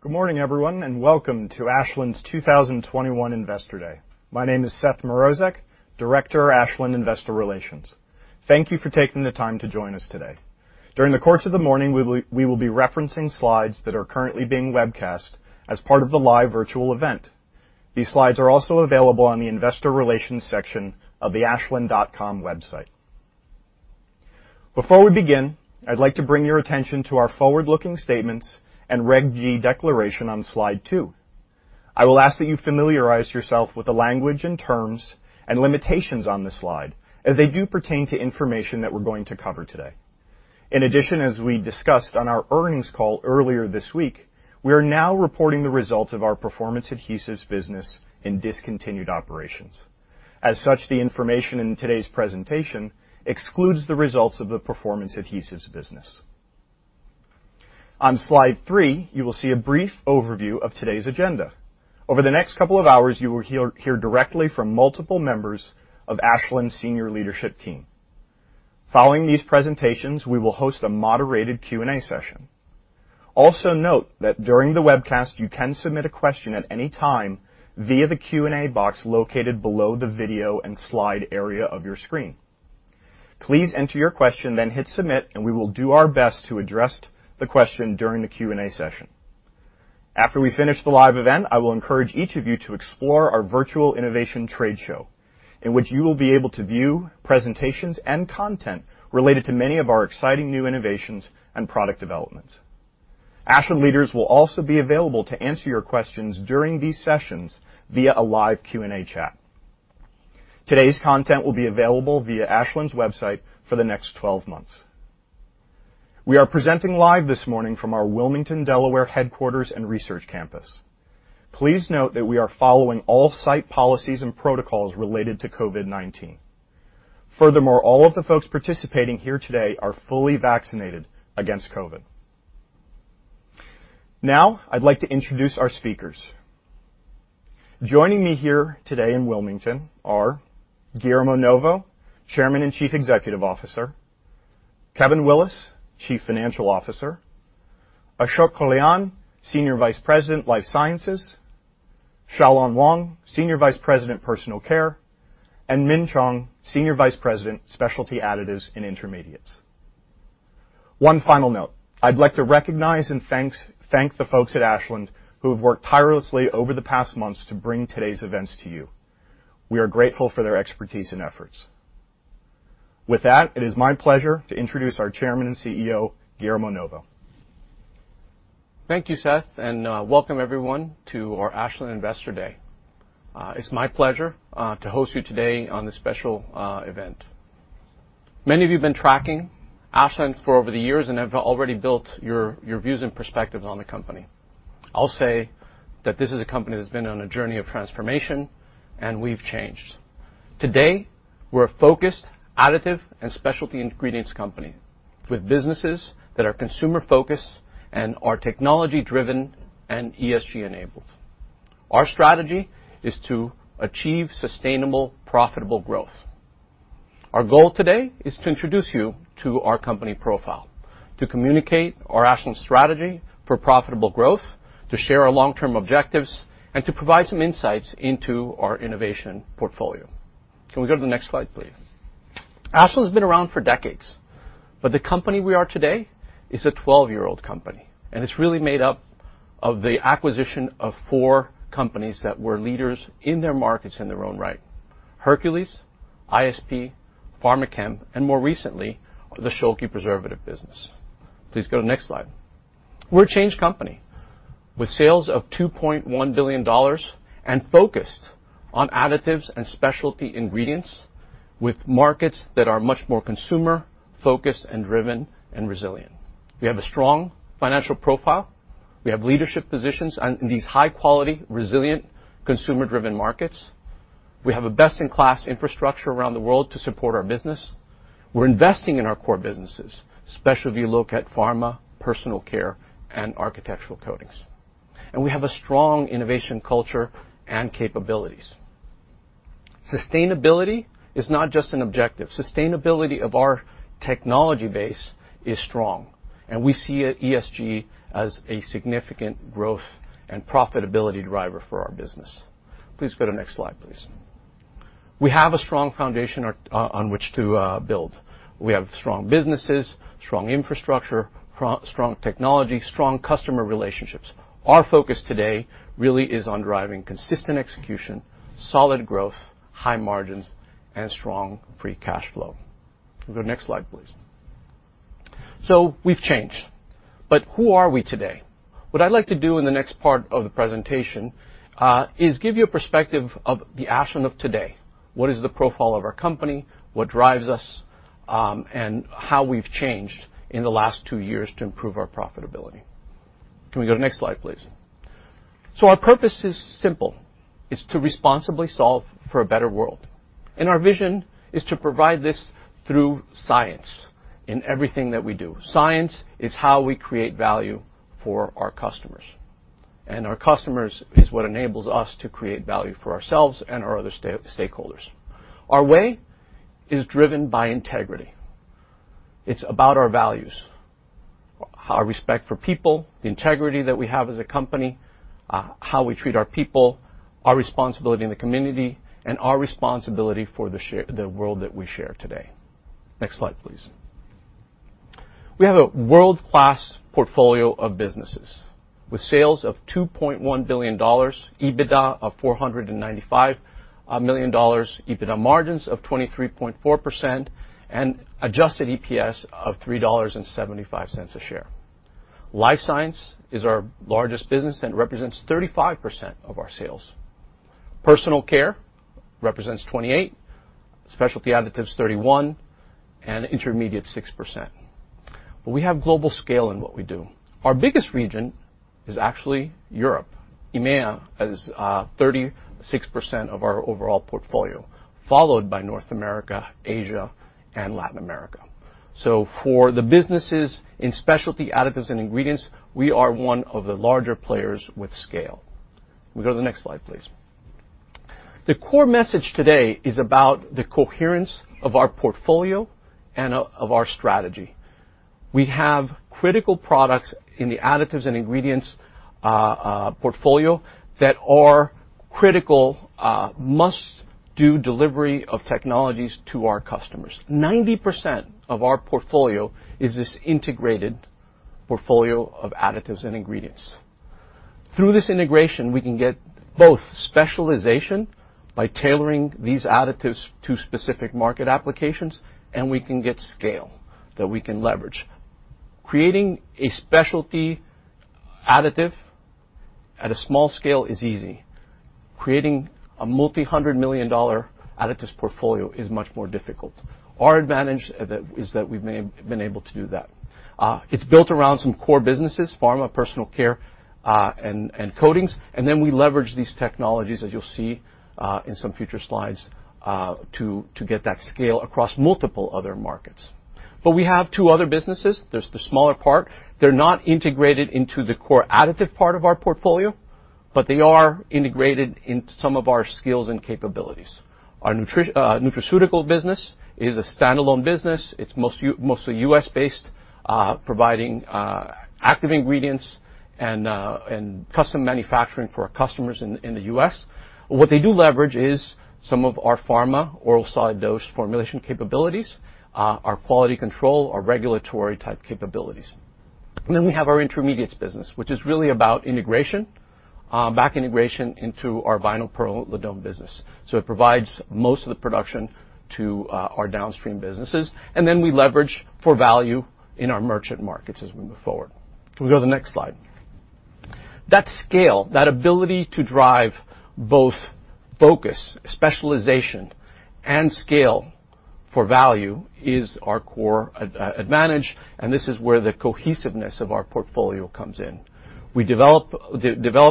Good morning, everyone, and welcome to Ashland's 2021 Investor Day. My name is Seth Mrozek, Director, Ashland Investor Relations. Thank you for taking the time to join us today. During the course of the morning, we will be referencing slides that are currently being webcast as part of the live virtual event. These slides are also available on the investor relations section of the ashland.com website. Before we begin, I'd like to bring your attention to our forward-looking statements and Reg G declaration on slide two. I will ask that you familiarize yourself with the language and terms and limitations on the slide as they do pertain to information that we're going to cover today. In addition, as we discussed on our earnings call earlier this week, we are now reporting the results of our Performance Adhesives business in discontinued operations. As such, the information in today's presentation excludes the results of the Performance Adhesives business. On slide three, you will see a brief overview of today's agenda. Over the next couple of hours, you will hear directly from multiple members of Ashland's senior leadership team. Following these presentations, we will host a moderated Q&A session. Also note that during the webcast, you can submit a question at any time via the Q&A box located below the video and slide area of your screen. Please enter your question, then hit Submit, and we will do our best to address the question during the Q&A session. After we finish the live event, I will encourage each of you to explore our virtual innovation trade show, in which you will be able to view presentations and content related to many of our exciting new innovations and product developments. Ashland leaders will also be available to answer your questions during these sessions via a live Q&A chat. Today's content will be available via Ashland's website for the next 12 months. We are presenting live this morning from our Wilmington, Delaware headquarters and research campus. Please note that we are following all site policies and protocols related to COVID-19. Furthermore, all of the folks participating here today are fully vaccinated against COVID. Now, I'd like to introduce our speakers. Joining me here today in Wilmington are Guillermo Novo, Chairman and Chief Executive Officer; Kevin Willis, Chief Financial Officer; Ashok Kalyana, Senior Vice President, Life Sciences; Xiaolan Wang, Senior Vice President, Personal Care; and Min Chong, Senior Vice President, Specialty Additives and Intermediates. One final note. I'd like to recognize and thank the folks at Ashland who have worked tirelessly over the past months to bring today's events to you. We are grateful for their expertise and efforts. With that, it is my pleasure to introduce our Chairman and CEO, Guillermo Novo. Thank you, Seth, and welcome everyone to our Ashland Investor Day. It's my pleasure to host you today on this special event. Many of you have been tracking Ashland for over the years and have already built your views and perspectives on the company. I'll say that this is a company that's been on a journey of transformation, and we've changed. Today, we're a focused additive and specialty ingredients company, with businesses that are consumer-focused and are technology-driven and ESG-enabled. Our strategy is to achieve sustainable, profitable growth. Our goal today is to introduce you to our company profile, to communicate our Ashland strategy for profitable growth, to share our long-term objectives, and to provide some insights into our innovation portfolio. Can we go to the next slide, please? Ashland's been around for decades, but the company we are today is a 12-year-old company, and it's really made up of the acquisition of four companies that were leaders in their markets in their own right, Hercules, ISP, Pharmachem, and more recently, the Schülke preservative business. Please go to the next slide. We're a changed company with sales of $2.1 billion and focused on additives and specialty ingredients with markets that are much more consumer-focused and driven and resilient. We have a strong financial profile. We have leadership positions on these high-quality, resilient, consumer-driven markets. We have a best-in-class infrastructure around the world to support our business. We're investing in our core businesses, especially if you look at pharma, Personal Care, and architectural coatings. We have a strong innovation culture and capabilities. Sustainability is not just an objective. Sustainability of our technology base is strong, and we see ESG as a significant growth and profitability driver for our business. Please go to next slide, please. We have a strong foundation on which to build. We have strong businesses, strong infrastructure, strong technology, strong customer relationships. Our focus today really is on driving consistent execution, solid growth, high margins, and strong free cash flow. Go next slide, please. We've changed, but who are we today? What I'd like to do in the next part of the presentation is give you a perspective of the Ashland of today. What is the profile of our company? What drives us? And how we've changed in the last two years to improve our profitability. Can we go to next slide, please? Our purpose is simple. It's to responsibly solve for a better world. Our vision is to provide this through science in everything that we do. Science is how we create value for our customers. Our customers is what enables us to create value for ourselves and our other stakeholders. Our way is driven by integrity. It's about our values, our respect for people, the integrity that we have as a company, how we treat our people, our responsibility in the community, and our responsibility for the world that we share today. Next slide, please. We have a world-class portfolio of businesses with sales of $2.1 billion, EBITDA of $495 million, EBITDA margins of 23.4% and adjusted EPS of $3.75 a share. Life Sciences is our largest business and represents 35% of our sales. Personal Care represents 28%, Specialty Additives 31%, and Intermediates 6%. We have global scale in what we do. Our biggest region is actually Europe. EMEA is 36% of our overall portfolio, followed by North America, Asia, and Latin America. For the businesses in Specialty Additives and ingredients, we are one of the larger players with scale. Can we go to the next slide, please? The core message today is about the coherence of our portfolio and of our strategy. We have critical products in the additives and ingredients portfolio that are critical must-do delivery of technologies to our customers. 90% of our portfolio is this integrated portfolio of additives and ingredients. Through this integration, we can get both specialization by tailoring these additives to specific market applications, and we can get scale that we can leverage. Creating a specialty additive at a small scale is easy. Creating a multi-hundred million dollar additives portfolio is much more difficult. Our advantage is that we've been able to do that. It's built around some core businesses, pharma, Personal Care, and coatings, and then we leverage these technologies, as you'll see, in some future slides, to get that scale across multiple other markets. We have two other businesses. There's the smaller part. They're not integrated into the core additive part of our portfolio, but they are integrated in some of our skills and capabilities. Our nutraceutical business is a standalone business. It's mostly U.S.-based, providing active ingredients and custom manufacturing for our customers in the U.S. What they do leverage is some of our pharma oral solid dose formulation capabilities, our quality control, our regulatory type capabilities. We have our Intermediates business, which is really about integration, back integration into our vinyl pyrrolidone business. It provides most of the production to our downstream businesses, and then we leverage for value in our merchant markets as we move forward. Can we go to the next slide? That scale, that ability to drive both focus, specialization, and scale for value is our core advantage, and this is where the cohesiveness of our portfolio comes in. We develop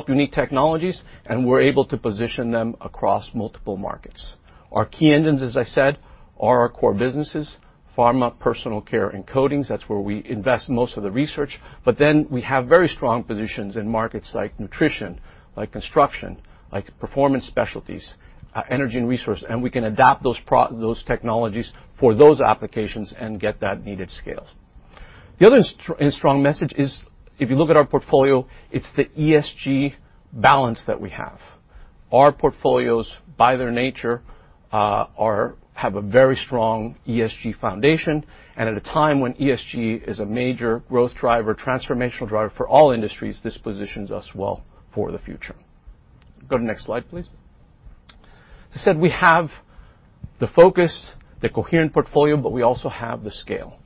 unique technologies, and we're able to position them across multiple markets. Our key engines, as I said, are our core businesses, pharma, Personal Care, and coatings. That's where we invest most of the research. We have very strong positions in markets like nutrition, like construction, like Performance Specialties, Energy and Resources, and we can adapt those technologies for those applications and get that needed scale. The other strong message is if you look at our portfolio, it's the ESG balance that we have. Our portfolios, by their nature, have a very strong ESG foundation. At a time when ESG is a major growth driver, transformational driver for all industries, this positions us well for the future. Go to the next slide, please. As I said, we have the focus, the coherent portfolio, but we also have the scale.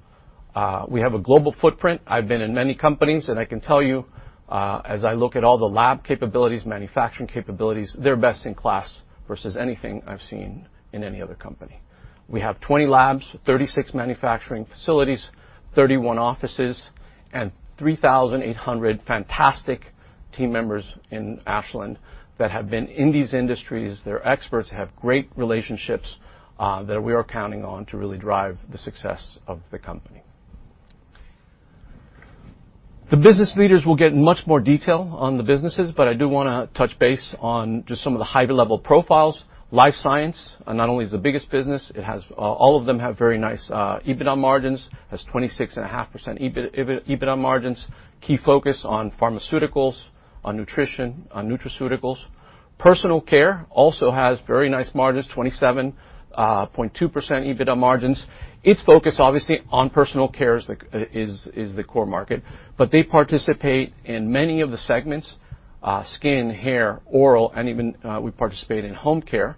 We have a global footprint. I've been in many companies, and I can tell you, as I look at all the lab capabilities, manufacturing capabilities, they're best in class versus anything I've seen in any other company. We have 20 labs, 36 manufacturing facilities, 31 offices, and 3,800 fantastic team members in Ashland that have been in these industries. They're experts, have great relationships, that we are counting on to really drive the success of the company. The business leaders will get in much more detail on the businesses, but I do wanna touch base on just some of the high-level profiles. Life Sciences, not only is the biggest business, it has all of them have very nice EBITDA margins. It has 26.5% EBITDA margins. Key focus on pharmaceuticals, on nutrition, on nutraceuticals. Personal Care also has very nice margins, 27.2% EBITDA margins. Its focus, obviously, on Personal Care is the core market, but they participate in many of the segments, skin, hair, oral, and even, we participate in home care.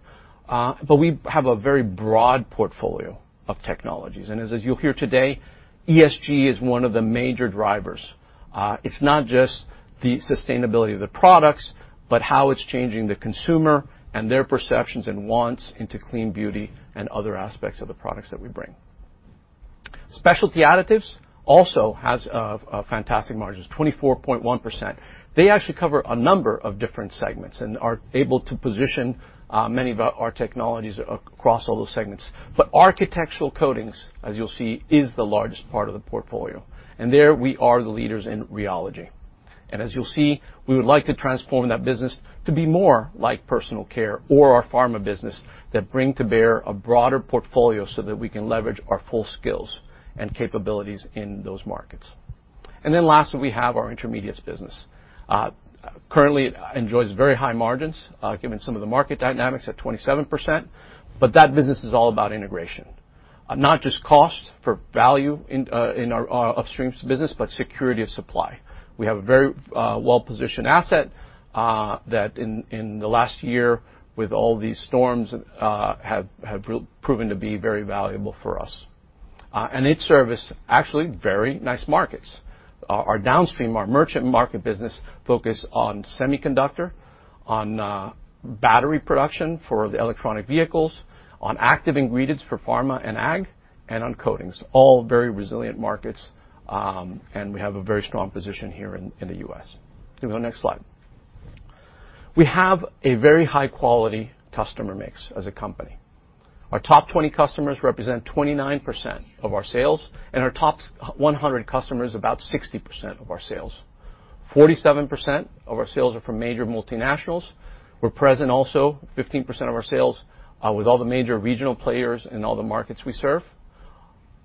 We have a very broad portfolio of technologies. As you'll hear today, ESG is one of the major drivers. It's not just the sustainability of the products, but how it's changing the consumer and their perceptions and wants into clean beauty and other aspects of the products that we bring. Specialty Additives also has fantastic margins, 24.1%. They actually cover a number of different segments and are able to position many of our technologies across all those segments. Architectural coatings, as you'll see, is the largest part of the portfolio, and there we are the leaders in rheology. As you'll see, we would like to transform that business to be more like Personal Care or our pharma business that bring to bear a broader portfolio so that we can leverage our full skills and capabilities in those markets. Then lastly, we have our Intermediates business. Currently, it enjoys very high margins, given some of the market dynamics at 27%, but that business is all about integration. Not just cost for value in our upstream business, but security of supply. We have a very well-positioned asset that in the last year with all these storms have proven to be very valuable for us. And it serves actually very nice markets. Our downstream, our merchant market business focus on semiconductor, on battery production for the electric vehicles, on active ingredients for pharma and ag, and on coatings, all very resilient markets, and we have a very strong position here in the U.S. Can we go next slide? We have a very high-quality customer mix as a company. Our top 20 customers represent 29% of our sales, and our top 100 customers, about 60% of our sales. 47% of our sales are from major multinationals. We're present also 15% of our sales with all the major regional players in all the markets we serve.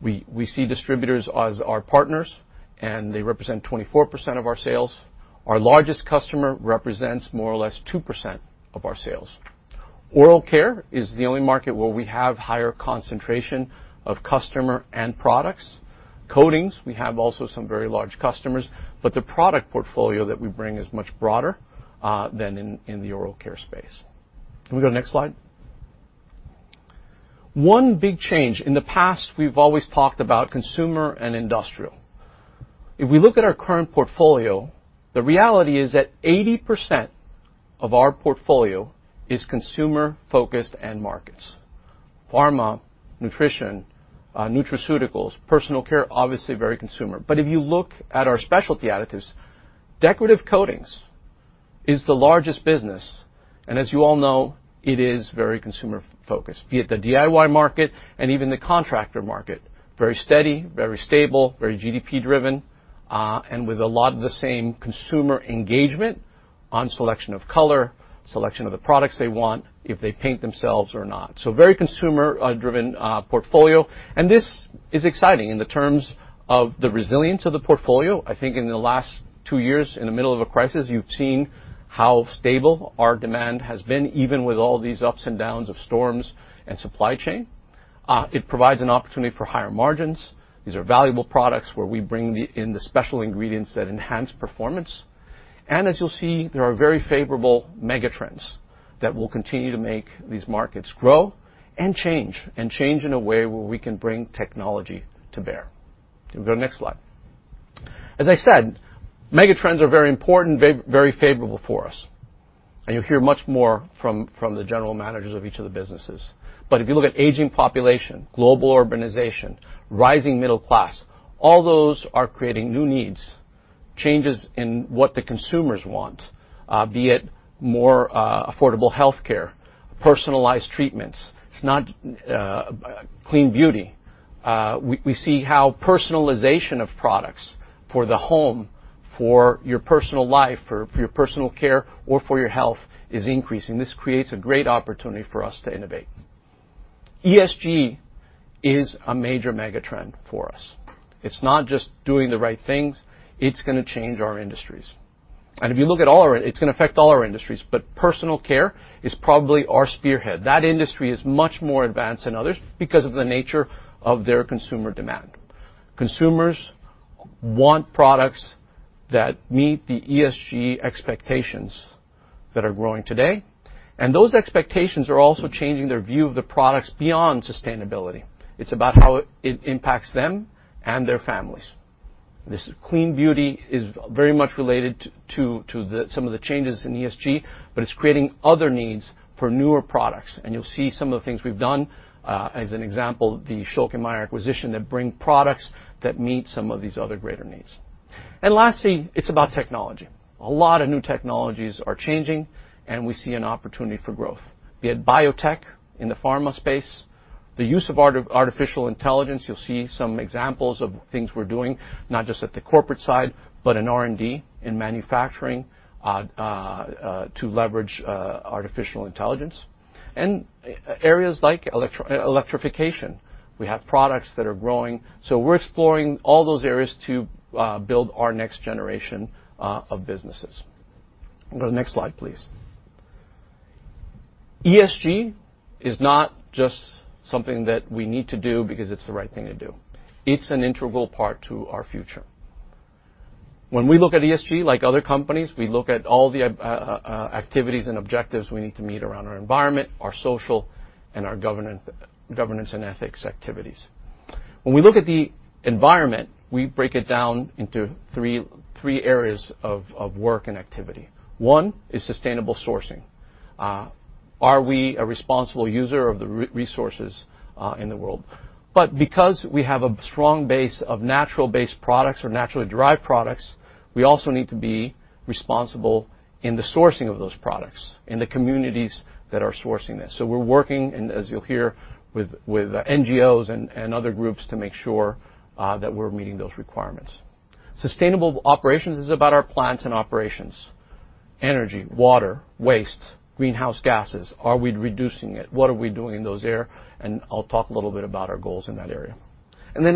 We see distributors as our partners, and they represent 24% of our sales. Our largest customer represents more or less 2% of our sales. Oral care is the only market where we have higher concentration of customer and products. Coatings, we have also some very large customers, but the product portfolio that we bring is much broader than in the oral care space. Can we go next slide? One big change. In the past, we've always talked about consumer and industrial. If we look at our current portfolio, the reality is that 80% of our portfolio is consumer-focused and markets. Pharma, nutrition, nutraceuticals, Personal Care, obviously very consumer. If you look at our Specialty Additives, decorative coatings is the largest business, and as you all know, it is very consumer-focused, be it the DIY market and even the contractor market. Very steady, very stable, very GDP-driven, and with a lot of the same consumer engagement on selection of color, selection of the products they want, if they paint themselves or not. Very consumer driven portfolio, and this is exciting in the terms of the resilience of the portfolio. I think in the last two years, in the middle of a crisis, you've seen how stable our demand has been, even with all these ups and downs of storms and supply chain. It provides an opportunity for higher margins. These are valuable products where we bring in the special ingredients that enhance performance. As you'll see, there are very favorable megatrends that will continue to make these markets grow and change, and change in a way where we can bring technology to bear. Can we go next slide? As I said, megatrends are very important, very favorable for us, and you'll hear much more from the general managers of each of the businesses. If you look at aging population, global urbanization, rising middle class, all those are creating new needs, changes in what the consumers want, be it more affordable healthcare, personalized treatments. It's not clean beauty. We see how personalization of products for the home, for your personal life, for your Personal Care or for your health is increasing. This creates a great opportunity for us to innovate. ESG is a major megatrend for us. It's not just doing the right things, it's gonna change our industries. If you look at all our industries, it's gonna affect all our industries, but Personal Care is probably our spearhead. That industry is much more advanced than others because of the nature of their consumer demand. Consumers want products that meet the ESG expectations that are growing today, and those expectations are also changing their view of the products beyond sustainability. It's about how it impacts them and their families. This clean beauty is very much related to the some of the changes in ESG, but it's creating other needs for newer products, and you'll see some of the things we've done, as an example, the Schülke & Mayr acquisition that bring products that meet some of these other greater needs. Lastly, it's about technology. A lot of new technologies are changing, and we see an opportunity for growth. Be it biotech in the pharma space, the use of artificial intelligence, you'll see some examples of things we're doing, not just at the corporate side, but in R&D, in manufacturing, to leverage artificial intelligence. Areas like electrification, we have products that are growing. We're exploring all those areas to build our next generation of businesses. Can we go to the next slide, please? ESG is not just something that we need to do because it's the right thing to do. It's an integral part to our future. When we look at ESG, like other companies, we look at all the activities and objectives we need to meet around our environment, our social, and our governance and ethics activities. When we look at the environment, we break it down into three areas of work and activity. One is sustainable sourcing. Are we a responsible user of the resources in the world? Because we have a strong base of natural-based products or naturally derived products, we also need to be responsible in the sourcing of those products, in the communities that are sourcing this. We're working, and as you'll hear, with NGOs and other groups to make sure that we're meeting those requirements. Sustainable operations is about our plants and operations. Energy, water, waste, greenhouse gases. Are we reducing it? What are we doing in those areas? Then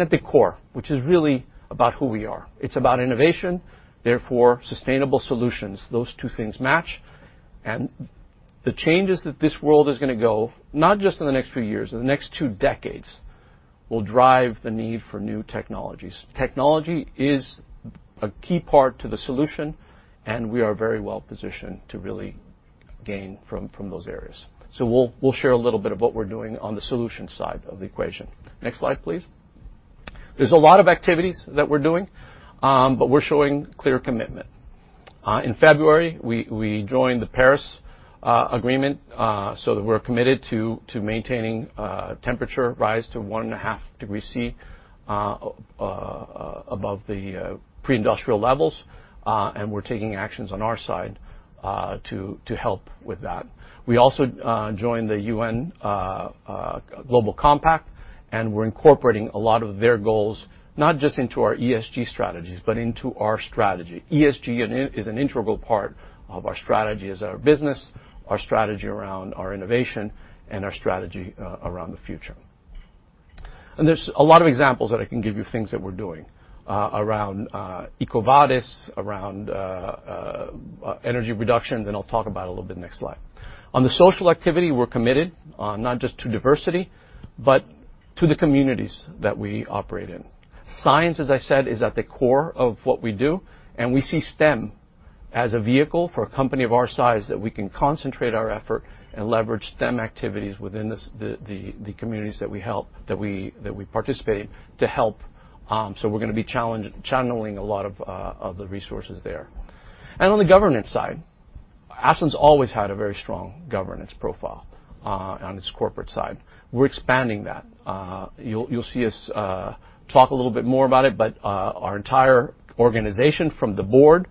at the core, which is really about who we are. It's about innovation, therefore sustainable solutions. Those two things match. The changes that this world is gonna go, not just in the next few years, in the next two decades, will drive the need for new technologies. Technology is a key part to the solution, and we are very well-positioned to really gain from those areas. We'll share a little bit of what we're doing on the solution side of the equation. Next slide, please. There's a lot of activities that we're doing, but we're showing clear commitment. In February, we joined the Paris Agreement, so that we're committed to maintaining temperature rise to one and a half degrees Celsius above the pre-industrial levels, and we're taking actions on our side to help with that. We also joined the UN Global Compact, and we're incorporating a lot of their goals, not just into our ESG strategies, but into our strategy. ESG is an integral part of our strategy as our business, our strategy around our innovation and our strategy around the future. There's a lot of examples that I can give you, things that we're doing around EcoVadis, around energy reductions, and I'll talk about a little bit next slide. On the social activity, we're committed not just to diversity, but to the communities that we operate in. Science, as I said, is at the core of what we do, and we see STEM as a vehicle for a company of our size that we can concentrate our effort and leverage STEM activities within the communities that we help, that we participate to help, so we're gonna be channeling a lot of the resources there. On the governance side, Ashland's always had a very strong governance profile on its corporate side. We're expanding that. You'll see us talk a little bit more about it, but our entire organization from the board,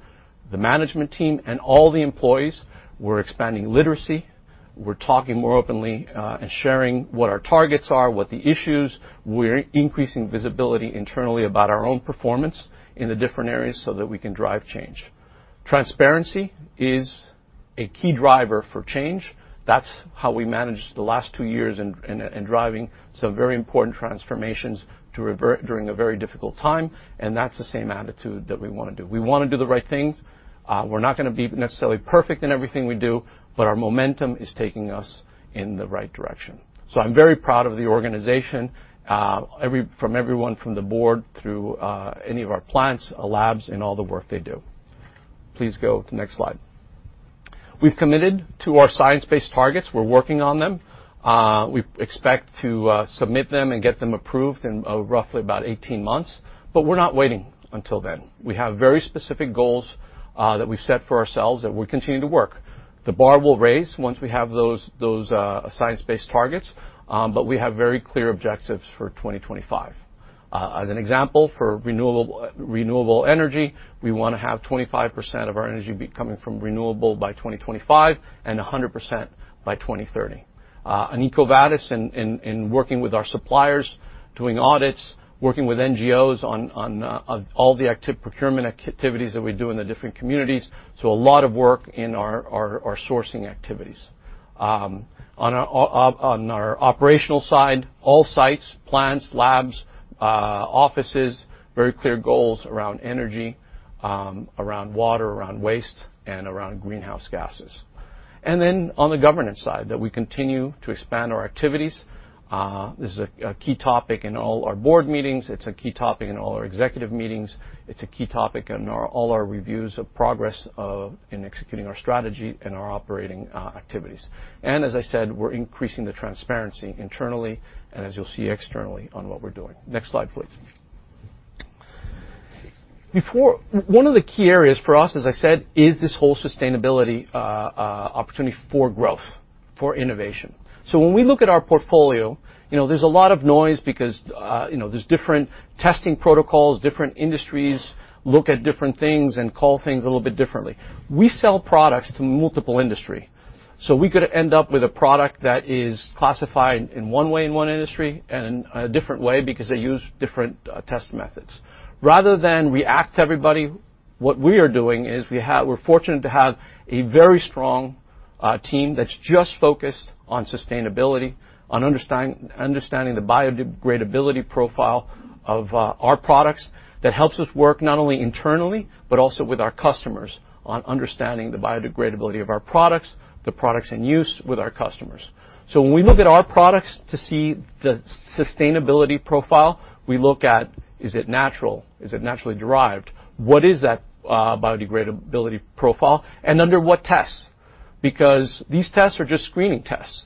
the management team, and all the employees, we're expanding literacy. We're talking more openly and sharing what our targets are, what the issues. We're increasing visibility internally about our own performance in the different areas so that we can drive change. Transparency is a key driver for change. That's how we managed the last two years driving some very important transformations during a very difficult time, and that's the same attitude that we wanna do. We wanna do the right things. We're not gonna be necessarily perfect in everything we do, but our momentum is taking us in the right direction. I'm very proud of the organization, from everyone from the board through any of our plants, labs, and all the work they do. Please go to the next slide. We've committed to our science-based targets. We're working on them. We expect to submit them and get them approved in roughly about 18 months, but we're not waiting until then. We have very specific goals that we've set for ourselves that we're continuing to work. The bar will raise once we have those science-based targets, but we have very clear objectives for 2025. As an example, for renewable energy, we wanna have 25% of our energy be coming from renewable by 2025 and 100% by 2030. In EcoVadis, in working with our suppliers, doing audits, working with NGOs on all the active procurement activities that we do in the different communities, so a lot of work in our sourcing activities. On our operational side, all sites, plants, labs, offices, very clear goals around energy, around water, around waste, and around greenhouse gases. On the governance side, that we continue to expand our activities. This is a key topic in all our board meetings. It's a key topic in all our executive meetings. It's a key topic in all our reviews of progress in executing our strategy and our operating activities. As I said, we're increasing the transparency internally and as you'll see externally on what we're doing. Next slide, please. One of the key areas for us, as I said, is this whole sustainability opportunity for growth, for innovation. When we look at our portfolio, you know, there's a lot of noise because, you know, there's different testing protocols, different industries look at different things and call things a little bit differently. We sell products to multiple industries, so we could end up with a product that is classified in one way in one industry and in a different way because they use different test methods. Rather than react to everybody, what we are doing is we're fortunate to have a very strong team that's just focused on sustainability, on understanding the biodegradability profile of our products that helps us work not only internally, but also with our customers on understanding the biodegradability of our products, the products in use with our customers. When we look at our products to see the sustainability profile, we look at, is it natural? Is it naturally derived? What is that biodegradability profile, and under what tests? Because these tests are just screening tests.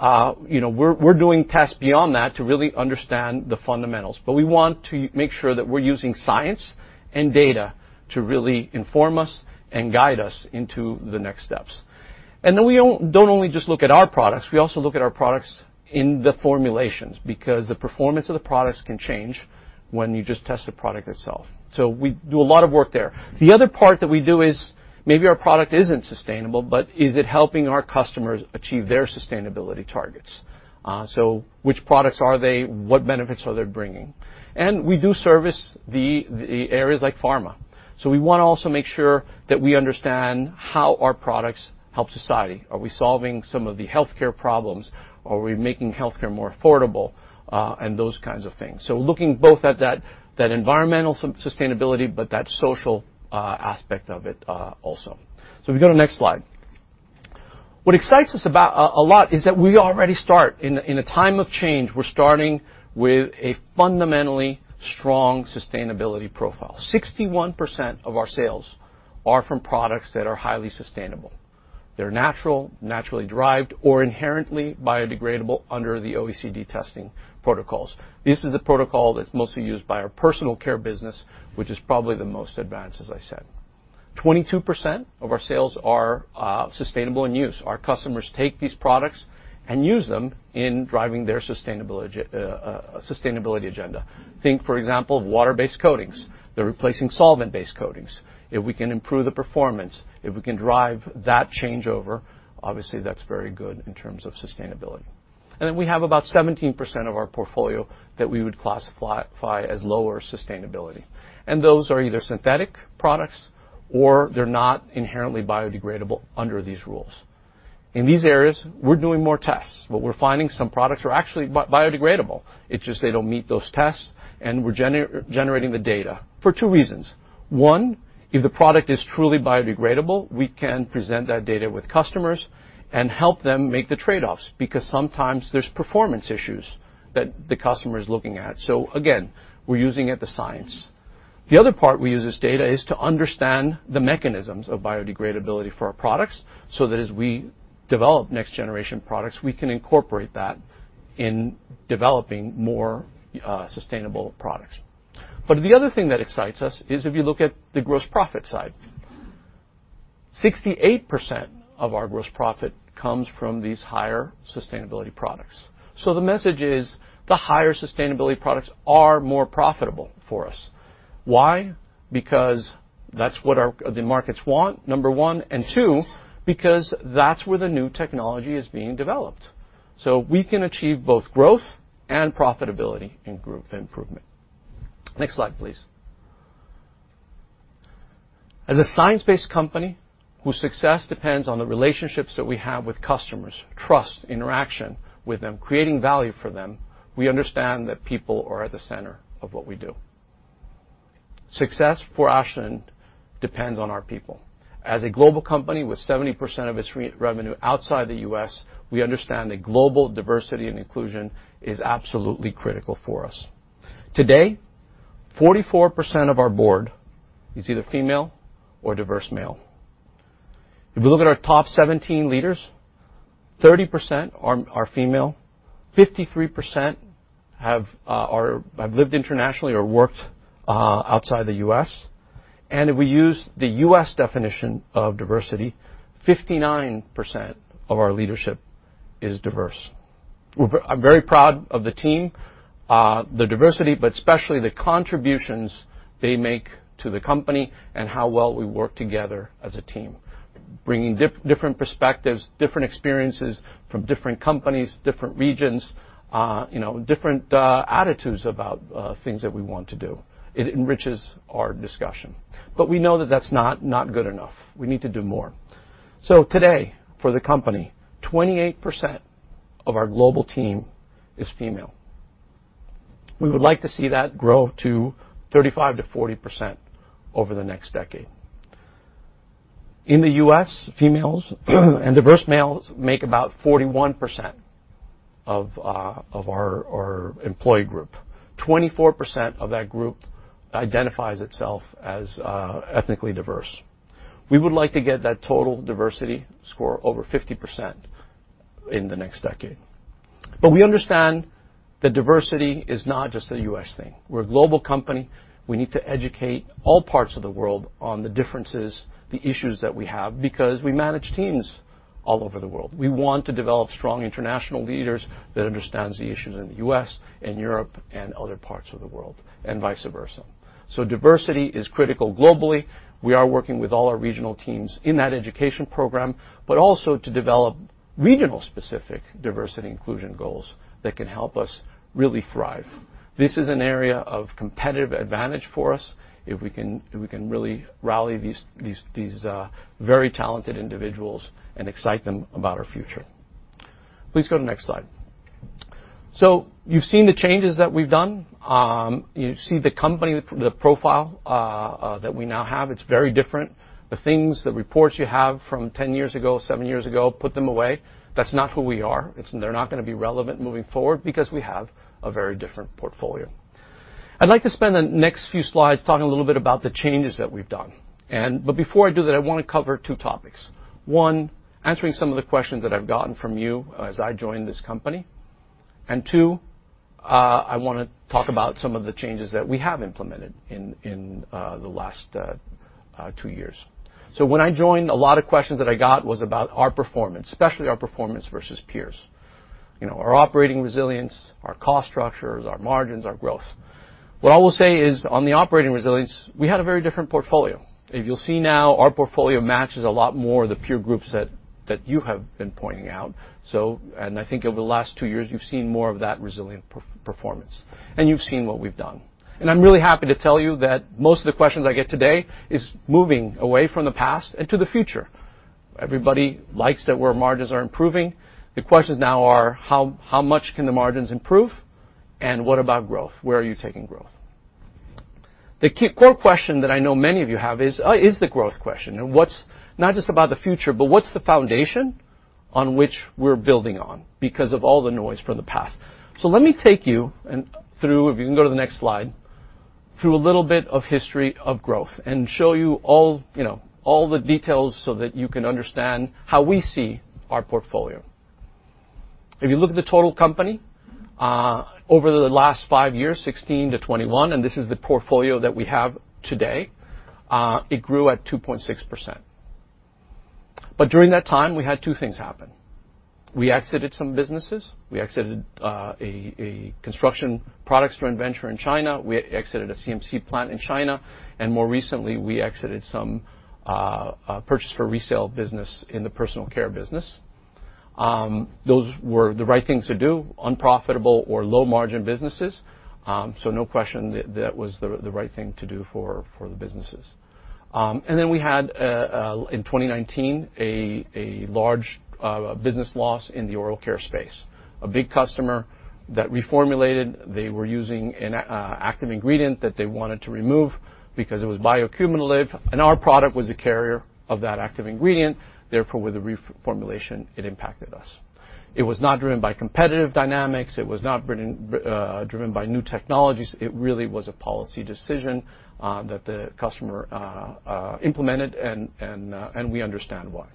You know, we're doing tests beyond that to really understand the fundamentals, but we want to make sure that we're using science and data to really inform us and guide us into the next steps. Then we don't only just look at our products, we also look at our products in the formulations, because the performance of the products can change when you just test the product itself. We do a lot of work there. The other part that we do is, maybe our product isn't sustainable, but is it helping our customers achieve their sustainability targets? Which products are they? What benefits are they bringing? We do service the areas like pharma. We wanna also make sure that we understand how our products help society. Are we solving some of the healthcare problems? Are we making healthcare more affordable? And those kinds of things. Looking both at that environmental sustainability, but that social aspect of it also. If we go to next slide. What excites us about a lot is that we already start in a time of change. We're starting with a fundamentally strong sustainability profile. 61% of our sales are from products that are highly sustainable. They're natural, naturally derived, or inherently biodegradable under the OECD testing protocols. This is the protocol that's mostly used by our Personal Care business, which is probably the most advanced, as I said. 22% of our sales are sustainable in use. Our customers take these products and use them in driving their sustainability agenda. Think, for example, water-based coatings. They're replacing solvent-based coatings. If we can improve the performance, if we can drive that changeover, obviously that's very good in terms of sustainability. We have about 17% of our portfolio that we would classify as lower sustainability. Those are either synthetic products or they're not inherently biodegradable under these rules. In these areas, we're doing more tests. What we're finding, some products are actually biodegradable. It's just they don't meet those tests, and we're generating the data for two reasons. One, if the product is truly biodegradable, we can present that data with customers and help them make the trade-offs because sometimes there's performance issues that the customer is looking at. Again, we're using it, the science. The other part we use this data is to understand the mechanisms of biodegradability for our products, so that as we develop next-generation products, we can incorporate that in developing more sustainable products. The other thing that excites us is if you look at the gross profit side. 68% of our gross profit comes from these higher sustainability products. The message is the higher sustainability products are more profitable for us. Why? Because that's what our markets want, number one, and two, because that's where the new technology is being developed. We can achieve both growth and profitability in group improvement. Next slide, please. As a science-based company whose success depends on the relationships that we have with customers, trust, interaction with them, creating value for them, we understand that people are at the center of what we do. Success for Ashland depends on our people. As a global company with 70% of its revenue outside the U.S., we understand that global diversity and inclusion is absolutely critical for us. Today, 44% of our board is either female or diverse male. If we look at our top 17 leaders, 30% are female, 53% have lived internationally or worked outside the U.S. If we use the U.S. definition of diversity, 59% of our leadership is diverse. I'm very proud of the team, the diversity, but especially the contributions they make to the company and how well we work together as a team, bringing different perspectives, different experiences from different companies, different regions, you know, different attitudes about things that we want to do. It enriches our discussion, but we know that that's not good enough. We need to do more. Today, for the company, 28% of our global team is female. We would like to see that grow to 35%-40% over the next decade. In the U.S., females and diverse males make about 41% of our employee group. 24% of that group identifies itself as ethnically diverse. We would like to get that total diversity score over 50% in the next decade. We understand that diversity is not just a U.S. thing. We're a global company. We need to educate all parts of the world on the differences, the issues that we have because we manage teams all over the world. We want to develop strong international leaders that understands the issues in the U.S. and Europe and other parts of the world and vice versa. Diversity is critical globally. We are working with all our regional teams in that education program, but also to develop regional specific diversity inclusion goals that can help us really thrive. This is an area of competitive advantage for us if we can really rally these very talented individuals and excite them about our future. Please go to next slide. You've seen the changes that we've done. You see the company, the profile that we now have. It's very different. The reports you have from 10 years ago, seven years ago, put them away. That's not who we are. They're not gonna be relevant moving forward because we have a very different portfolio. I'd like to spend the next few slides talking a little bit about the changes that we've done. Before I do that, I wanna cover two topics. One, answering some of the questions that I've gotten from you as I joined this company. Two, I wanna talk about some of the changes that we have implemented in the last two years. When I joined, a lot of questions that I got was about our performance, especially our performance versus peers. You know, our operating resilience, our cost structures, our margins, our growth. What I will say is on the operating resilience, we had a very different portfolio. You'll see now our portfolio matches a lot more the peer groups that you have been pointing out. I think over the last two years, you've seen more of that resilient performance, and you've seen what we've done. I'm really happy to tell you that most of the questions I get today is moving away from the past and to the future. Everybody likes that where margins are improving. The questions now are, how much can the margins improve, and what about growth? Where are you taking growth? The key core question that I know many of you have is the growth question, and what's not just about the future, but what's the foundation on which we're building on because of all the noise from the past. Let me take you through, if you can go to the next slide, through a little bit of history of growth and show you all, you know, all the details so that you can understand how we see our portfolio. If you look at the total company, over the last five years, 2016-2021, and this is the portfolio that we have today, it grew at 2.6%. During that time, we had two things happen. We exited some businesses, we exited a construction products joint venture in China, we exited a CMC plant in China, and more recently, we exited some purchase for resale business in the Personal Care business. Those were the right thing to do. Unprofitable or low-margin businesses, so no question that that was the right thing to do for the businesses. Then we had in 2019 a large business loss in the oral care space. A big customer that reformulated, they were using an active ingredient that they wanted to remove because it was bioaccumulative, and our product was a carrier of that active ingredient. Therefore, with the reformulation, it impacted us. It was not driven by competitive dynamics, it was not driven by new technologies. It really was a policy decision that the customer implemented and we understand why.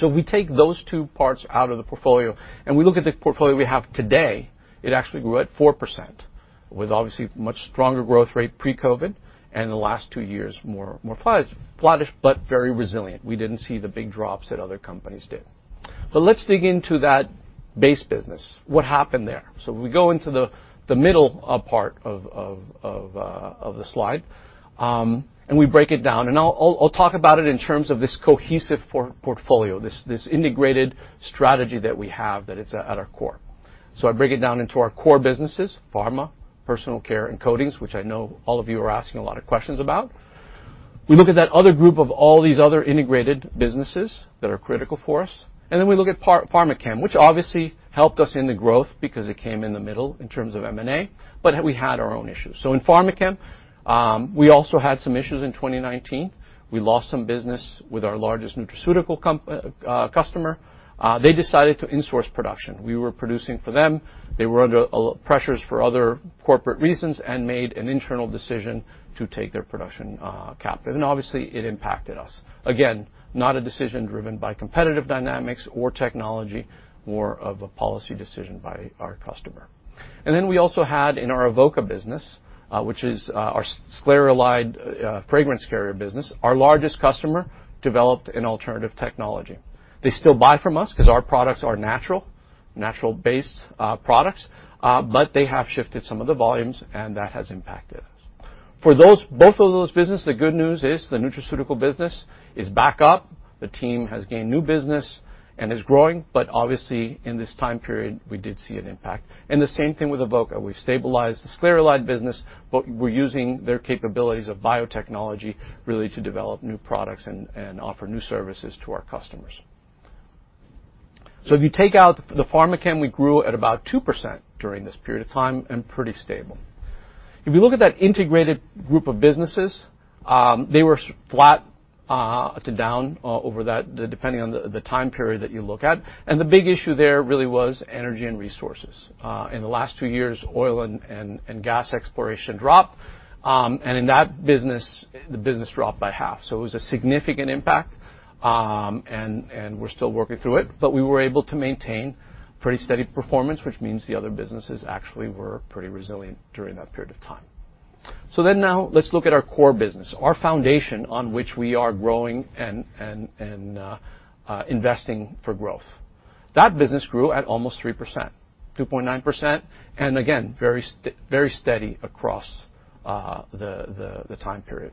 We take those two parts out of the portfolio, and we look at the portfolio we have today. It actually grew at 4% with obviously much stronger growth rate pre-COVID, and the last two years, more flattish, but very resilient. We didn't see the big drops that other companies did. Let's dig into that base business. What happened there? If we go into the middle part of the slide, and we break it down. I'll talk about it in terms of this cohesive portfolio, this integrated strategy that we have that it's at our core. I break it down into our core businesses, pharma, personal care, and coatings, which I know all of you are asking a lot of questions about. We look at that other group of all these other integrated businesses that are critical for us, and then we look at Pharmachem, which obviously helped us in the growth because it came in the middle in terms of M&A, but we had our own issues. In Pharmachem, we also had some issues in 2019. We lost some business with our largest nutraceutical company customer. They decided to insource production. We were producing for them. They were under a little pressure for other corporate reasons and made an internal decision to take their production captive. Obviously, it impacted us. Again, not a decision driven by competitive dynamics or technology, more of a policy decision by our customer. We also had in our Avoca business, which is our sclareolide fragrance carrier business, our largest customer developed an alternative technology. They still buy from us 'cause our products are natural-based products, but they have shifted some of the volumes, and that has impacted us. For both of those businesses, the good news is the nutraceutical business is back up. The team has gained new business and is growing, but obviously, in this time period, we did see an impact. The same thing with Avoca. We've stabilized the sclareolide business, but we're using their capabilities of biotechnology really to develop new products and offer new services to our customers. If you take out the Pharmachem, we grew at about 2% during this period of time and pretty stable. If you look at that integrated group of businesses, they were flat to down over that, depending on the time period that you look at. The big issue there really was Energy and Resources. In the last two years, oil and gas exploration dropped. And in that business, the business dropped by half. It was a significant impact, and we're still working through it. We were able to maintain pretty steady performance, which means the other businesses actually were pretty resilient during that period of time. Now let's look at our core business, our foundation on which we are growing and investing for growth. That business grew at almost 3%, 2.9%, and again, very steady across the time period.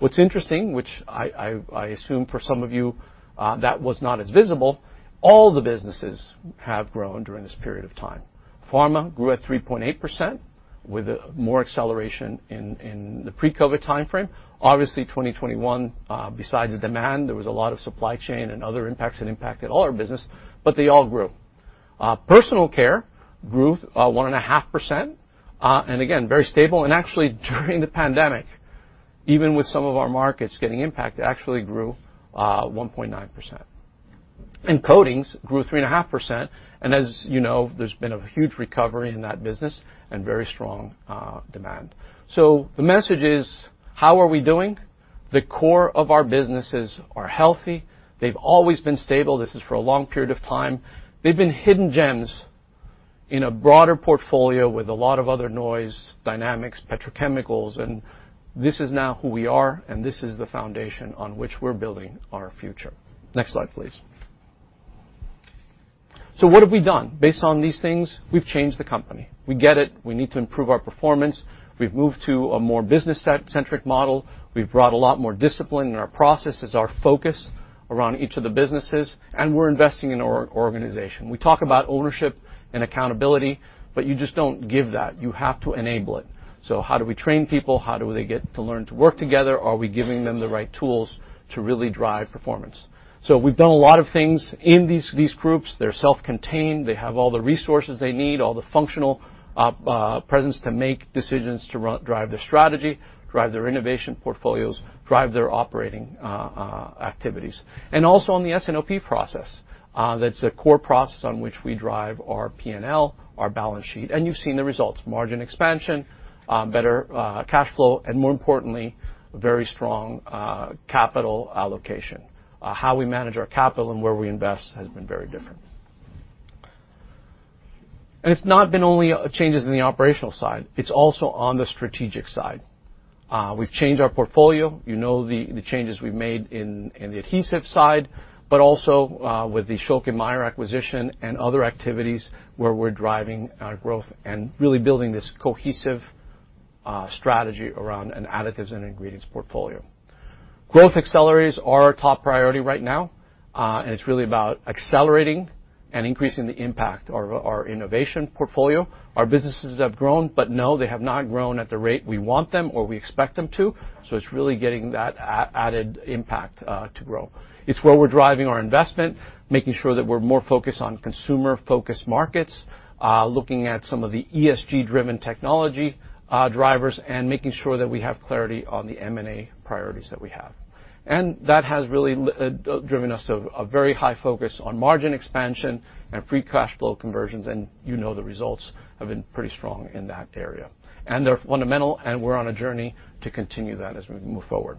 What's interesting, which I assume for some of you that was not as visible, all the businesses have grown during this period of time. Pharma grew at 3.8% with more acceleration in the pre-COVID timeframe. Obviously, 2021, besides the demand, there was a lot of supply chain and other impacts that impacted all our business, but they all grew. Personal Care grew 1.5%, and again, very stable. Actually, during the pandemic, even with some of our markets getting impacted, it actually grew 1.9%. Coatings grew 3.5%, and as you know, there's been a huge recovery in that business and very strong demand. The message is, how are we doing? The core of our businesses are healthy. They've always been stable. This is for a long period of time. They've been hidden gems in a broader portfolio with a lot of other noise, dynamics, petrochemicals, and this is now who we are, and this is the foundation on which we're building our future. Next slide, please. What have we done? Based on these things, we've changed the company. We get it. We need to improve our performance. We've moved to a more business-centric model. We've brought a lot more discipline in our processes, our focus around each of the businesses, and we're investing in our organization. We talk about ownership and accountability, but you just don't give that. You have to enable it. How do we train people? How do they get to learn to work together? Are we giving them the right tools to really drive performance? We've done a lot of things in these groups. They're self-contained. They have all the resources they need, all the functional presence to make decisions to drive their strategy, drive their innovation portfolios, drive their operating activities. Also on the S&OP process, that's a core process on which we drive our P&L, our balance sheet, and you've seen the results, margin expansion, better cash flow, and more importantly, very strong capital allocation. How we manage our capital and where we invest has been very different. It's not been only changes in the operational side, it's also on the strategic side. We've changed our portfolio. You know the changes we've made in the adhesive side, but also with the Schülke & Mayr acquisition and other activities where we're driving growth and really building this cohesive strategy around an additives and ingredients portfolio. Growth accelerators are our top priority right now, and it's really about accelerating and increasing the impact of our innovation portfolio. Our businesses have grown, but no, they have not grown at the rate we want them or we expect them to. It's really getting that added impact to grow. It's where we're driving our investment, making sure that we're more focused on consumer-focused markets, looking at some of the ESG-driven technology drivers, and making sure that we have clarity on the M&A priorities that we have. That has really driven us to a very high focus on margin expansion and free cash flow conversions, and you know the results have been pretty strong in that area. They're fundamental, and we're on a journey to continue that as we move forward.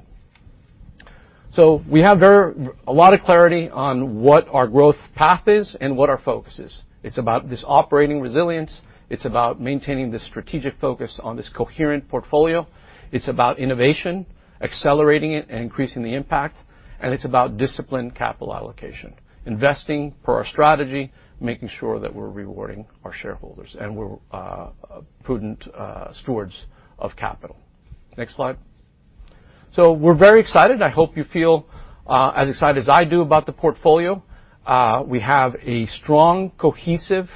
We have a lot of clarity on what our growth path is and what our focus is. It's about this operating resilience. It's about maintaining the strategic focus on this coherent portfolio. It's about innovation, accelerating it, and increasing the impact. It's about disciplined capital allocation, investing per our strategy, making sure that we're rewarding our shareholders, and we're prudent stewards of capital. Next slide. We're very excited. I hope you feel as excited as I do about the portfolio. We have a strong, cohesive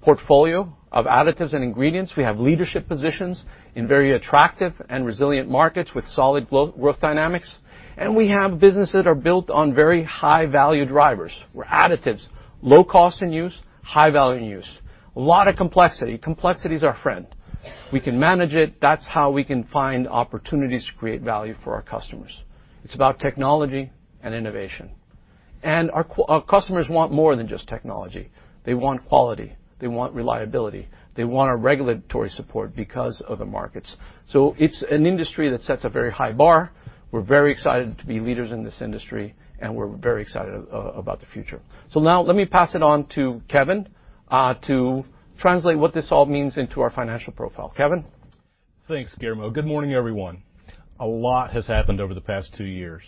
portfolio of additives and ingredients. We have leadership positions in very attractive and resilient markets with solid growth dynamics. We have businesses that are built on very high-value drivers, where additives, low cost in use, high value in use. A lot of complexity. Complexity is our friend. We can manage it. That's how we can find opportunities to create value for our customers. It's about technology and innovation. Our customers want more than just technology. They want quality. They want reliability. They want our regulatory support because of the markets. It's an industry that sets a very high bar. We're very excited to be leaders in this industry, and we're very excited about the future. Now let me pass it on to Kevin to translate what this all means into our financial profile. Kevin? Thanks, Guillermo. Good morning, everyone. A lot has happened over the past two years.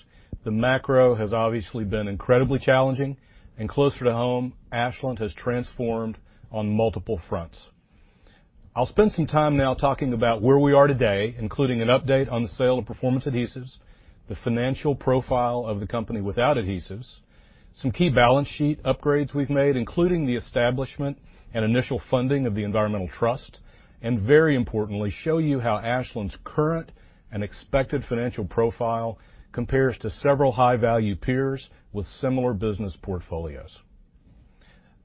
The macro has obviously been incredibly challenging and closer to home. Ashland has transformed on multiple fronts. I'll spend some time now talking about where we are today, including an update on the sale of Performance Adhesives, the financial profile of the company without adhesives, some key balance sheet upgrades we've made, including the establishment and initial funding of the environmental trust, and very importantly, show you how Ashland's current and expected financial profile compares to several high-value peers with similar business portfolios.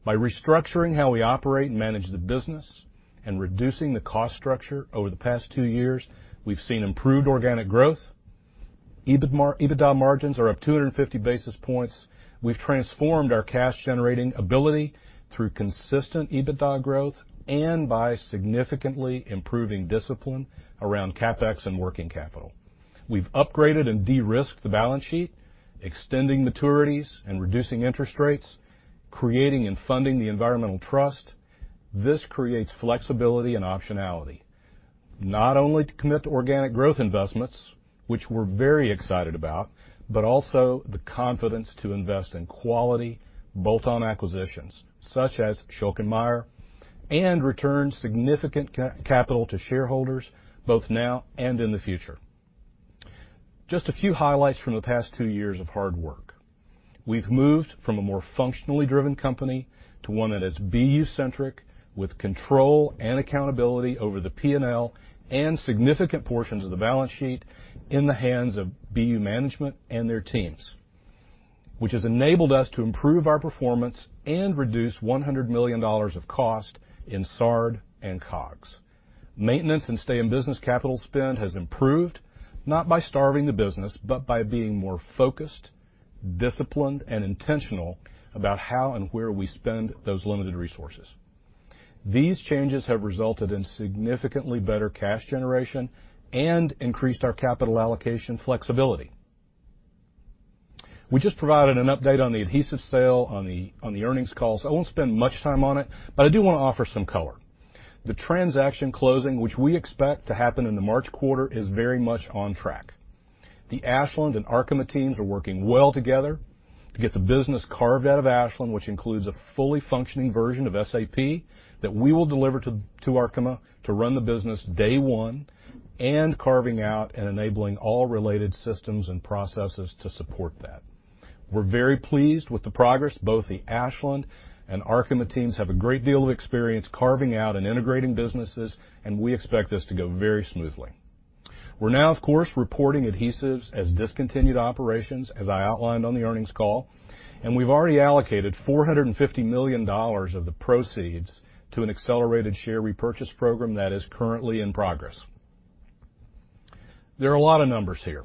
By restructuring how we operate and manage the business and reducing the cost structure over the past two years, we've seen improved organic growth. EBITDA margins are up 250 basis points. We've transformed our cash-generating ability through consistent EBITDA growth and by significantly improving discipline around CapEx and working capital. We've upgraded and de-risked the balance sheet, extending maturities and reducing interest rates, creating and funding the environmental trust. This creates flexibility and optionality, not only to commit to organic growth investments, which we're very excited about, but also the confidence to invest in quality, bolt-on acquisitions, such as Schülke & Mayr, and return significant capital to shareholders, both now and in the future. Just a few highlights from the past two years of hard work. We've moved from a more functionally driven company to one that is BU-centric, with control and accountability over the P&L and significant portions of the balance sheet in the hands of BU management and their teams, which has enabled us to improve our performance and reduce $100 million of cost in SG&A and COGS. Maintenance and stay in business capital spend has improved, not by starving the business, but by being more focused, disciplined, and intentional about how and where we spend those limited resources. These changes have resulted in significantly better cash generation and increased our capital allocation flexibility. We just provided an update on the adhesive sale on the earnings call, so I won't spend much time on it, but I do wanna offer some color. The transaction closing, which we expect to happen in the March quarter, is very much on track. The Ashland and Arkema teams are working well together to get the business carved out of Ashland, which includes a fully functioning version of SAP that we will deliver to Arkema to run the business day one and carving out and enabling all related systems and processes to support that. We're very pleased with the progress. Both the Ashland and Arkema teams have a great deal of experience carving out and integrating businesses, and we expect this to go very smoothly. We're now, of course, reporting adhesives as discontinued operations, as I outlined on the earnings call, and we've already allocated $450 million of the proceeds to an accelerated share repurchase program that is currently in progress. There are a lot of numbers here,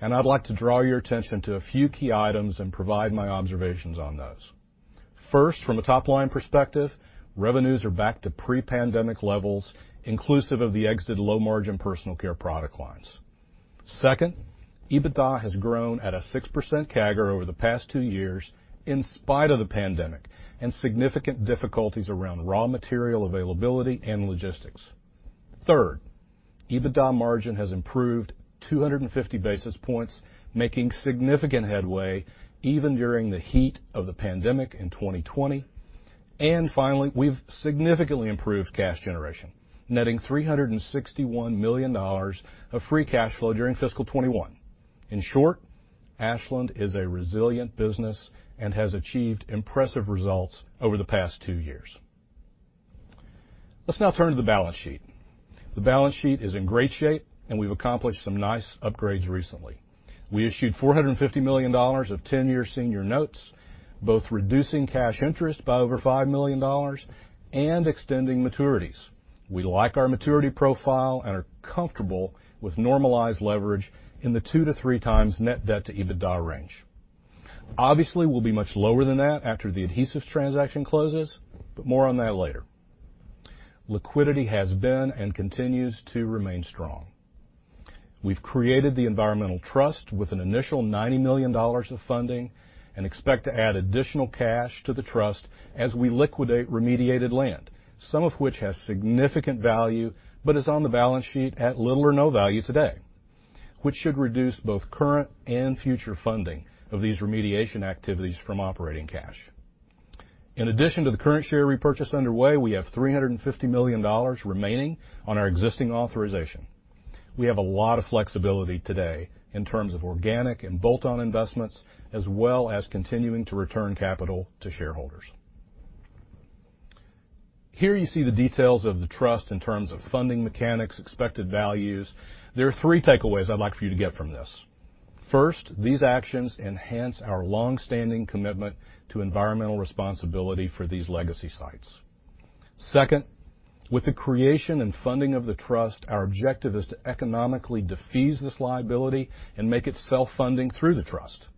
and I'd like to draw your attention to a few key items and provide my observations on those. First, from a top-line perspective, revenues are back to pre-pandemic levels, inclusive of the exited low-margin personal care product lines. Second, EBITDA has grown at a 6% CAGR over the past two years in spite of the pandemic and significant difficulties around raw material availability and logistics. Third, EBITDA margin has improved 250 basis points, making significant headway even during the heat of the pandemic in 2020. Finally, we've significantly improved cash generation, netting $361 million of free cash flow during fiscal 2021. In short, Ashland is a resilient business and has achieved impressive results over the past two years. Let's now turn to the balance sheet. The balance sheet is in great shape, and we've accomplished some nice upgrades recently. We issued $450 million of 10-year senior notes, both reducing cash interest by over $5 million and extending maturities. We like our maturity profile and are comfortable with normalized leverage in the two to three times net debt to EBITDA range. Obviously, we'll be much lower than that after the adhesives transaction closes, but more on that later. Liquidity has been and continues to remain strong. We've created the environmental trust with an initial $90 million of funding and expect to add additional cash to the trust as we liquidate remediated land, some of which has significant value but is on the balance sheet at little or no value today, which should reduce both current and future funding of these remediation activities from operating cash. In addition to the current share repurchase underway, we have $350 million remaining on our existing authorization. We have a lot of flexibility today in terms of organic and bolt-on investments as well as continuing to return capital to shareholders. Here you see the details of the trust in terms of funding mechanics, expected values. There are three takeaways I'd like for you to get from this. First, these actions enhance our longstanding commitment to environmental responsibility for these legacy sites. Second, with the creation and funding of the trust, our objective is to economically defease this liability and make it self-funding through the trust.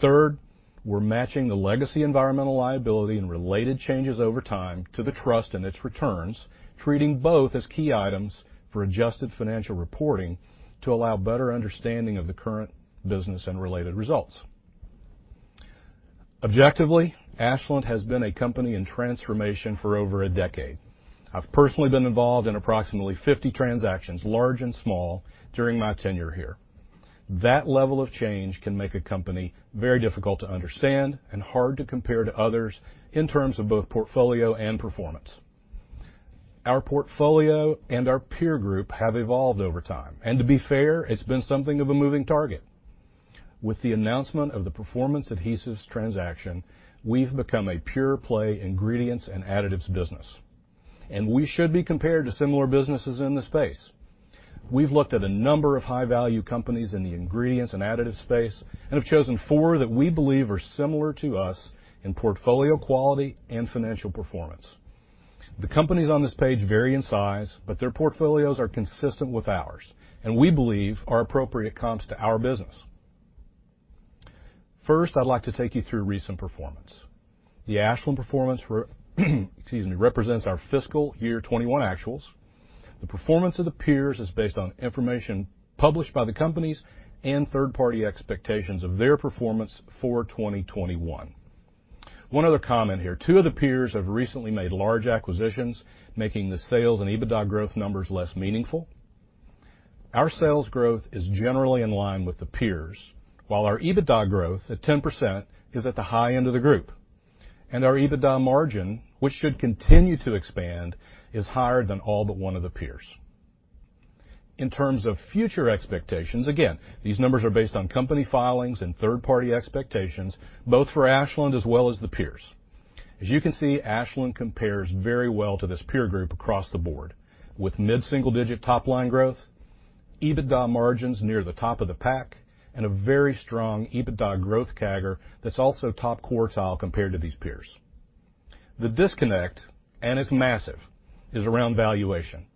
Third, we're matching the legacy environmental liability and related changes over time to the trust and its returns, treating both as key items for adjusted financial reporting to allow better understanding of the current business and related results. Objectively, Ashland has been a company in transformation for over a decade. I've personally been involved in approximately 50 transactions, large and small, during my tenure here. That level of change can make a company very difficult to understand and hard to compare to others in terms of both portfolio and performance. Our portfolio and our peer group have evolved over time, and to be fair, it's been something of a moving target. With the announcement of the Performance Adhesives transaction, we've become a pure-play ingredients and additives business, and we should be compared to similar businesses in the space. We've looked at a number of high-value companies in the ingredients and additives space and have chosen four that we believe are similar to us in portfolio quality and financial performance. The companies on this page vary in size, but their portfolios are consistent with ours and we believe are appropriate comps to our business. First, I'd like to take you through recent performance. The Ashland performance represents our fiscal year 2021 actuals. The performance of the peers is based on information published by the companies and third-party expectations of their performance for 2021. One other comment here: two of the peers have recently made large acquisitions, making the sales and EBITDA growth numbers less meaningful. Our sales growth is generally in line with the peers, while our EBITDA growth at 10% is at the high end of the group, and our EBITDA margin, which should continue to expand, is higher than all but one of the peers. In terms of future expectations, again, these numbers are based on company filings and third-party expectations, both for Ashland as well as the peers. As you can see, Ashland compares very well to this peer group across the board with mid-single-digit top-line growth, EBITDA margins near the top of the pack, and a very strong EBITDA growth CAGR that's also top quartile compared to these peers. The disconnect, and it's massive, is around valuation.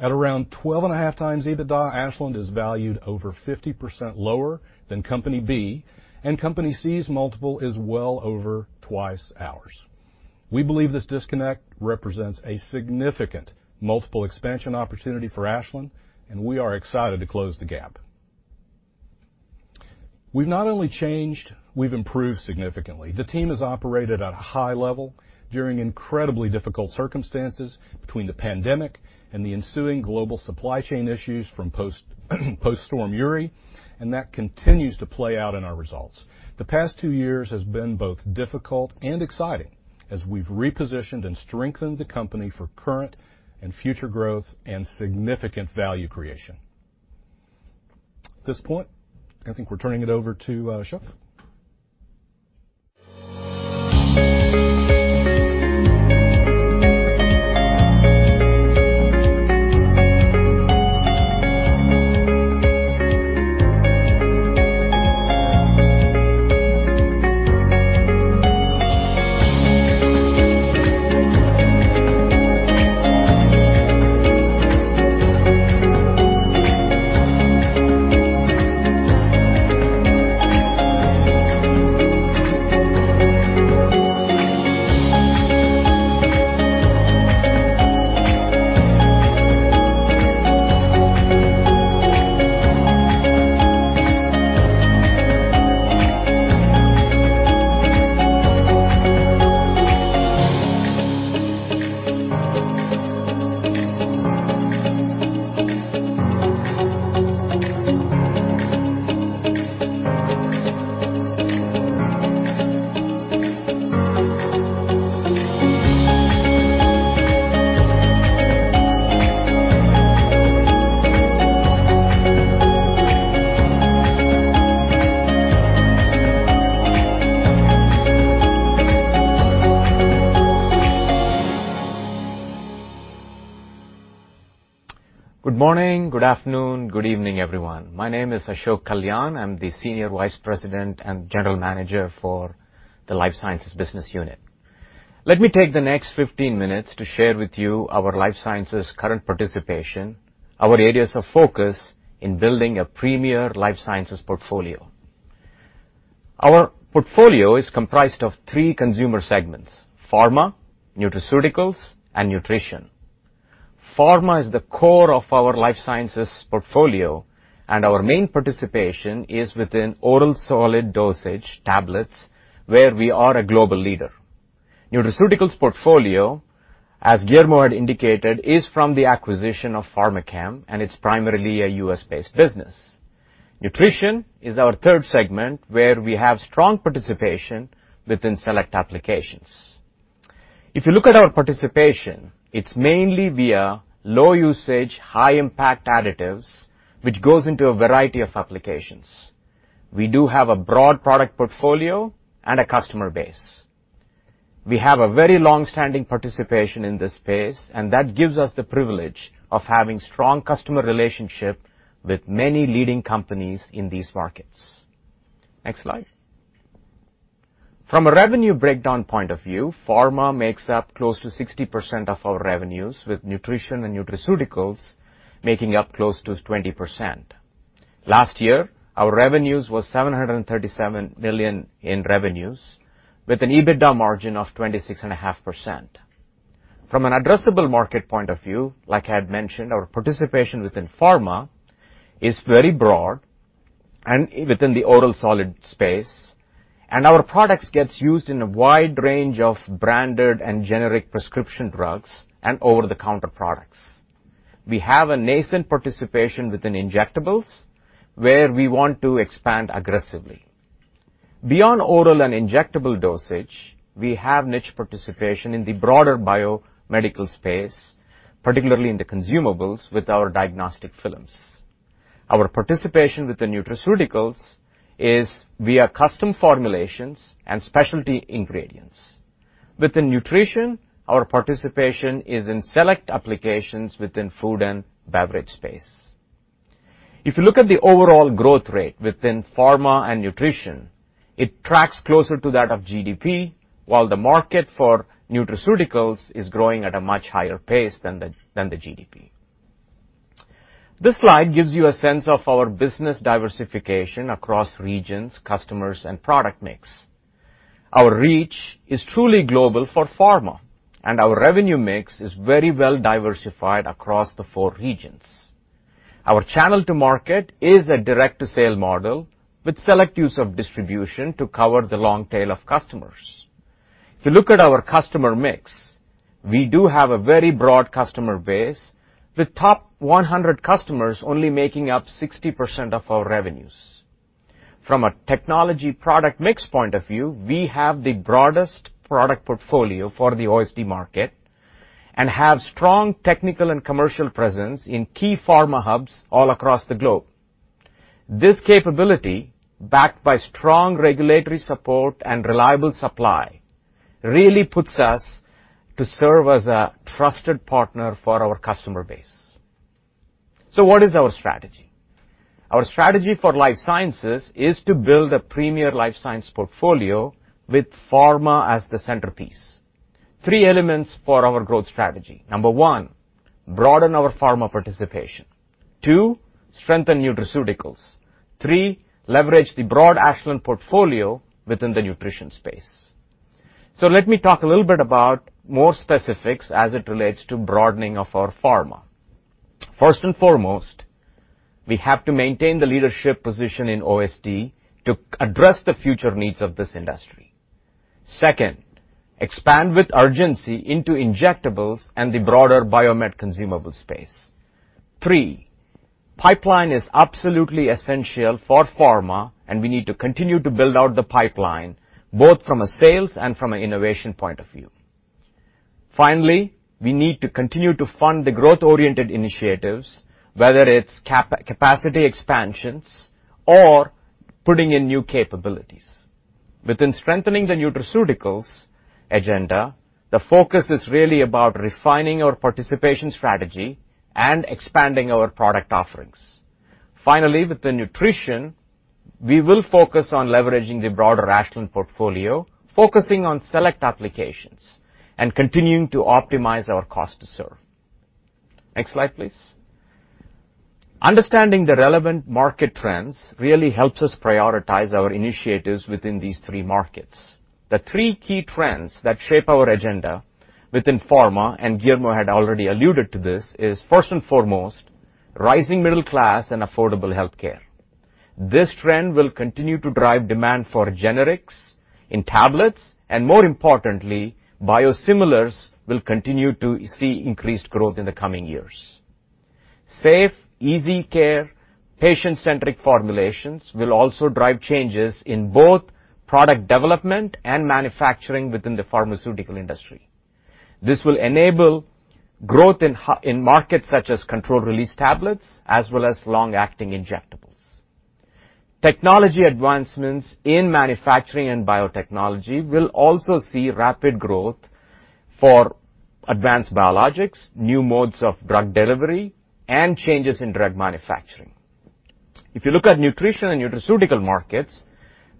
At around 12.5x EBITDA, Ashland is valued over 50% lower than company B, and company C's multiple is well over twice ours. We believe this disconnect represents a significant multiple expansion opportunity for Ashland, and we are excited to close the gap. We've not only changed, we've improved significantly. The team has operated at a high level during incredibly difficult circumstances between the pandemic and the ensuing global supply chain issues from post-Winter Storm Uri, and that continues to play out in our results. The past two years has been both difficult and exciting as we've repositioned and strengthened the company for current and future growth and significant value creation. At this point, I think we're turning it over to Ashok. Good morning, good afternoon, good evening, everyone. My name is Ashok Kalyana. I'm the Senior Vice President and General Manager for the Life Sciences business unit. Let me take the next 15 minutes to share with you our life sciences current participation, our areas of focus in building a premier life sciences portfolio. Our portfolio is comprised of three consumer segments: pharma, nutraceuticals, and nutrition. Pharma is the core of our life sciences portfolio, and our main participation is within oral solid dosage tablets, where we are a global leader. Nutraceuticals portfolio, as Guillermo had indicated, is from the acquisition of Pharmachem, and it's primarily a U.S. based business. Nutrition is our third segment, where we have strong participation within select applications. If you look at our participation, it's mainly via low-usage, high-impact additives, which goes into a variety of applications. We do have a broad product portfolio and a customer base. We have a very long-standing participation in this space, and that gives us the privilege of having strong customer relationship with many leading companies in these markets. Next slide. From a revenue breakdown point of view, pharma makes up close to 60% of our revenues, with nutrition and nutraceuticals making up close to 20%. Last year, our revenues was $737 million in revenues, with an EBITDA margin of 26.5%. From an addressable market point of view, like I had mentioned, our participation within pharma is very broad and within the oral solid space. Our products gets used in a wide range of branded and generic prescription drugs and over-the-counter products. We have a nascent participation within injectables, where we want to expand aggressively. Beyond oral and injectable dosage, we have niche participation in the broader biomedical space, particularly in the consumables with our diagnostic films. Our participation with the nutraceuticals is via custom formulations and specialty ingredients. Within nutrition, our participation is in select applications within food and beverage space. If you look at the overall growth rate within pharma and nutrition, it tracks closer to that of GDP, while the market for nutraceuticals is growing at a much higher pace than the GDP. This slide gives you a sense of our business diversification across regions, customers, and product mix. Our reach is truly global for pharma, and our revenue mix is very well diversified across the four regions. Our channel to market is a direct-to-sale model with select use of distribution to cover the long tail of customers. If you look at our customer mix, we do have a very broad customer base, with top 100 customers only making up 60% of our revenues. From a technology product mix point of view, we have the broadest product portfolio for the OSD market and have strong technical and commercial presence in key pharma hubs all across the globe. This capability, backed by strong regulatory support and reliable supply, really puts us to serve as a trusted partner for our customer base. What is our strategy? Our strategy for Life Sciences is to build a premier life science portfolio with pharma as the centerpiece. Three elements for our growth strategy. Number one, broaden our pharma participation. Two, strengthen nutraceuticals. Three, leverage the broad Ashland portfolio within the nutrition space. Let me talk a little bit about more specifics as it relates to broadening of our pharma. First and foremost, we have to maintain the leadership position in OSD to address the future needs of this industry. Second, expand with urgency into injectables and the broader biomed consumable space. Three, pipeline is absolutely essential for pharma, and we need to continue to build out the pipeline, both from a sales and from an innovation point of view. Finally, we need to continue to fund the growth-oriented initiatives, whether it's capacity expansions or putting in new capabilities. Within strengthening the nutraceuticals agenda, the focus is really about refining our participation strategy and expanding our product offerings. Finally, with the nutrition, we will focus on leveraging the broader Ashland portfolio, focusing on select applications and continuing to optimize our cost to serve. Next slide, please. Understanding the relevant market trends really helps us prioritize our initiatives within these three markets. The three key trends that shape our agenda within pharma, and Guillermo had already alluded to this, is first and foremost, rising middle class and affordable healthcare. This trend will continue to drive demand for generics in tablets, and more importantly, biosimilars will continue to see increased growth in the coming years. Safe, easy care, patient-centric formulations will also drive changes in both product development and manufacturing within the pharmaceutical industry. This will enable growth in markets such as controlled release tablets as well as long-acting injectables. Technology advancements in manufacturing and biotechnology will also see rapid growth for advanced biologics, new modes of drug delivery, and changes in drug manufacturing. If you look at nutrition and nutraceutical markets,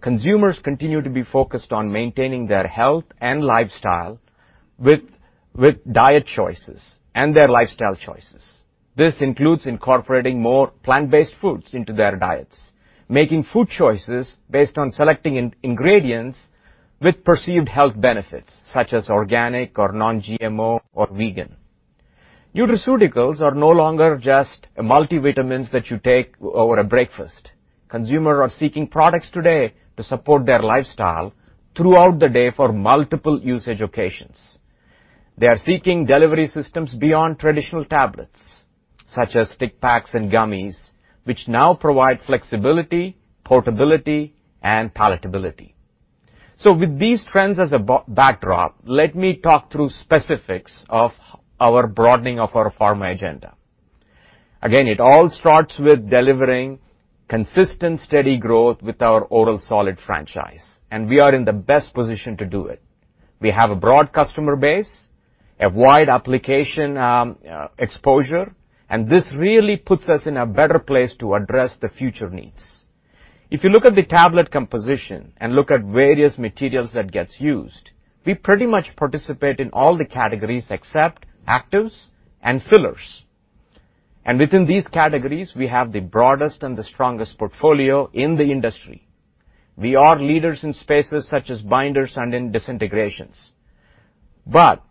consumers continue to be focused on maintaining their health and lifestyle with diet choices and their lifestyle choices. This includes incorporating more plant-based foods into their diets, making food choices based on selecting ingredients with perceived health benefits, such as organic or non-GMO or vegan. Nutraceuticals are no longer just multivitamins that you take with breakfast. Consumers are seeking products today to support their lifestyle throughout the day for multiple usage occasions. They are seeking delivery systems beyond traditional tablets, such as stick packs and gummies, which now provide flexibility, portability, and palatability. With these trends as a backdrop, let me talk through specifics of our broadening of our pharma agenda. Again, it all starts with delivering consistent, steady growth with our oral solid franchise, and we are in the best position to do it. We have a broad customer base, a wide application, exposure, and this really puts us in a better place to address the future needs. If you look at the tablet composition and look at various materials that gets used, we pretty much participate in all the categories except actives and fillers. Within these categories, we have the broadest and the strongest portfolio in the industry. We are leaders in spaces such as binders and in disintegrants. But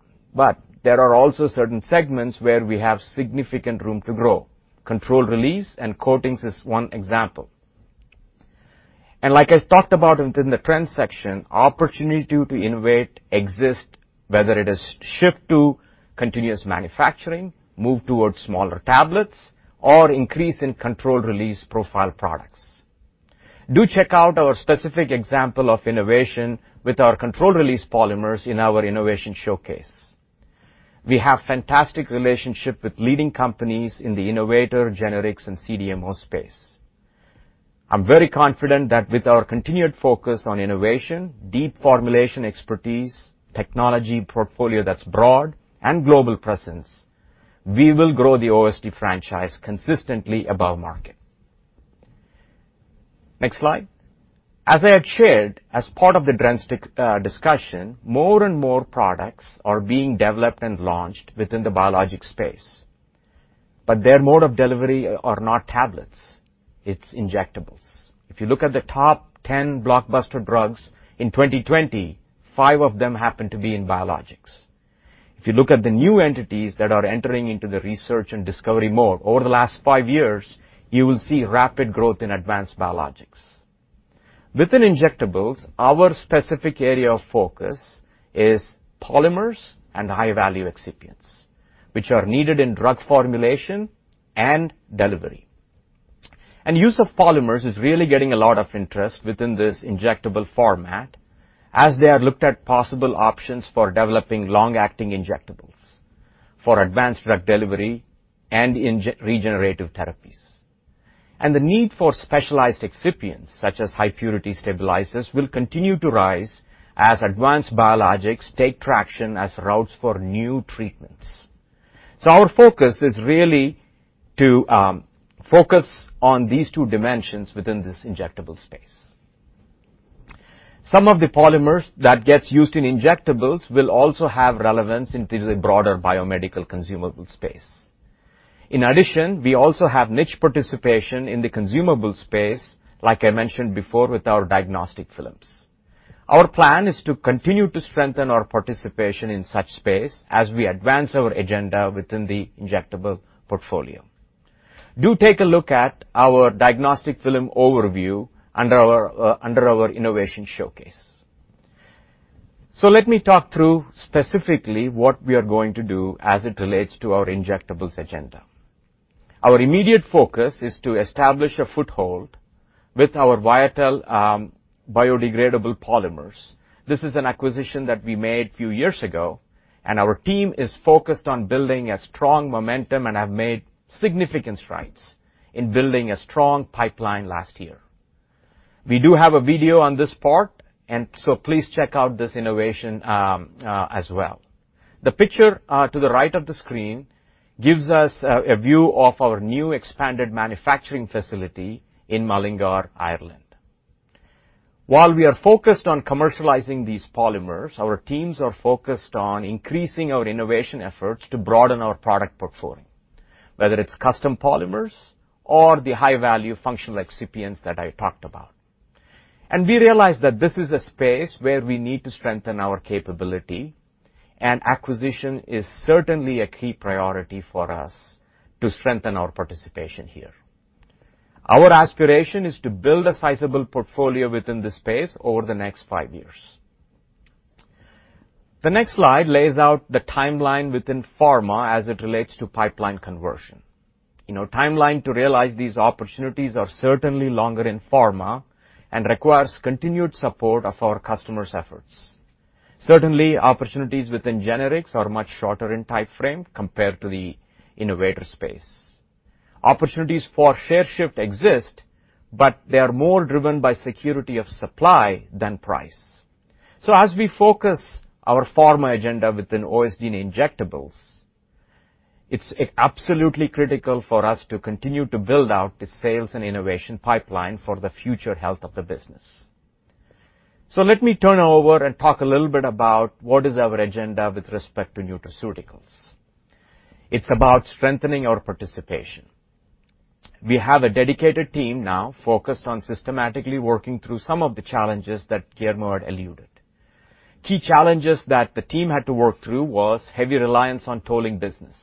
there are also certain segments where we have significant room to grow. Controlled release and coatings is one example. Like I talked about within the trends section, opportunity to innovate exist, whether it is shift to continuous manufacturing, move towards smaller tablets, or increase in controlled release profile products. Do check out our specific example of innovation with our controlled release polymers in our innovation showcase. We have fantastic relationship with leading companies in the innovator, generics, and CDMO space. I'm very confident that with our continued focus on innovation, deep formulation expertise, technology portfolio that's broad, and global presence, we will grow the OSD Franchise consistently above market. Next slide. As I have shared, as part of the trends discussion, more and more products are being developed and launched within the biologic space. Their mode of delivery are not tablets, it's injectables. If you look at the top 10 blockbuster drugs in 2020, five of them happen to be in biologics. If you look at the new entities that are entering into the research and discovery mode over the last five years, you will see rapid growth in advanced biologics. Within injectables, our specific area of focus is polymers and high-value excipients, which are needed in drug formulation and delivery. Use of polymers is really getting a lot of interest within this injectable format as they have looked at possible options for developing long-acting injectables for advanced drug delivery and regenerative therapies. The need for specialized excipients, such as high-purity stabilizers, will continue to rise as advanced biologics take traction as routes for new treatments. Our focus is really to focus on these two dimensions within this injectable space. Some of the polymers that gets used in injectables will also have relevance into the broader biomedical consumable space. In addition, we also have niche participation in the consumable space, like I mentioned before, with our diagnostic films. Our plan is to continue to strengthen our participation in such space as we advance our agenda within the injectable portfolio. Do take a look at our diagnostic film overview under our innovation showcase. Let me talk through specifically what we are going to do as it relates to our injectables agenda. Our immediate focus is to establish a foothold with our Viatel biodegradable polymers. This is an acquisition that we made a few years ago, and our team is focused on building a strong momentum and have made significant strides in building a strong pipeline last year. We do have a video on this part, and so please check out this innovation as well. The picture to the right of the screen gives us a view of our new expanded manufacturing facility in Mullingar, Ireland. While we are focused on commercializing these polymers, our teams are focused on increasing our innovation efforts to broaden our product portfolio, whether it's custom polymers or the high-value functional excipients that I talked about. We realize that this is a space where we need to strengthen our capability, and acquisition is certainly a key priority for us to strengthen our participation here. Our aspiration is to build a sizable portfolio within this space over the next five years. The next slide lays out the timeline within pharma as it relates to pipeline conversion. You know, timeline to realize these opportunities are certainly longer in pharma and requires continued support of our customers' efforts. Certainly, opportunities within generics are much shorter in timeframe compared to the innovator space. Opportunities for share shift exist, but they are more driven by security of supply than price. As we focus our pharma agenda within OSD and injectables, it's absolutely critical for us to continue to build out the sales and innovation pipeline for the future health of the business. Let me turn over and talk a little bit about what is our agenda with respect to nutraceuticals. It's about strengthening our participation. We have a dedicated team now focused on systematically working through some of the challenges that Guillermo had alluded. Key challenges that the team had to work through was heavy reliance on tolling business.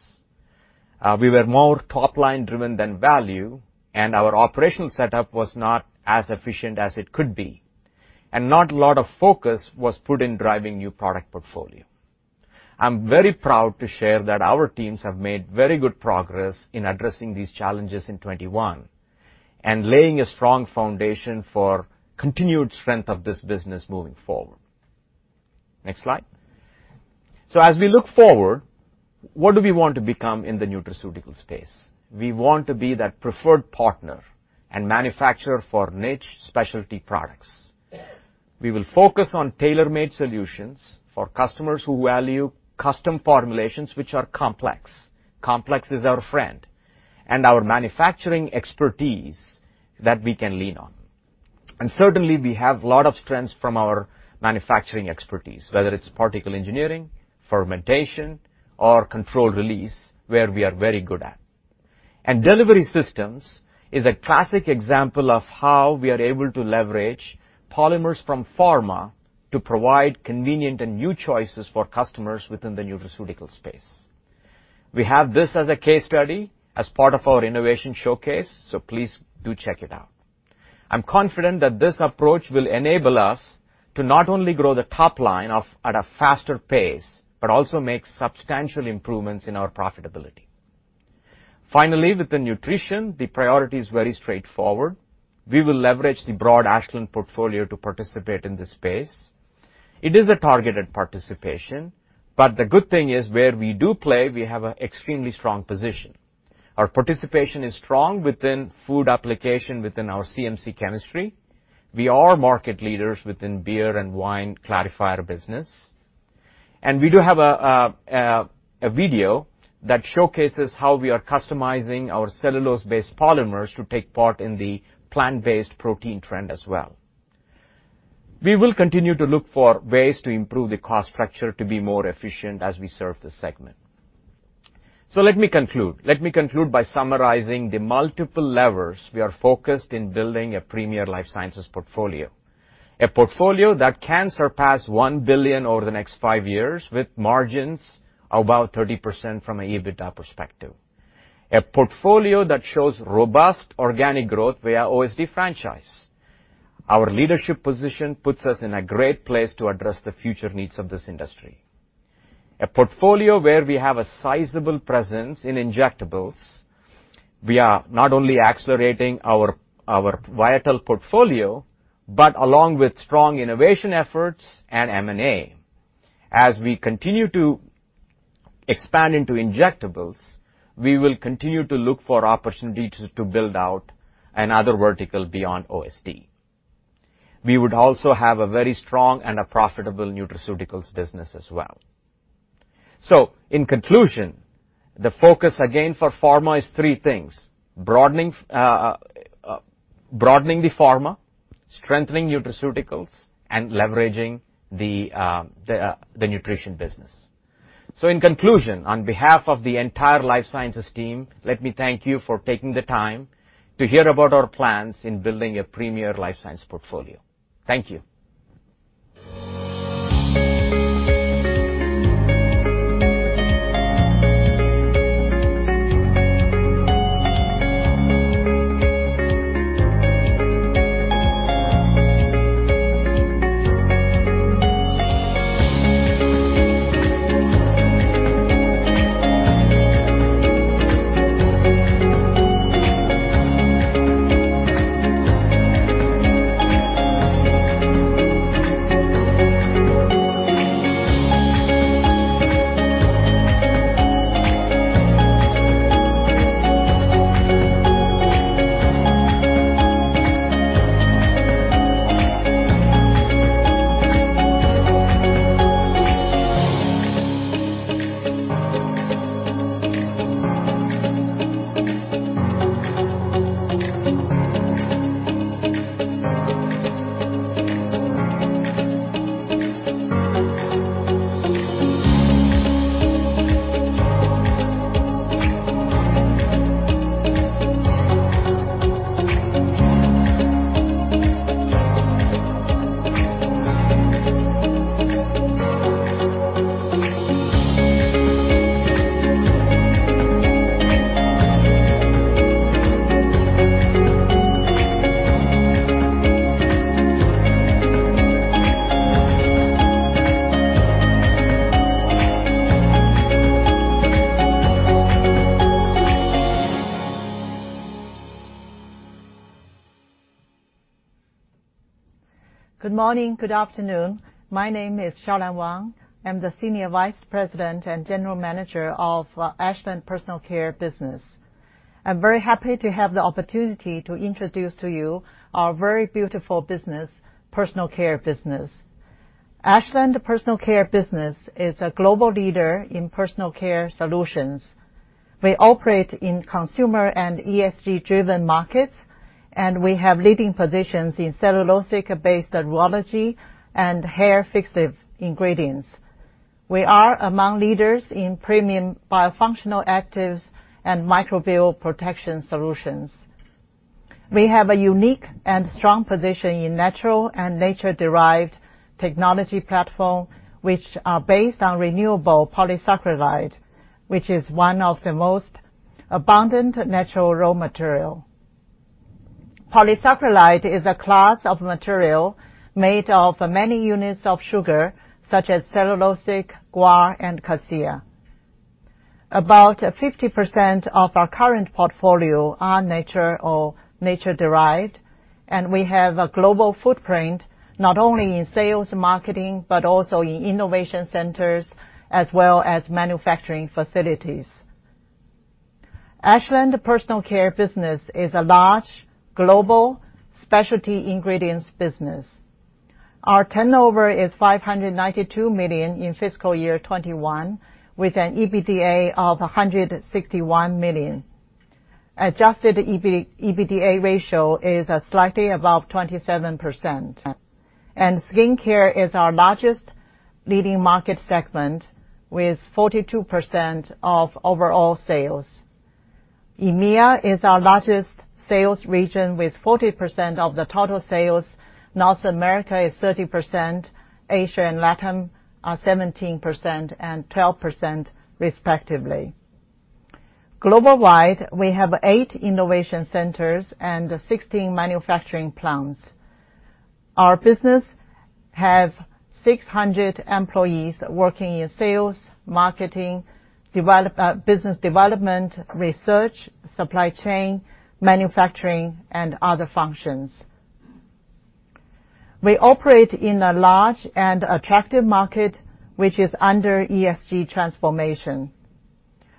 We were more top-line driven than value, and our operational setup was not as efficient as it could be, and not a lot of focus was put in driving new product portfolio. I'm very proud to share that our teams have made very good progress in addressing these challenges in 2021 and laying a strong foundation for continued strength of this business moving forward. Next slide. As we look forward, what do we want to become in the nutraceutical space? We want to be that preferred partner and manufacturer for niche specialty products. We will focus on tailor-made solutions for customers who value custom formulations which are complex. Complex is our friend and our manufacturing expertise that we can lean on. Certainly, we have a lot of strengths from our manufacturing expertise, whether it's particle engineering, fermentation, or controlled release, where we are very good at. Delivery systems is a classic example of how we are able to leverage polymers from pharma to provide convenient and new choices for customers within the nutraceutical space. We have this as a case study as part of our innovation showcase, so please do check it out. I'm confident that this approach will enable us to not only grow the top line at a faster pace, but also make substantial improvements in our profitability. Finally, with the nutrition, the priority is very straightforward. We will leverage the broad Ashland portfolio to participate in this space. It is a targeted participation, but the good thing is, where we do play, we have an extremely strong position. Our participation is strong within food application within our CMC chemistry. We are market leaders within beer and wine clarifier business, and we do have a video that showcases how we are customizing our cellulose-based polymers to take part in the plant-based protein trend as well. We will continue to look for ways to improve the cost structure to be more efficient as we serve this segment. Let me conclude by summarizing the multiple levers we are focused in building a premier Life Sciences portfolio. A portfolio that can surpass $1 billion over the next five years with margins of about 30% from an EBITDA perspective. A portfolio that shows robust organic growth via OSD Franchise. Our leadership position puts us in a great place to address the future needs of this industry. A portfolio where we have a sizable presence in injectables. We are not only accelerating our Viatel portfolio, but along with strong innovation efforts and M&A. As we continue to expand into injectables, we will continue to look for opportunities to build out another vertical beyond OSD. We would also have a very strong and profitable nutraceuticals business as well. In conclusion, the focus again for pharma is three things, broadening the pharma, strengthening nutraceuticals, and leveraging the nutrition business. In conclusion, on behalf of the entire Life Sciences team, let me thank you for taking the time to hear about our plans in building a premier Life Sciences portfolio. Thank you. Good morning, good afternoon. My name is Xiaolan Wang. I'm the Senior Vice President and General Manager of Ashland Personal Care business. I'm very happy to have the opportunity to introduce to you our very beautiful business, Personal Care business. Ashland Personal Care business is a global leader in personal care solutions. We operate in consumer and ESG-driven markets, and we have leading positions in cellulosic-based rheology and hair fixative ingredients. We are among leaders in premium biofunctional actives and microbial protection solutions. We have a unique and strong position in natural and nature-derived technology platform, which are based on renewable polysaccharide, which is one of the most abundant natural raw material. Polysaccharide is a class of material made of many units of sugar, such as cellulosic, guar, and cassia. About 50% of our current portfolio are nature or nature derived, and we have a global footprint, not only in sales marketing, but also in innovation centers as well as manufacturing facilities. Ashland Personal Care business is a large, global specialty ingredients business. Our turnover is $592 million in fiscal year 2021, with an EBITDA of $161 million. Adjusted EBITDA ratio is slightly above 27%. Skincare is our largest leading market segment with 42% of overall sales. EMEA is our largest sales region with 40% of the total sales. North America is 30%. Asia and LATAM are 17% and 12% respectively. Global-wide, we have eight innovation centers and 16 manufacturing plants. Our business have 600 employees working in sales, marketing, business development, research, supply chain, manufacturing, and other functions. We operate in a large and attractive market, which is under ESG transformation.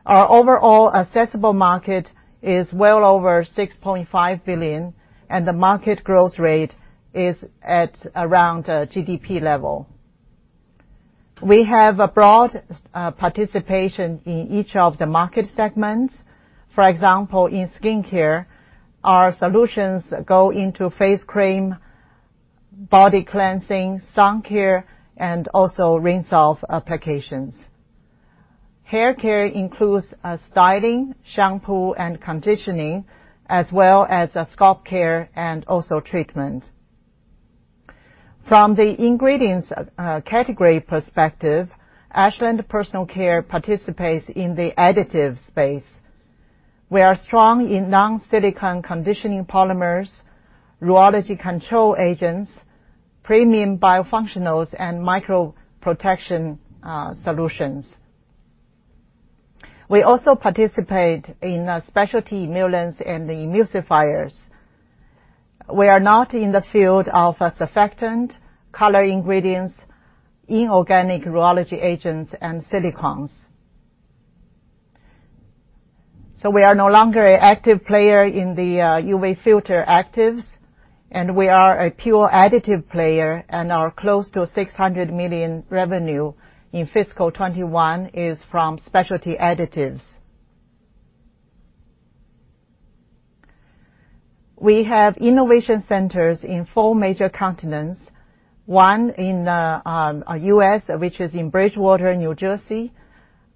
Our overall accessible market is well over $6.5 billion, and the market growth rate is at around GDP level. We have a broad participation in each of the market segments. For example, in skincare, our solutions go into face cream, body cleansing, sun care, and also rinse-off applications. Hair care includes styling, shampoo and conditioning, as well as scalp care and also treatment. From the ingredients category perspective, Ashland Personal Care participates in the additives space. We are strong in non-silicone conditioning polymers, rheology control agents, premium biofunctionals, and microprotection solutions. We also participate in specialty emollients and emulsifiers. We are not in the field of surfactant, color ingredients, inorganic rheology agents, and silicones. We are no longer an active player in the UV filter actives, and we are a pure additive player and are close to $600 million revenue in fiscal 2021 is from Specialty Additives. We have innovation centers in four major continents, one in U.S., which is in Bridgewater, New Jersey,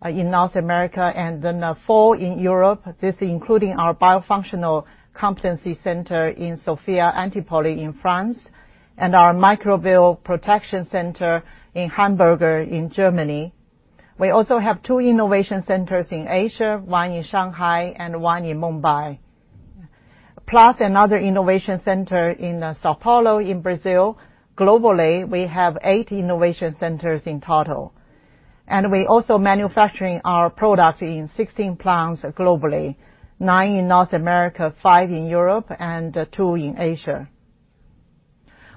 in North America, and then four in Europe, this including our biofunctional competency center in Sophia Antipolis in France, and our microbial protection center in Hamburg in Germany. We also have two innovation centers in Asia, one in Shanghai and one in Mumbai, plus another innovation center in São Paulo in Brazil. Globally, we have eight innovation centers in total. We also manufacturing our product in 16 plants globally, nine in North America, five in Europe, and two in Asia.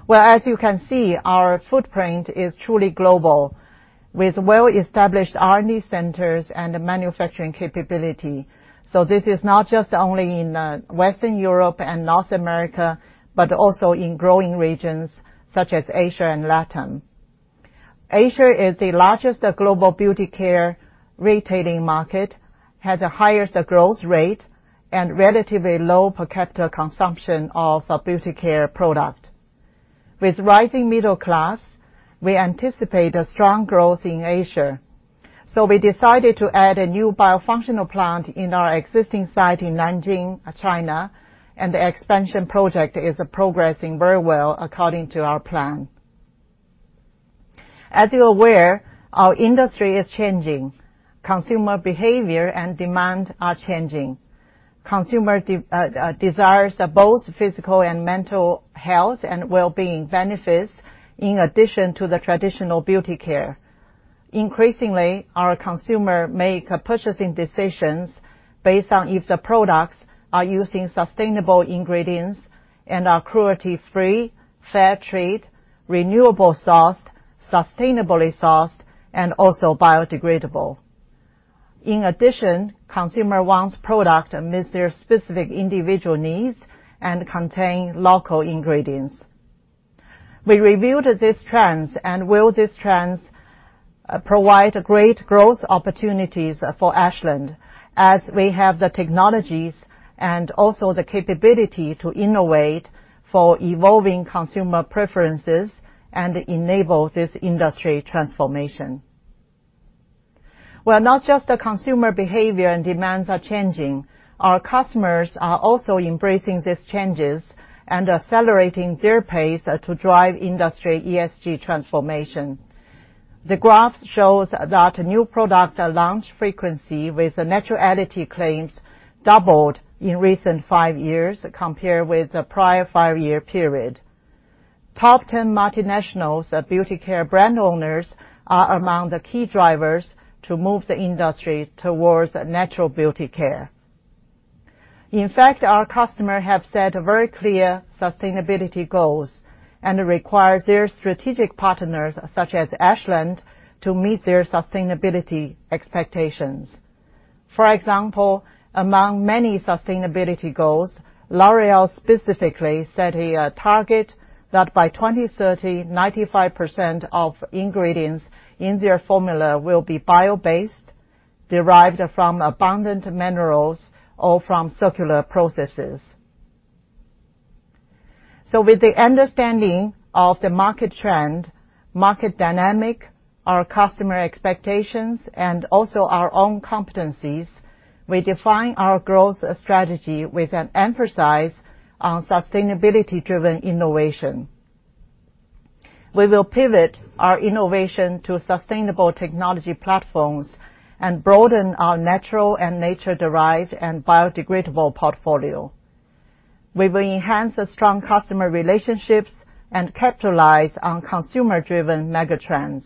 Well, as you can see, our footprint is truly global, with well-established R&D centers and manufacturing capability. This is not just only in Western Europe and North America, but also in growing regions such as Asia and Latin. Asia is the largest global beauty care retailing market, has the highest growth rate and relatively low per capita consumption of beauty care product. With rising middle class, we anticipate a strong growth in Asia. We decided to add a new biofunctional plant in our existing site in Nanjing, China, and the expansion project is progressing very well according to our plan. As you're aware, our industry is changing. Consumer behavior and demand are changing. Consumer desires both physical and mental health and well-being benefits in addition to the traditional beauty care. Increasingly, our consumers make purchasing decisions based on if the products are using sustainable ingredients and are cruelty-free, fair trade, renewably sourced, sustainably sourced, and also biodegradable. In addition, consumers want products to meet their specific individual needs and contain local ingredients. We reviewed these trends and these trends will provide great growth opportunities for Ashland as we have the technologies and also the capability to innovate for evolving consumer preferences and enable this industry transformation. Well, not just the consumer behavior and demands are changing. Our customers are also embracing these changes and accelerating their pace to drive industry ESG transformation. The graph shows that new product launch frequency with naturality claims doubled in recent five years compared with the prior five-year period. Top ten multinationals beauty care brand owners are among the key drivers to move the industry towards natural beauty care. In fact, our customer have set very clear sustainability goals and require their strategic partners, such as Ashland, to meet their sustainability expectations. For example, among many sustainability goals, L'Oréal specifically set a target that by 2030, 95% of ingredients in their formula will be bio-based, derived from abundant minerals or from circular processes. With the understanding of the market trend, market dynamic, our customer expectations, and also our own competencies, we define our growth strategy with an emphasis on sustainability-driven innovation. We will pivot our innovation to sustainable technology platforms and broaden our natural and nature-derived and biodegradable portfolio. We will enhance the strong customer relationships and capitalize on consumer-driven mega trends.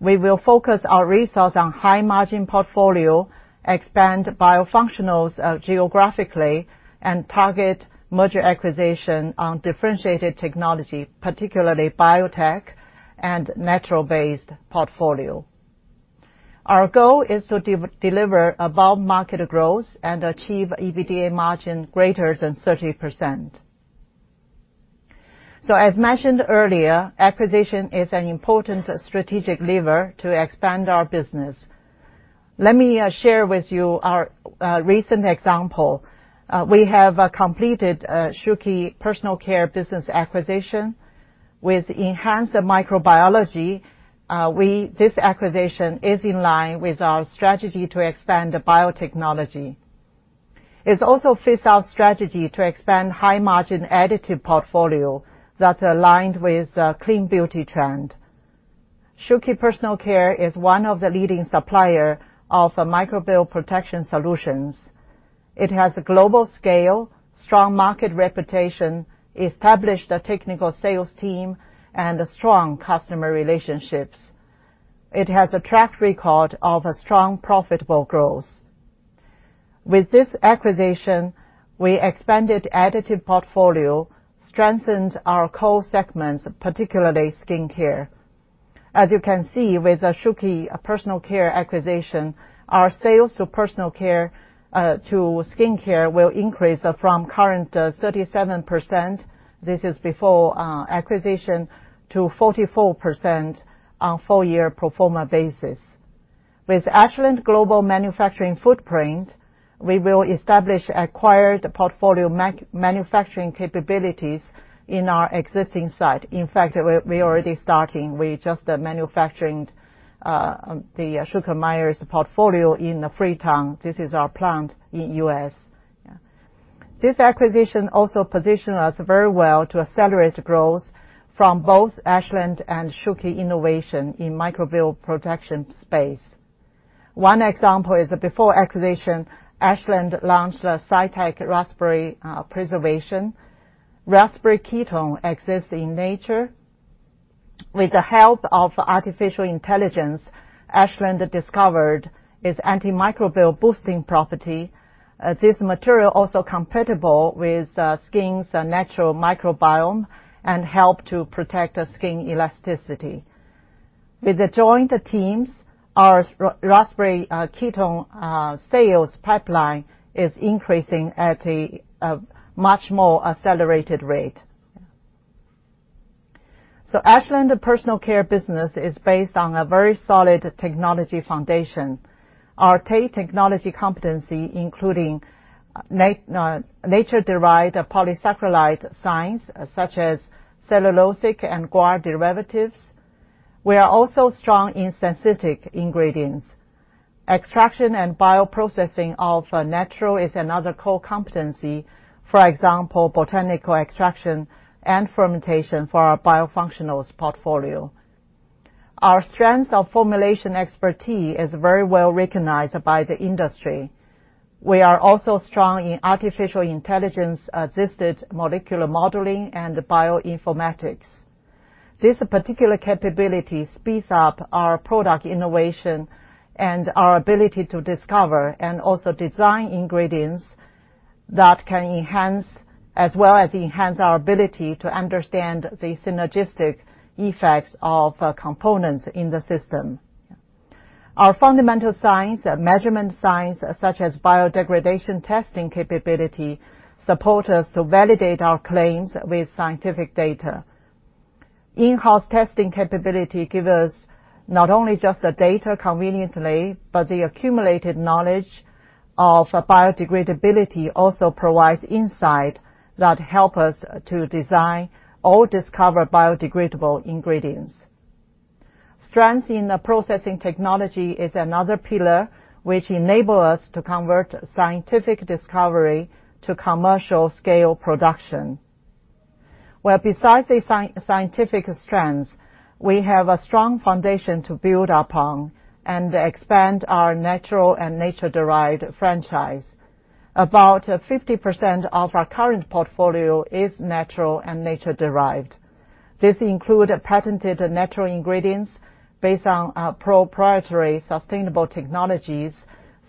We will focus our resource on high-margin portfolio, expand biofunctionals geographically, and target merger acquisition on differentiated technology, particularly biotech and natural-based portfolio. Our goal is to deliver above market growth and achieve EBITDA margin greater than 30%. As mentioned earlier, acquisition is an important strategic lever to expand our business. Let me share with you our recent example. We have completed a Schülke Personal Care business acquisition. With enhanced microbiology, this acquisition is in line with our strategy to expand biotechnology. It also fits our strategy to expand high-margin additive portfolio that's aligned with the clean beauty trend. Schülke Personal Care is one of the leading supplier of microbial protection solutions. It has a global scale, strong market reputation, established technical sales team, and strong customer relationships. It has a track record of a strong, profitable growth. With this acquisition, we expanded additive portfolio, strengthened our core segments, particularly skincare. As you can see with the Schülke Personal Care acquisition, our sales to personal care to skincare will increase from current 37% before acquisition to 44% on full year pro forma basis. With Ashland global manufacturing footprint, we will establish acquired portfolio manufacturing capabilities in our existing site. In fact, we're already starting. We're just manufacturing the Schülke & Mayr's portfolio in Freetown. This is our plant in U.S. This acquisition also position us very well to accelerate growth from both Ashland and Schülke innovation in microbial protection space. One example is before acquisition, Ashland launched the Phyteq Raspberry preservation. Raspberry ketone exists in nature. With the help of artificial intelligence, Ashland discovered its antimicrobial boosting property. This material also compatible with skin's natural microbiome and help to protect the skin elasticity. With the joint teams, our raspberry ketone sales pipeline is increasing at a much more accelerated rate. Ashland Personal Care business is based on a very solid technology foundation, our tight technology competency, including nature-derived polysaccharide science, such as cellulosic and guar derivatives. We are also strong in synthetic ingredients. Extraction and bioprocessing of natural is another core competency, for example, botanical extraction and fermentation for our biofunctionals portfolio. Our strength of formulation expertise is very well-recognized by the industry. We are also strong in artificial intelligence-assisted molecular modeling and bioinformatics. This particular capability speeds up our product innovation and our ability to discover and also design ingredients that can enhance, as well as enhance our ability to understand the synergistic effects of components in the system. Our fundamental science, measurement science, such as biodegradation testing capability, support us to validate our claims with scientific data. In-house testing capability give us not only just the data conveniently, but the accumulated knowledge of biodegradability also provides insight that help us to design or discover biodegradable ingredients. Strength in the processing technology is another pillar which enable us to convert scientific discovery to commercial scale production. Well, besides the scientific strengths, we have a strong foundation to build upon and expand our natural and nature derived franchise. About 50% of our current portfolio is natural and nature derived. This include patented natural ingredients based on proprietary sustainable technologies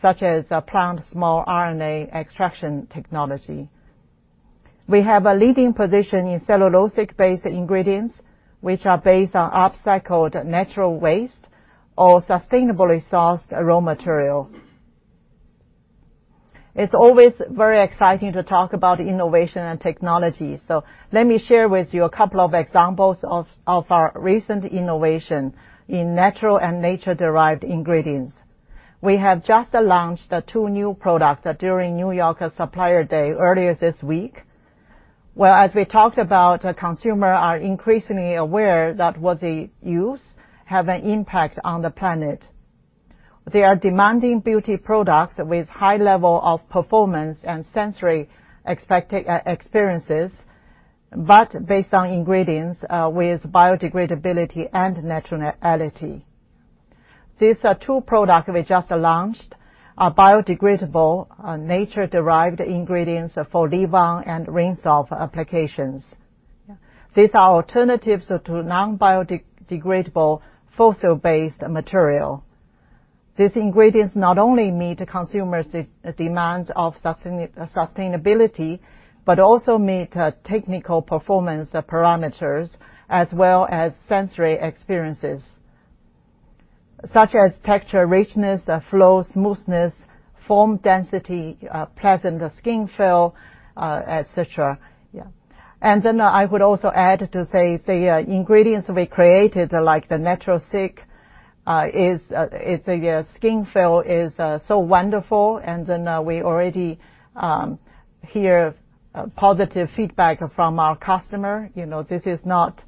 such as plant small RNA extraction technology. We have a leading position in cellulosic-based ingredients, which are based on upcycled natural waste or sustainably sourced raw material. It's always very exciting to talk about innovation and technology, so let me share with you a couple of examples of our recent innovation in natural and nature-derived ingredients. We have just launched two new products during New York Suppliers' Day earlier this week. Well, as we talked about, consumers are increasingly aware that what they use has an impact on the planet. They are demanding beauty products with high level of performance and sensory experiences, but based on ingredients with biodegradability and naturality. These two products we just launched are biodegradable, nature-derived ingredients for leave-on and rinse-off applications. These ingredients not only meet consumers' demands of sustainability, but also meet technical performance parameters as well as sensory experiences, such as texture, richness, flow, smoothness, foam, density, pleasant skin feel, et cetera. Yeah. I would also add to say the ingredients we created, like the Natrathix, it's the skin feel is so wonderful, and then we already hear positive feedback from our customer. You know, this is not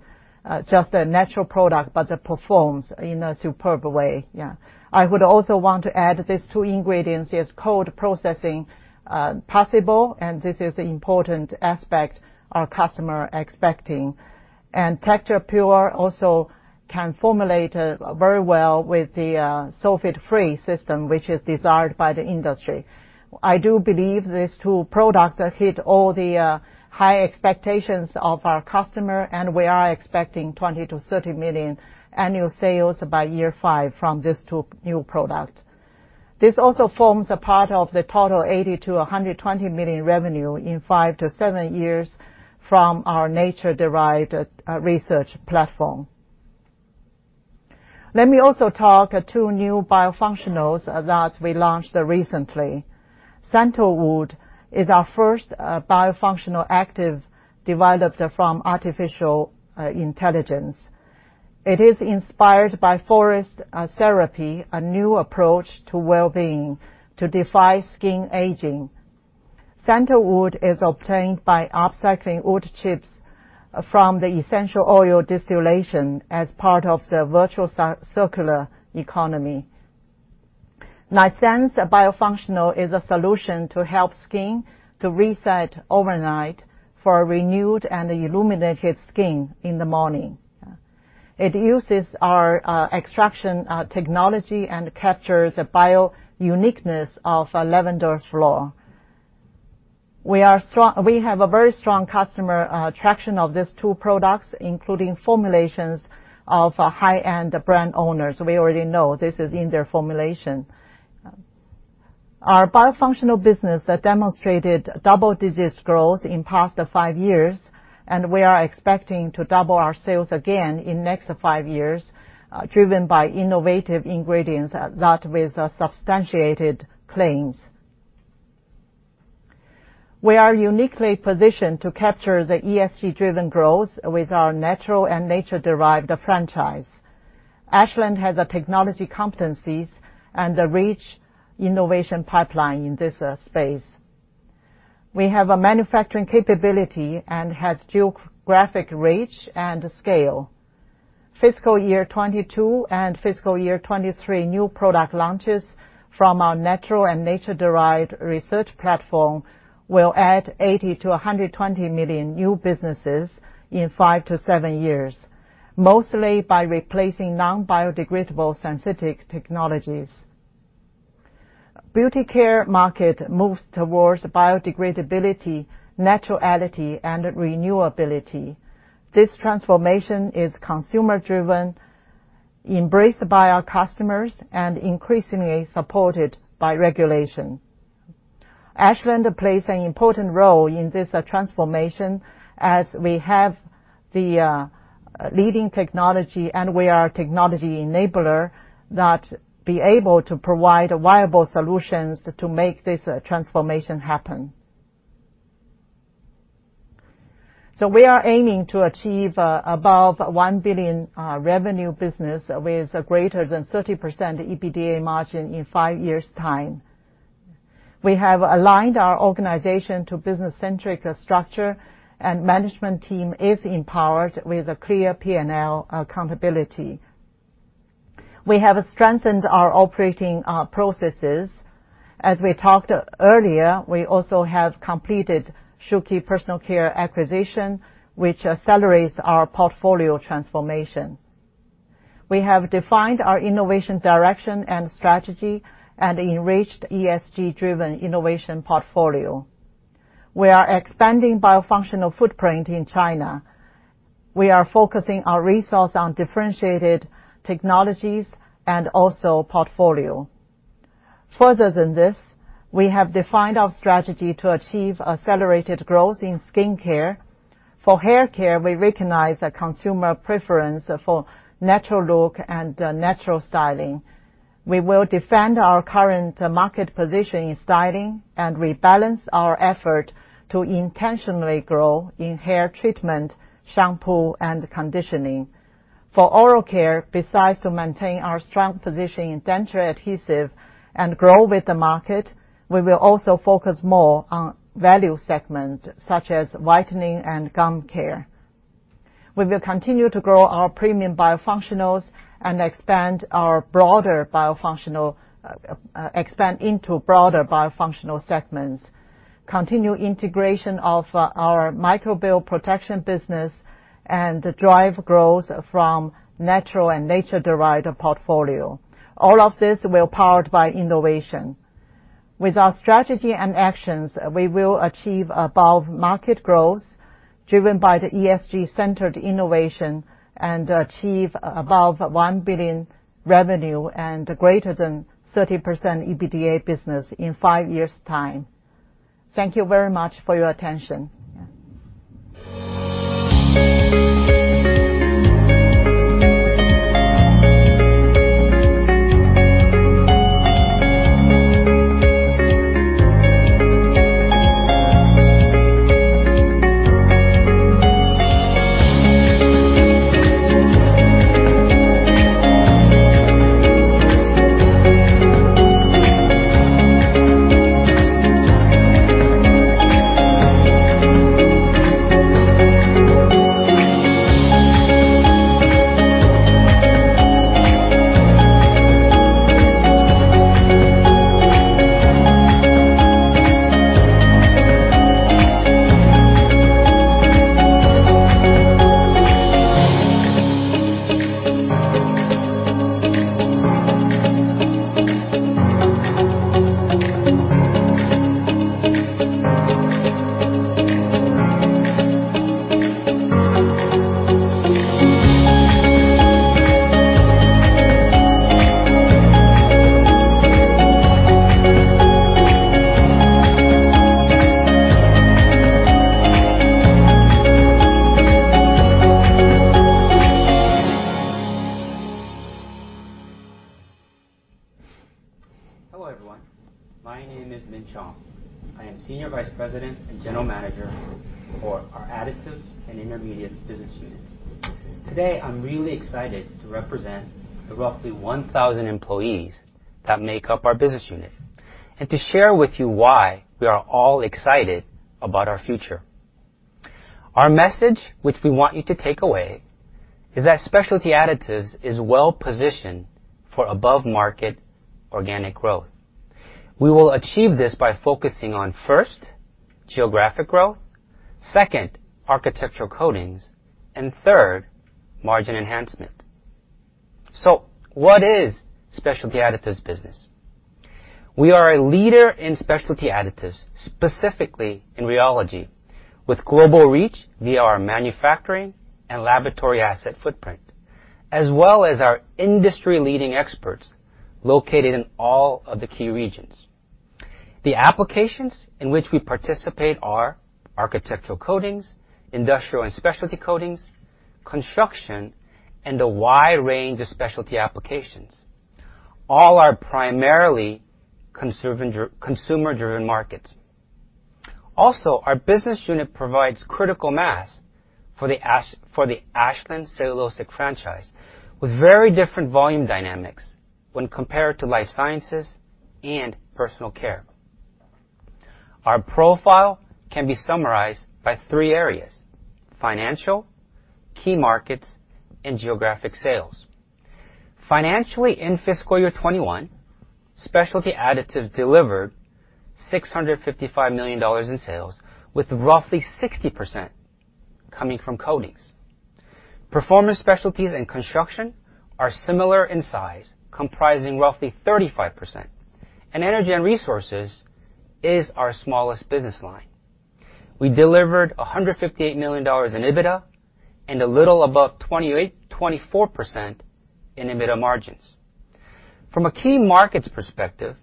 just a natural product, but it performs in a superb way. Yeah. I would also want to add these two ingredients is cold processing possible, and this is important aspect our customer expecting. TexturePure also can formulate very well with the sulfate-free system, which is desired by the industry. I do believe these two products hit all the high expectations of our customer, and we are expecting $20 million-$30 million annual sales by year five from these two new products. This also forms a part of the total $80 million-$120 million revenue in five to seven years from our nature-derived research platform. Let me also talk about two new biofunctionals that we launched recently. Santalwood is our first biofunctional active developed from artificial intelligence. It is inspired by forest therapy, a new approach to well-being to defy skin aging. Santalwood is obtained by upcycling wood chips from the essential oil distillation as part of the virtuous circular economy. Nightessence biofunctional is a solution to help skin to reset overnight for renewed and illuminated skin in the morning. It uses our extraction technology and captures the bio uniqueness of lavender flower. We have a very strong customer traction of these two products, including formulations of high-end brand owners. We already know this is in their formulation. Our biofunctional business demonstrated double-digit growth in past five years, and we are expecting to double our sales again in next five years, driven by innovative ingredients that with substantiated claims. We are uniquely positioned to capture the ESG-driven growth with our natural and nature-derived franchise. Ashland has the technology competencies and a rich innovation pipeline in this space. We have a manufacturing capability and have geographic reach and scale. Fiscal year 2022 and fiscal year 2023 new product launches from our natural and nature-derived research platform will add $80 million-$120 million new businesses in five to seven years, mostly by replacing non-biodegradable synthetic technologies. Beauty care market moves towards biodegradability, naturality, and renewability. This transformation is consumer-driven, embraced by our customers, and increasingly supported by regulation. Ashland plays an important role in this transformation as we have the leading technology and we are a technology enabler that be able to provide viable solutions to make this transformation happen. We are aiming to achieve above $1 billion revenue business with greater than 30% EBITDA margin in five years' time. We have aligned our organization to business-centric structure and management team is empowered with a clear P&L accountability. We have strengthened our operating processes. As we talked earlier, we also have completed Schülke Personal Care acquisition, which accelerates our portfolio transformation. We have defined our innovation direction and strategy and enriched ESG-driven innovation portfolio. We are expanding biofunctional footprint in China. We are focusing our resource on differentiated technologies and also portfolio. Further than this, we have defined our strategy to achieve accelerated growth in skincare. For haircare, we recognize a consumer preference for natural look and natural styling. We will defend our current market position in styling and rebalance our effort to intentionally grow in hair treatment, shampoo, and conditioning. For oral care, we will maintain our strong position in denture adhesive and grow with the market. We will also focus more on value segments such as whitening and gum care. We will continue to grow our premium biofunctionals and expand into broader biofunctional segments, continue integration of our microbial protection business, and drive growth from natural and nature-derived portfolio. All of this will be powered by innovation. With our strategy and actions, we will achieve above-market growth driven by the ESG-centered innovation and achieve above $1 billion revenue and greater than 30% EBITDA business in five years' time. Thank you very much for your attention. Hello everyone. My name is Min Chong. I am Senior Vice President and General Manager for our Additives and Intermediates business unit. Today, I'm really excited to represent the roughly 1,000 employees that make up our business unit and to share with you why we are all excited about our future. Our message, which we want you to take away, is that Specialty Additives is well-positioned for above-market organic growth. We will achieve this by focusing on, first, geographic growth, second, architectural coatings, and third, margin enhancement. What is Specialty Additives business? We are a leader in specialty additives, specifically in rheology, with global reach via our manufacturing and laboratory asset footprint, as well as our industry-leading experts located in all of the key regions. The applications in which we participate are architectural coatings, industrial and specialty coatings, construction, and a wide range of specialty applications. All are primarily consumer-driven markets. Our business unit provides critical mass for the Ashland cellulosic franchise, with very different volume dynamics when compared to Life Sciences and Personal Care. Our profile can be summarized by three areas, financial, key markets, and geographic sales. Financially, in fiscal year 2021, Specialty Additives delivered $655 million in sales, with roughly 60% coming from coatings. Performance Specialties and Construction are similar in size, comprising roughly 35%, and Energy and Resources is our smallest business line. We delivered $158 million in EBITDA and a little above 24% in EBITDA margins. From a key markets perspective,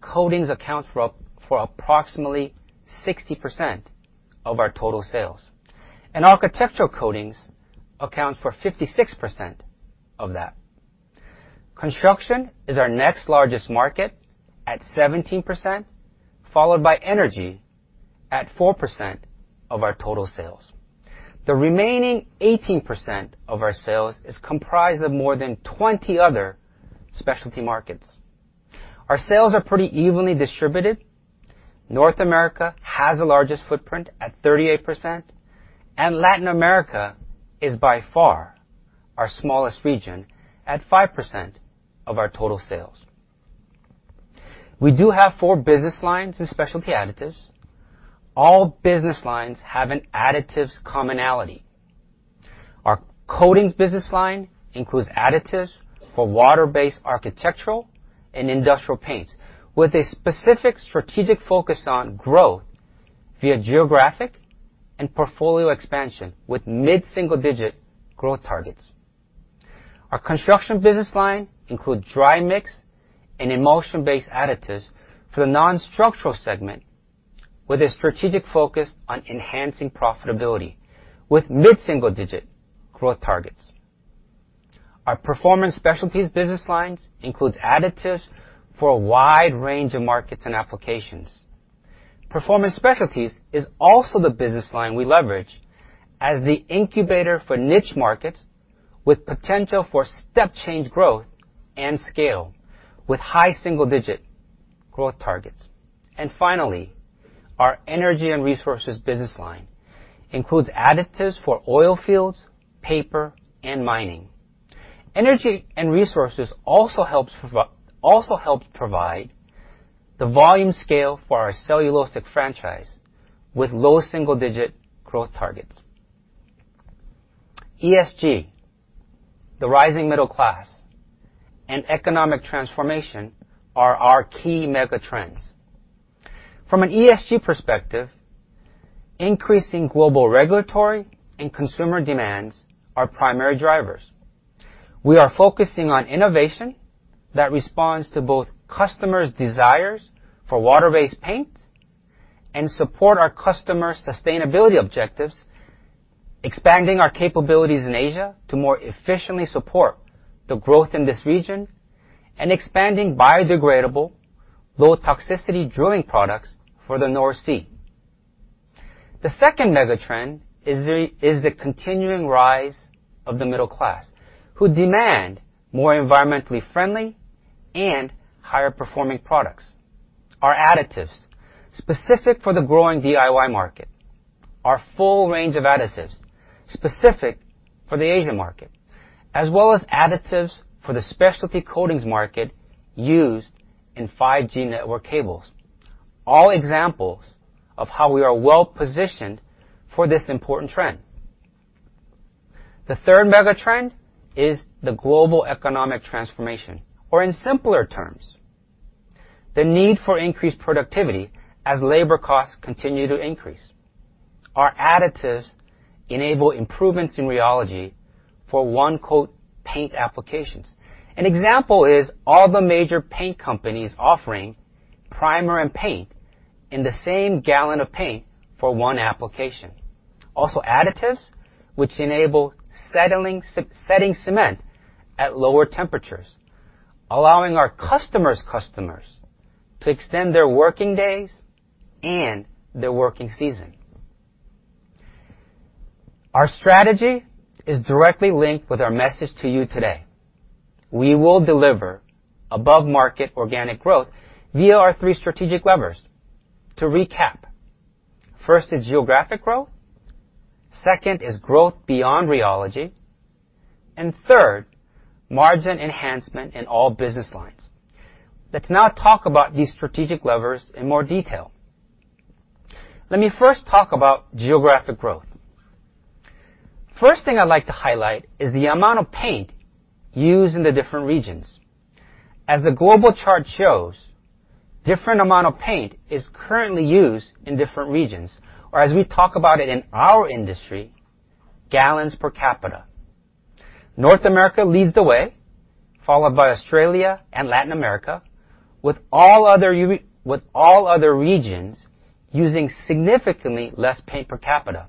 coatings account for approximately 60% of our total sales, and architectural coatings account for 56% of that. Construction is our next largest market at 17%, followed by energy at 4% of our total sales. The remaining 18% of our sales is comprised of more than 20 other specialty markets. Our sales are pretty evenly distributed. North America has the largest footprint at 38%, and Latin America is by far our smallest region at 5% of our total sales. We do have four business lines in Specialty Additives. All business lines have an additives commonality. Our coatings business line includes additives for water-based architectural and industrial paints with a specific strategic focus on growth via geographic and portfolio expansion, with mid-single-digit growth targets. Our construction business line include dry mix and emulsion-based additives for the non-structural segment, with a strategic focus on enhancing profitability with mid-single-digit growth targets. Our Performance Specialties business lines includes additives for a wide range of markets and applications. Performance Specialties is also the business line we leverage as the incubator for niche markets with potential for step change growth and scale, with high single-digit growth targets. Finally, our Energy and Resources business line includes additives for oil fields, paper, and mining. Energy and Resources also helps provide the volume scale for our cellulosic franchise with low single-digit growth targets. ESG, the rising middle class, and economic transformation are our key mega trends. From an ESG perspective, increasing global regulatory and consumer demands are primary drivers. We are focusing on innovation that responds to both customers' desires for water-based paint and support our customers' sustainability objectives, expanding our capabilities in Asia to more efficiently support the growth in this region and expanding biodegradable, low toxicity drilling products for the North Sea. The second mega trend is the continuing rise of the middle class, who demand more environmentally friendly and higher performing products. Our additives, specific for the growing DIY market, our full range of additives, specific for the Asian market, as well as additives for the specialty coatings market used in 5G network cables, all examples of how we are well-positioned for this important trend. The third mega trend is the global economic transformation, or in simpler terms, the need for increased productivity as labor costs continue to increase. Our additives enable improvements in rheology for one coat paint applications. An example is all the major paint companies offering primer and paint in the same gallon of paint for one application. Also additives which enable setting cement at lower temperatures, allowing our customers' customers to extend their working days and their working season. Our strategy is directly linked with our message to you today. We will deliver above market organic growth via our three strategic levers. To recap, first is geographic growth, second is growth beyond rheology, and third, margin enhancement in all business lines. Let's now talk about these strategic levers in more detail. Let me first talk about geographic growth. First thing I'd like to highlight is the amount of paint used in the different regions. As the global chart shows, different amount of paint is currently used in different regions, or as we talk about it in our industry, gallons per capita. North America leads the way, followed by Australia and Latin America, with all other regions using significantly less paint per capita.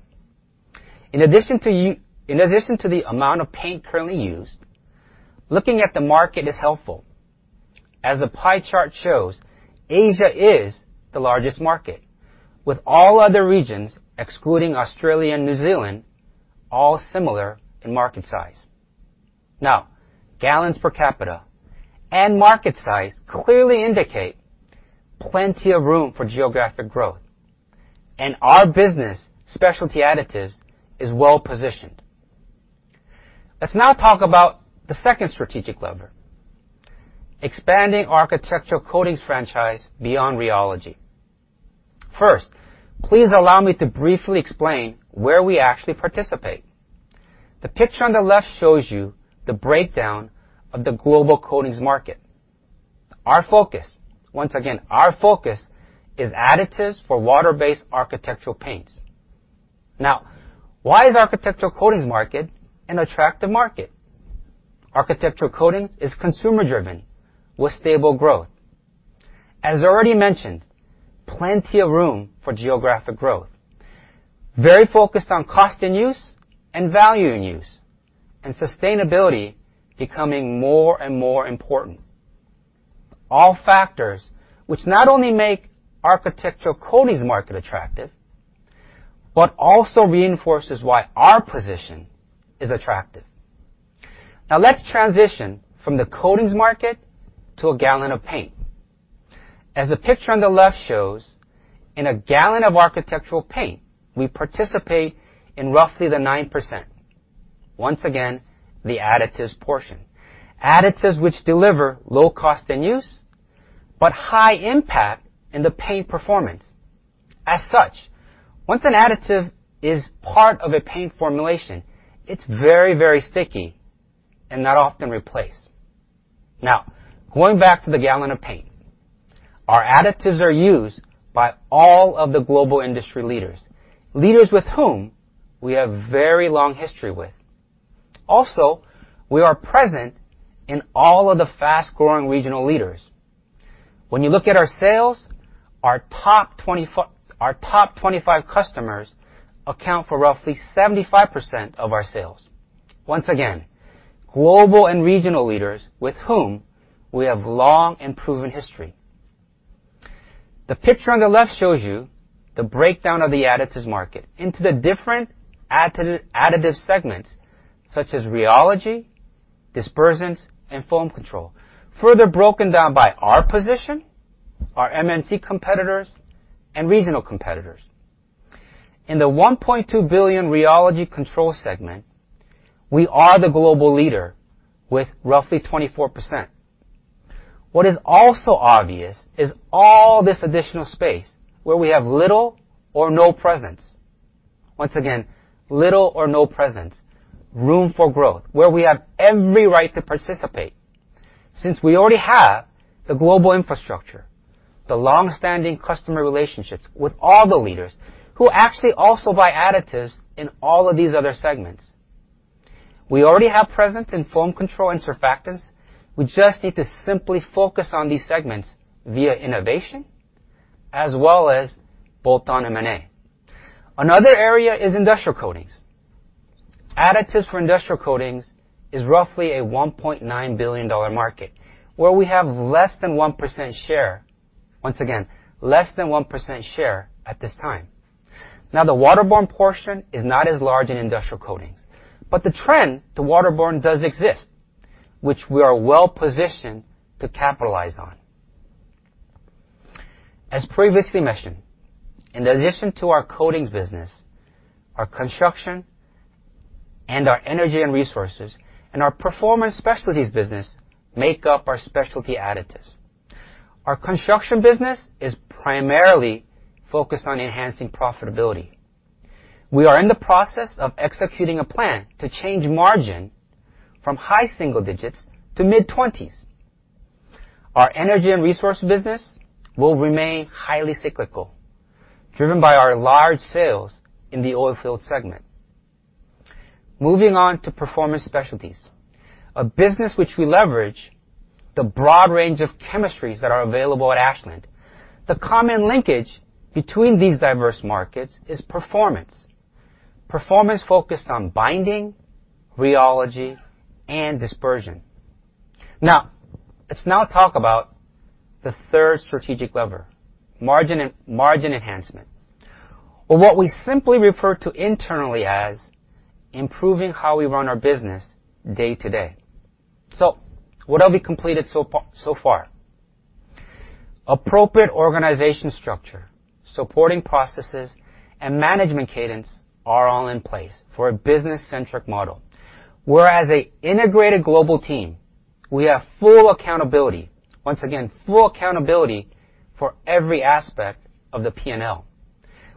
In addition to the amount of paint currently used, looking at the market is helpful. As the pie chart shows, Asia is the largest market, with all other regions, excluding Australia and New Zealand, all similar in market size. Now, gallons per capita and market size clearly indicate plenty of room for geographic growth, and our business, Specialty Additives, is well-positioned. Let's now talk about the second strategic lever, expanding architectural coatings franchise beyond rheology. First, please allow me to briefly explain where we actually participate. The picture on the left shows you the breakdown of the global coatings market. Our focus, once again, is additives for water-based architectural paints. Now, why is architectural coatings market an attractive market? Architectural coatings is consumer-driven with stable growth. As already mentioned, plenty of room for geographic growth. Very focused on cost and use and value in use, and sustainability becoming more and more important. All factors which not only make architectural coatings market attractive, but also reinforces why our position is attractive. Now, let's transition from the coatings market to a gallon of paint. As the picture on the left shows, in a gallon of architectural paint, we participate in roughly the 9%. Once again, the additives portion. Additives which deliver low cost in use, but high impact in the paint performance. As such, once an additive is part of a paint formulation, it's very, very sticky and not often replaced. Now, going back to the gallon of paint, our additives are used by all of the global industry leaders with whom we have very long history with. Also, we are present in all of the fast-growing regional leaders. When you look at our sales, our top 25 customers account for roughly 75% of our sales. Once again, global and regional leaders with whom we have long and proven history. The picture on the left shows you the breakdown of the additives market into the different additive, additives segments, such as rheology, dispersants, and foam control. Further broken down by our position, our MNC competitors, and regional competitors. In the $1.2 billion rheology control segment, we are the global leader with roughly 24%. What is also obvious is all this additional space where we have little or no presence. Once again, little or no presence. Room for growth, where we have every right to participate, since we already have the global infrastructure, the long-standing customer relationships with all the leaders who actually also buy additives in all of these other segments. We already have presence in foam control and surfactants. We just need to simply focus on these segments via innovation as well as bolt-on M&A. Another area is industrial coatings. Additives for industrial coatings is roughly a $1.9 billion market, where we have less than 1% share. Once again, less than 1% share at this time. Now, the waterborne portion is not as large in industrial coatings, but the trend to waterborne does exist, which we are well-positioned to capitalize on. As previously mentioned, in addition to our coatings business, our Construction and our Energy and Resources, and our Performance Specialties business make up our Specialty Additives. Our Construction business is primarily focused on enhancing profitability. We are in the process of executing a plan to change margin from high single digits to mid-20s. Our Energy and Resources business will remain highly cyclical, driven by our large sales in the oilfield segment. Moving on to Performance Specialties, a business which we leverage the broad range of chemistries that are available at Ashland. The common linkage between these diverse markets is performance. Performance focused on binding, rheology, and dispersion. Now, let's talk about the third strategic lever, margin enhancement. Well, what we simply refer to internally as improving how we run our business day to day. What have we completed so far? Appropriate organization structure, supporting processes, and management cadence are all in place for a business-centric model. Whereas an integrated global team, we have full accountability. Once again, full accountability for every aspect of the P&L.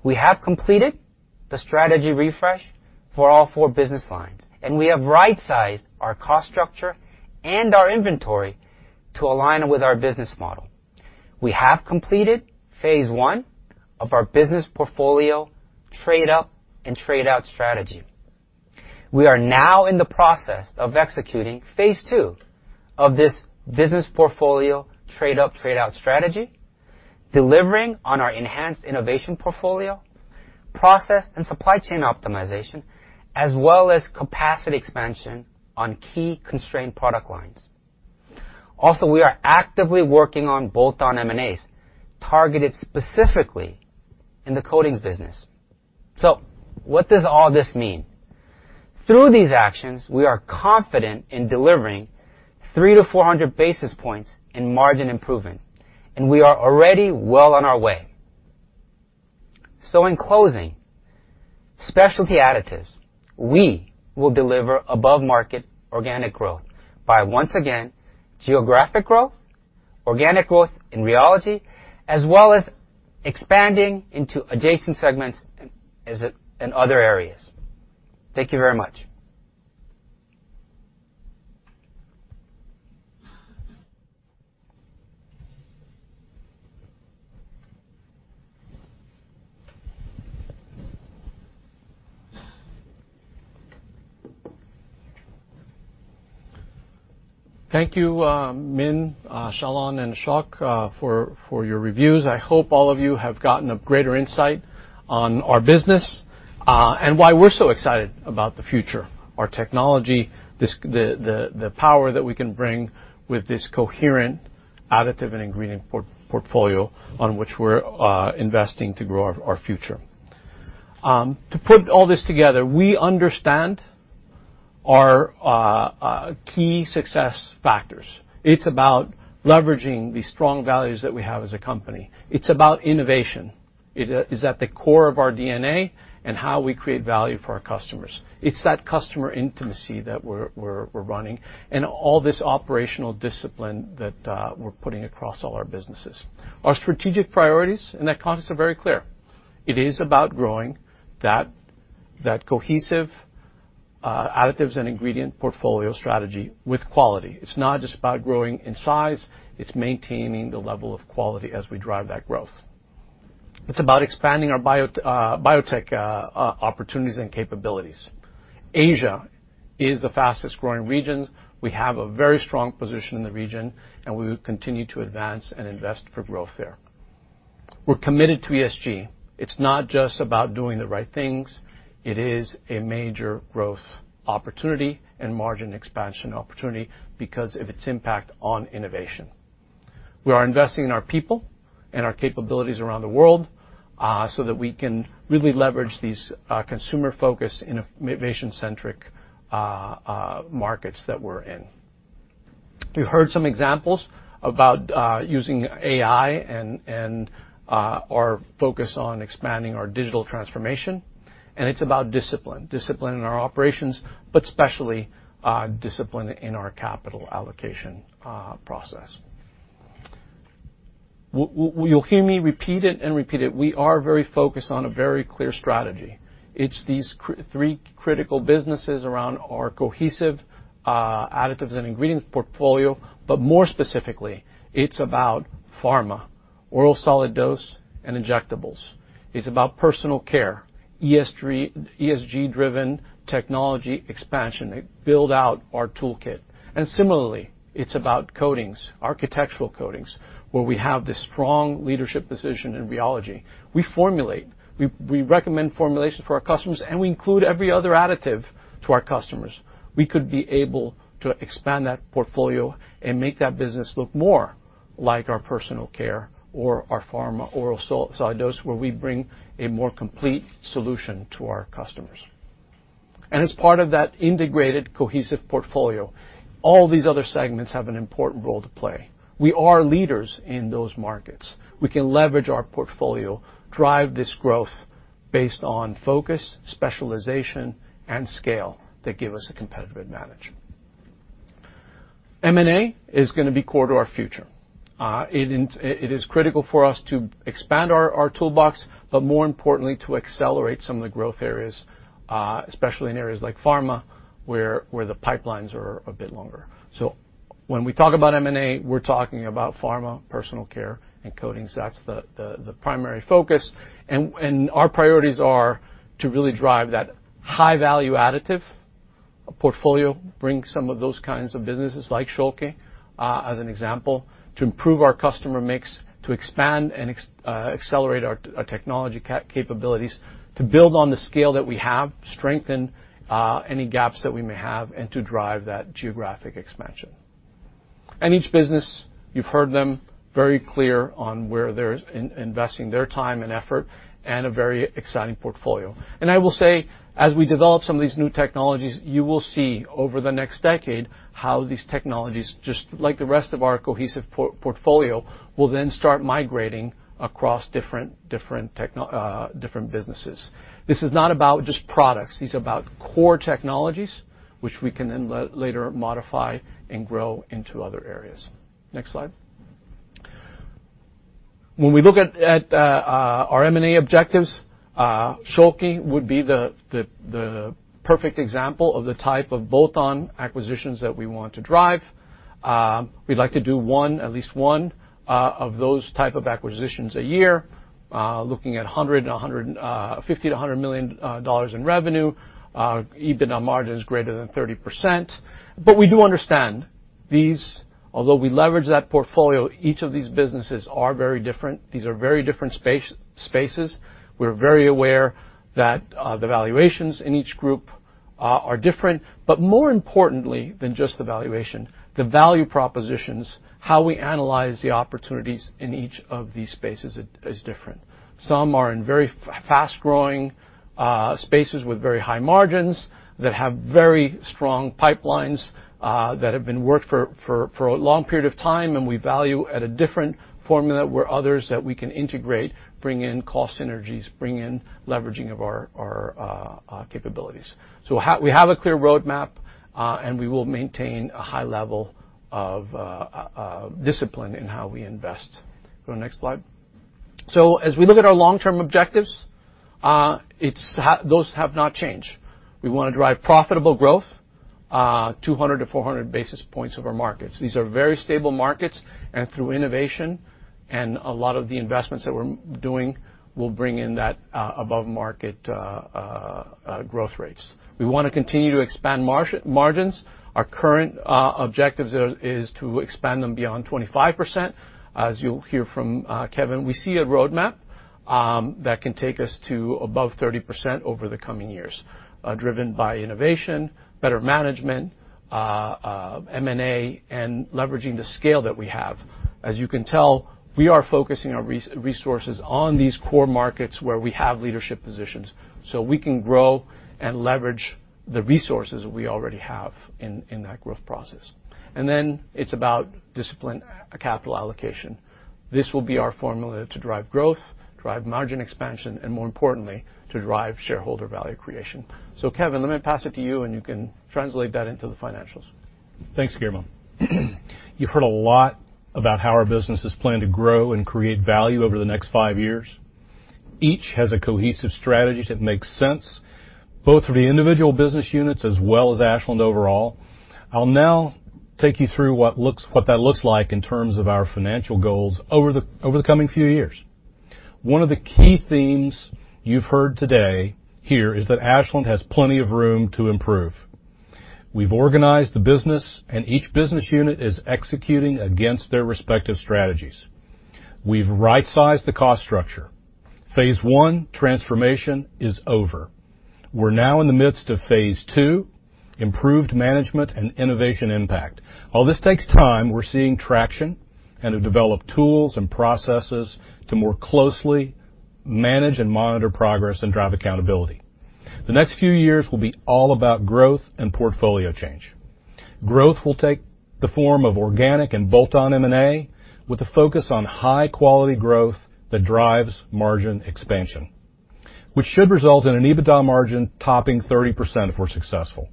We have completed the strategy refresh for all four business lines, and we have rightsized our cost structure and our inventory to align with our business model. We have completed phase I of our business portfolio trade-up and trade-out strategy. We are now in the process of executing phase two of this business portfolio trade-up, trade-out strategy, delivering on our enhanced innovation portfolio, process and supply chain optimization, as well as capacity expansion on key constrained product lines. Also, we are actively working on bolt-on M&As, targeted specifically in the coatings business. What does all this mean? Through these actions, we are confident in delivering 300-400 basis points in margin improvement, and we are already well on our way. In closing, Specialty Additives, we will deliver above-market organic growth by, once again, geographic growth, organic growth in rheology, as well as expanding into adjacent segments in, as in other areas. Thank you very much. Thank you, Min, Xiaolan, and Ashok, for your reviews. I hope all of you have gotten a greater insight on our business, and why we're so excited about the future, our technology, the power that we can bring with this coherent additive and ingredient portfolio on which we're investing to grow our future. To put all this together, we understand our key success factors. It's about leveraging the strong values that we have as a company. It's about innovation. It is at the core of our DNA and how we create value for our customers. It's that customer intimacy that we're running, and all this operational discipline that we're putting across all our businesses. Our strategic priorities in that context are very clear. It is about growing that cohesive additives and ingredient portfolio strategy with quality. It's not just about growing in size, it's maintaining the level of quality as we drive that growth. It's about expanding our biotech opportunities and capabilities. Asia is the fastest-growing region. We have a very strong position in the region, and we will continue to advance and invest for growth there. We're committed to ESG. It's not just about doing the right things. It is a major growth opportunity and margin expansion opportunity because of its impact on innovation. We are investing in our people and our capabilities around the world, so that we can really leverage these consumer-focused in innovation-centric markets that we're in. You heard some examples about using AI and our focus on expanding our digital transformation, and it's about discipline in our operations, but especially discipline in our capital allocation process. Well, you'll hear me repeat it. We are very focused on a very clear strategy. It's these three critical businesses around our cohesive additives and ingredients portfolio, but more specifically, it's about pharma, oral solid dose, and injectables. It's about Personal Care, ESG-driven technology expansion to build out our toolkit. Similarly, it's about coatings, architectural coatings, where we have this strong leadership position in rheology. We formulate, we recommend formulations for our customers, and we include every other additive to our customers. We could be able to expand that portfolio and make that business look more like our Personal Care or our pharma oral solid dose, where we bring a more complete solution to our customers. As part of that integrated, cohesive portfolio, all these other segments have an important role to play. We are leaders in those markets. We can leverage our portfolio, drive this growth based on focus, specialization, and scale that give us a competitive advantage. M&A is gonna be core to our future. It is critical for us to expand our toolbox, but more importantly, to accelerate some of the growth areas, especially in areas like pharma, where the pipelines are a bit longer. When we talk about M&A, we're talking about pharma, Personal Care and coatings. That's the primary focus. Our priorities are to really drive that high value additive portfolio, bring some of those kinds of businesses like Schülke, as an example, to improve our customer mix, to expand and accelerate our technology capabilities, to build on the scale that we have, strengthen any gaps that we may have, and to drive that geographic expansion. Each business, you've heard them, very clear on where they're investing their time and effort, and a very exciting portfolio. I will say, as we develop some of these new technologies, you will see over the next decade how these technologies, just like the rest of our cohesive portfolio, will then start migrating across different businesses. This is not about just products. This is about core technologies, which we can then later modify and grow into other areas. Next slide. When we look at our M&A objectives, Schülke would be the perfect example of the type of bolt-on acquisitions that we want to drive. We'd like to do one, at least one, of those type of acquisitions a year, looking at $150 million-$100 million in revenue, EBITDA margin greater than 30%. We do understand these, although we leverage that portfolio, each of these businesses are very different. These are very different spaces. We're very aware that the valuations in each group are different. More importantly than just the valuation, the value propositions, how we analyze the opportunities in each of these spaces is different. Some are in very fast-growing spaces with very high margins that have very strong pipelines that have been worked for a long period of time and we value at a different formula, where others that we can integrate, bring in cost synergies, bring in leveraging of our capabilities. We have a clear roadmap, and we will maintain a high level of discipline in how we invest. Go next slide. As we look at our long-term objectives, those have not changed. We wanna drive profitable growth 200-400 basis points over markets. These are very stable markets, and through innovation and a lot of the investments that we're doing, we'll bring in that above-market growth rates. We wanna continue to expand margins. Our current objective is to expand them beyond 25%. As you'll hear from Kevin, we see a roadmap that can take us to above 30% over the coming years, driven by innovation, better management, M&A, and leveraging the scale that we have. As you can tell, we are focusing our resources on these core markets where we have leadership positions, so we can grow and leverage the resources we already have in that growth process. It's about discipline, capital allocation. This will be our formula to drive growth, drive margin expansion, and more importantly, to drive shareholder value creation. Kevin, let me pass it to you, and you can translate that into the financials. Thanks, Guillermo. You've heard a lot about how our businesses plan to grow and create value over the next five years. Each has a cohesive strategy that makes sense, both for the individual business units as well as Ashland overall. I'll now take you through what that looks like in terms of our financial goals over the coming few years. One of the key themes you've heard today here is that Ashland has plenty of room to improve. We've organized the business, and each business unit is executing against their respective strategies. We've right-sized the cost structure. Phase one transformation is over. We're now in the midst of phase two, improved management and innovation impact. While this takes time, we're seeing traction and have developed tools and processes to more closely manage and monitor progress and drive accountability. The next few years will be all about growth and portfolio change. Growth will take the form of organic and bolt-on M&A with a focus on high-quality growth that drives margin expansion, which should result in an EBITDA margin topping 30% if we're successful.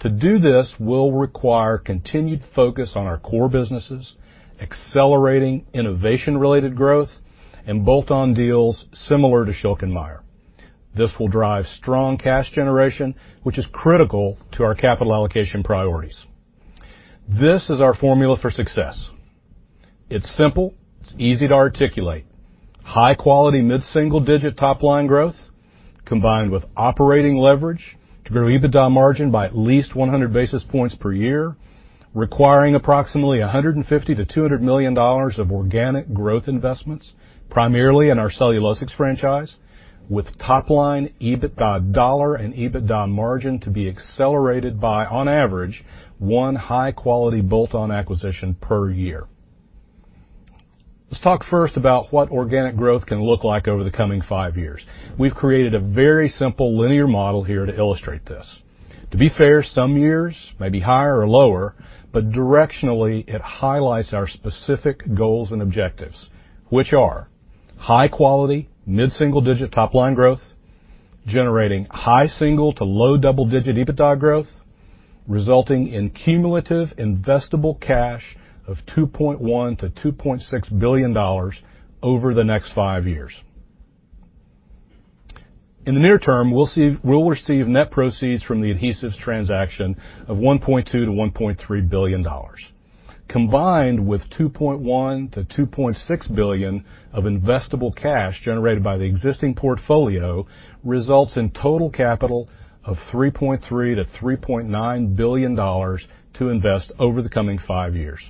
To do this will require continued focus on our core businesses, accelerating innovation-related growth, and bolt-on deals similar to Schülke & Mayr. This will drive strong cash generation, which is critical to our capital allocation priorities. This is our formula for success. It's simple, it's easy to articulate. High quality, mid-single digit top-line growth, combined with operating leverage to grow EBITDA margin by at least 100 basis points per year, requiring approximately $150 million-$200 million of organic growth investments, primarily in our cellulosics franchise, with top-line, EBITDA dollar and EBITDA margin to be accelerated by, on average, one high-quality bolt-on acquisition per year. Let's talk first about what organic growth can look like over the coming five years. We've created a very simple linear model here to illustrate this. To be fair, some years may be higher or lower, but directionally, it highlights our specific goals and objectives, which are high quality, mid-single digit top-line growth. Generating high single to low double-digit EBITDA growth, resulting in cumulative investable cash of $2.1 billion-$2.6 billion over the next five years. In the near term, we'll receive net proceeds from the adhesives transaction of $1.2 billion-$1.3 billion. Combined with $2.1 billion-$2.6 billion of investable cash generated by the existing portfolio, results in total capital of $3.3 billion-$3.9 billion to invest over the coming five years.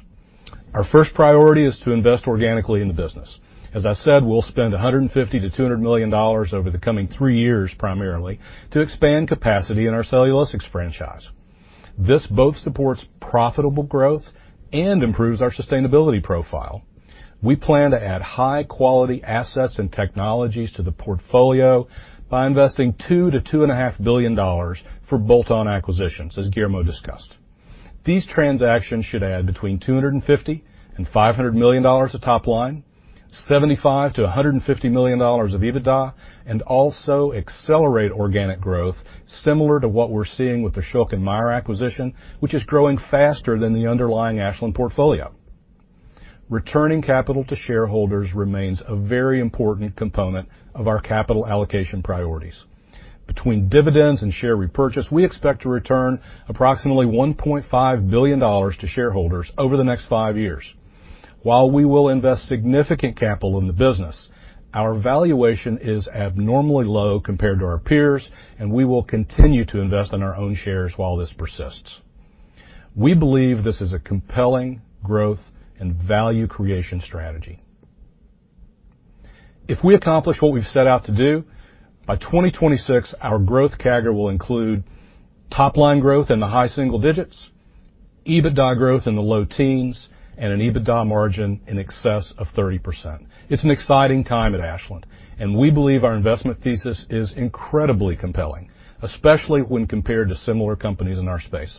Our first priority is to invest organically in the business. As I said, we'll spend $150 million-$200 million over the coming three years, primarily to expand capacity in our cellulosics franchise. This both supports profitable growth and improves our sustainability profile. We plan to add high-quality assets and technologies to the portfolio by investing $2 billion-$2.5 billion for bolt-on acquisitions, as Guillermo discussed. These transactions should add between $250 million and $500 million to top line, $75 million-$150 million of EBITDA, and also accelerate organic growth similar to what we're seeing with the Schülke & Mayr acquisition, which is growing faster than the underlying Ashland portfolio. Returning capital to shareholders remains a very important component of our capital allocation priorities. Between dividends and share repurchase, we expect to return approximately $1.5 billion to shareholders over the next five years. While we will invest significant capital in the business, our valuation is abnormally low compared to our peers, and we will continue to invest in our own shares while this persists. We believe this is a compelling growth and value creation strategy. If we accomplish what we've set out to do, by 2026, our growth CAGR will include top-line growth in the high single digits, EBITDA growth in the low teens, and an EBITDA margin in excess of 30%. It's an exciting time at Ashland, and we believe our investment thesis is incredibly compelling, especially when compared to similar companies in our space.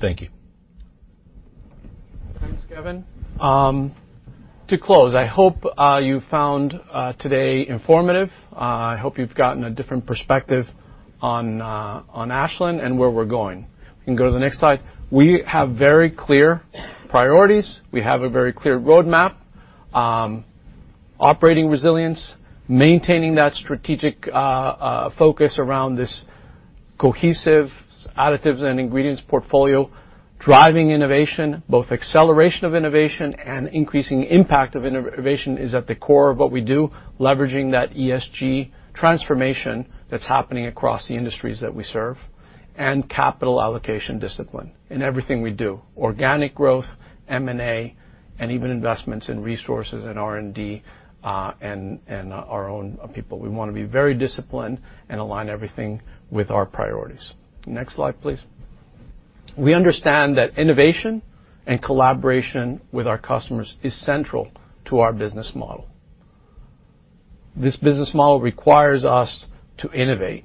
Thank you. Thanks, Kevin. To close, I hope you found today informative. I hope you've gotten a different perspective on Ashland and where we're going. You can go to the next slide. We have very clear priorities. We have a very clear roadmap. Operating resilience, maintaining that strategic focus around this cohesive additives and ingredients portfolio, driving innovation, both acceleration of innovation and increasing impact of innovation is at the core of what we do, leveraging that ESG transformation that's happening across the industries that we serve, and capital allocation discipline in everything we do. Organic growth, M&A, and even investments in resources and R&D and our own people. We wanna be very disciplined and align everything with our priorities. Next slide, please. We understand that innovation and collaboration with our customers is central to our business model. This business model requires us to innovate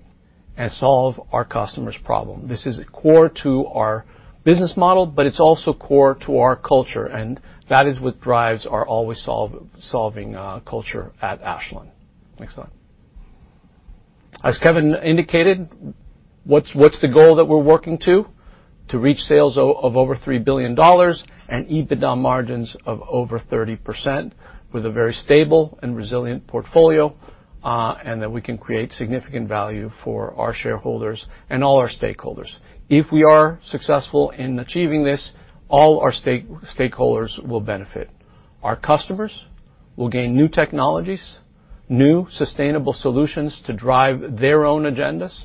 and solve our customer's problem. This is core to our business model, but it's also core to our culture, and that is what drives our always solving culture at Ashland. Next slide. As Kevin indicated, what's the goal that we're working to? To reach sales of over $3 billion and EBITDA margins of over 30% with a very stable and resilient portfolio, and that we can create significant value for our shareholders and all our stakeholders. If we are successful in achieving this, all our stakeholders will benefit. Our customers will gain new technologies, new sustainable solutions to drive their own agendas.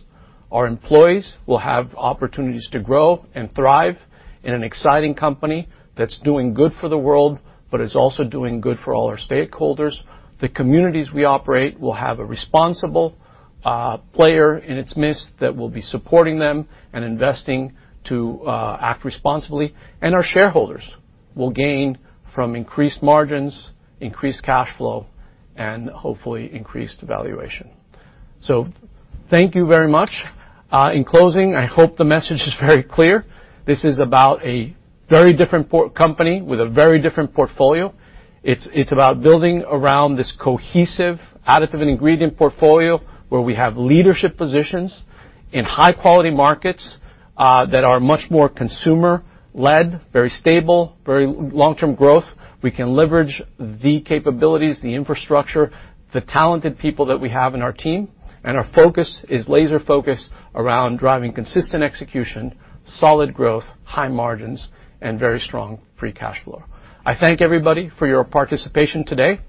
Our employees will have opportunities to grow and thrive in an exciting company that's doing good for the world, but is also doing good for all our stakeholders. The communities we operate will have a responsible player in its midst that will be supporting them and investing to act responsibly, and our shareholders will gain from increased margins, increased cash flow, and hopefully increased valuation. Thank you very much. In closing, I hope the message is very clear. This is about a very different sort of company with a very different portfolio. It's about building around this cohesive additive and ingredient portfolio where we have leadership positions in high-quality markets that are much more consumer-led, very stable, very long-term growth. We can leverage the capabilities, the infrastructure, the talented people that we have in our team, and our focus is laser-focused around driving consistent execution, solid growth, high margins, and very strong free cash flow. I thank everybody for your participation today,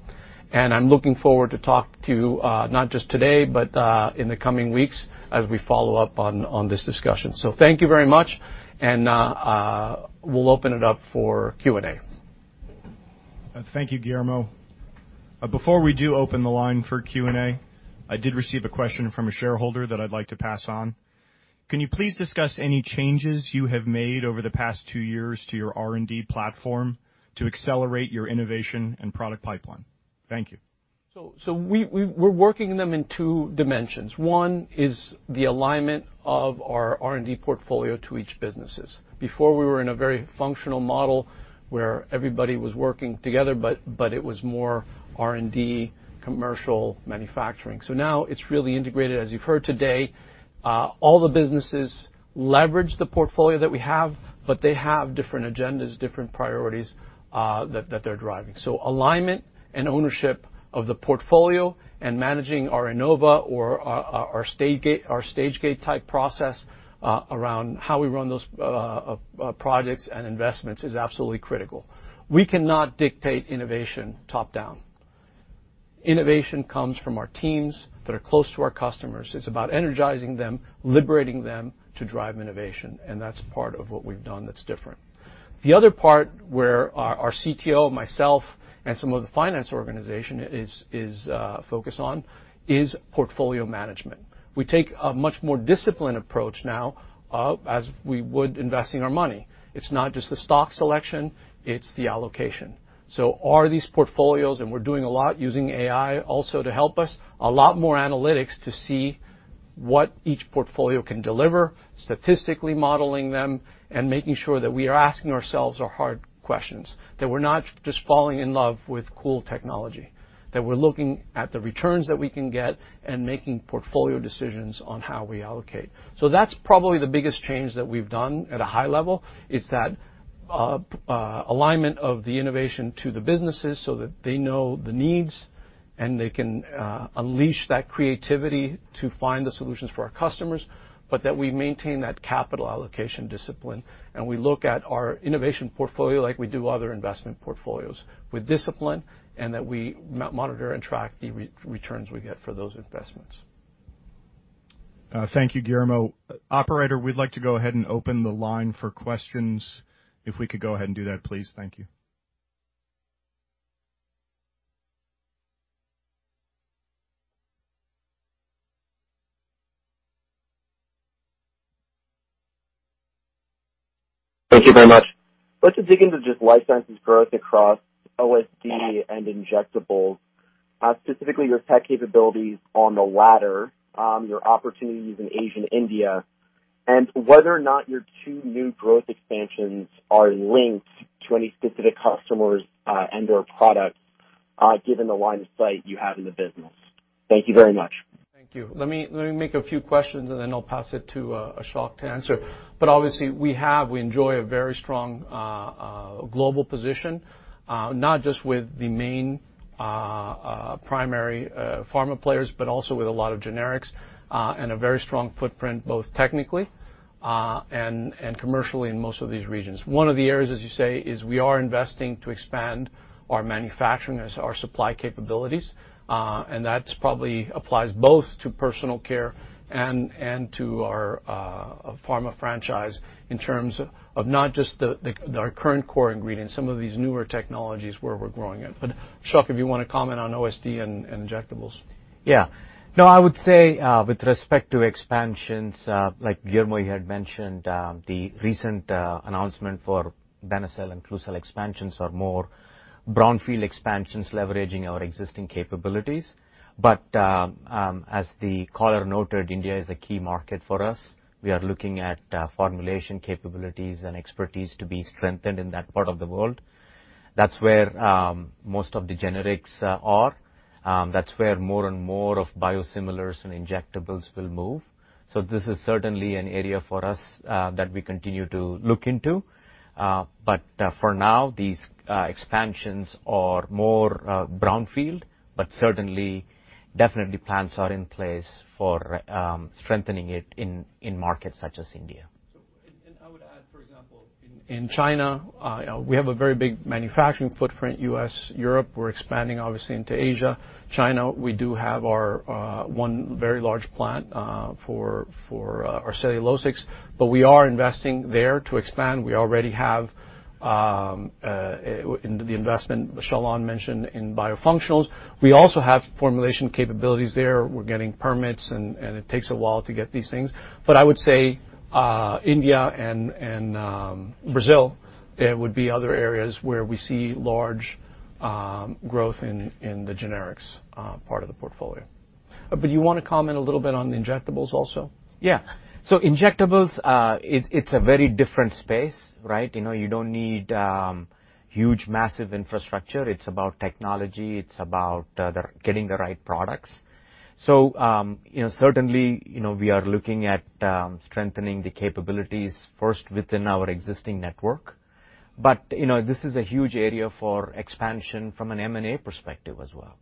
and I'm looking forward to talk to, not just today, but, in the coming weeks as we follow up on this discussion. Thank you very much, and we'll open it up for Q&A. Thank you, Guillermo. Before we do open the line for Q&A, I did receive a question from a shareholder that I'd like to pass on. Can you please discuss any changes you have made over the past two years to your R&D platform to accelerate your innovation and product pipeline? Thank you. We're working them in two dimensions. One is the alignment of our R&D portfolio to each businesses. Before we were in a very functional model where everybody was working together, but it was more R&D, commercial manufacturing. Now it's really integrated. As you've heard today, all the businesses leverage the portfolio that we have, but they have different agendas, different priorities, that they're driving. Alignment and ownership of the portfolio and managing our innovation or our stage-gate type process around how we run those projects and investments is absolutely critical. We cannot dictate innovation top-down. Innovation comes from our teams that are close to our customers. It's about energizing them, liberating them to drive innovation, and that's part of what we've done that's different. The other part where our CTO, myself, and some of the finance organization is focused on is portfolio management. We take a much more disciplined approach now, as we would investing our money. It's not just the stock selection, it's the allocation. Are these portfolios, and we're doing a lot using AI also to help us, a lot more analytics to see what each portfolio can deliver, statistically modeling them and making sure that we are asking ourselves our hard questions, that we're not just falling in love with cool technology, that we're looking at the returns that we can get and making portfolio decisions on how we allocate. That's probably the biggest change that we've done at a high level, is that alignment of the innovation to the businesses so that they know the needs and they can unleash that creativity to find the solutions for our customers, but that we maintain that capital allocation discipline. We look at our innovation portfolio like we do other investment portfolios with discipline, and that we monitor and track the returns we get for those investments. Thank you, Guillermo. Operator, we'd like to go ahead and open the line for questions. If we could go ahead and do that, please. Thank you. Thank you very much. Let's just dig into just Life Sciences growth across OSD and injectables, specifically your tech capabilities on the latter, your opportunities in Asia and India, and whether or not your two new growth expansions are linked to any specific customers, and or products, given the line of sight you have in the business? Thank you very much. Thank you. Let me make a few questions, and then I'll pass it to Ashok to answer. Obviously, we enjoy a very strong global position, not just with the main primary pharma players, but also with a lot of generics, and a very strong footprint, both technically and commercially in most of these regions. One of the areas, as you say, is we are investing to expand our manufacturing and our supply capabilities, and that probably applies both to Personal Care and to our pharma franchise in terms of not just our current core ingredients, some of these newer technologies where we're growing it. Ashok, if you wanna comment on OSD and injectables. Yeah. No, I would say with respect to expansions, like Guillermo had mentioned, the recent announcement for Benecel and Klucel expansions are more brownfield expansions leveraging our existing capabilities. As the caller noted, India is a key market for us. We are looking at formulation capabilities and expertise to be strengthened in that part of the world. That's where most of the generics are. That's where more and more of biosimilars and injectables will move. This is certainly an area for us that we continue to look into. But for now, these expansions are more brownfield, but certainly definitely plans are in place for strengthening it in markets such as India. I would add, for example, in China, we have a very big manufacturing footprint, U.S., Europe. We're expanding, obviously, into Asia. China, we do have our one very large plant for our cellulosics, but we are investing there to expand. We already have into the investment that Xiaolan mentioned in biofunctionals. We also have formulation capabilities there. We're getting permits and it takes a while to get these things. I would say, India and Brazil, it would be other areas where we see large growth in the generics part of the portfolio. You wanna comment a little bit on the injectables also? Yeah. Injectables, it's a very different space, right? You know, you don't need huge, massive infrastructure. It's about technology. It's about getting the right products. You know, certainly, you know, we are looking at strengthening the capabilities first within our existing network. You know, this is a huge area for expansion from an M&A perspective as well.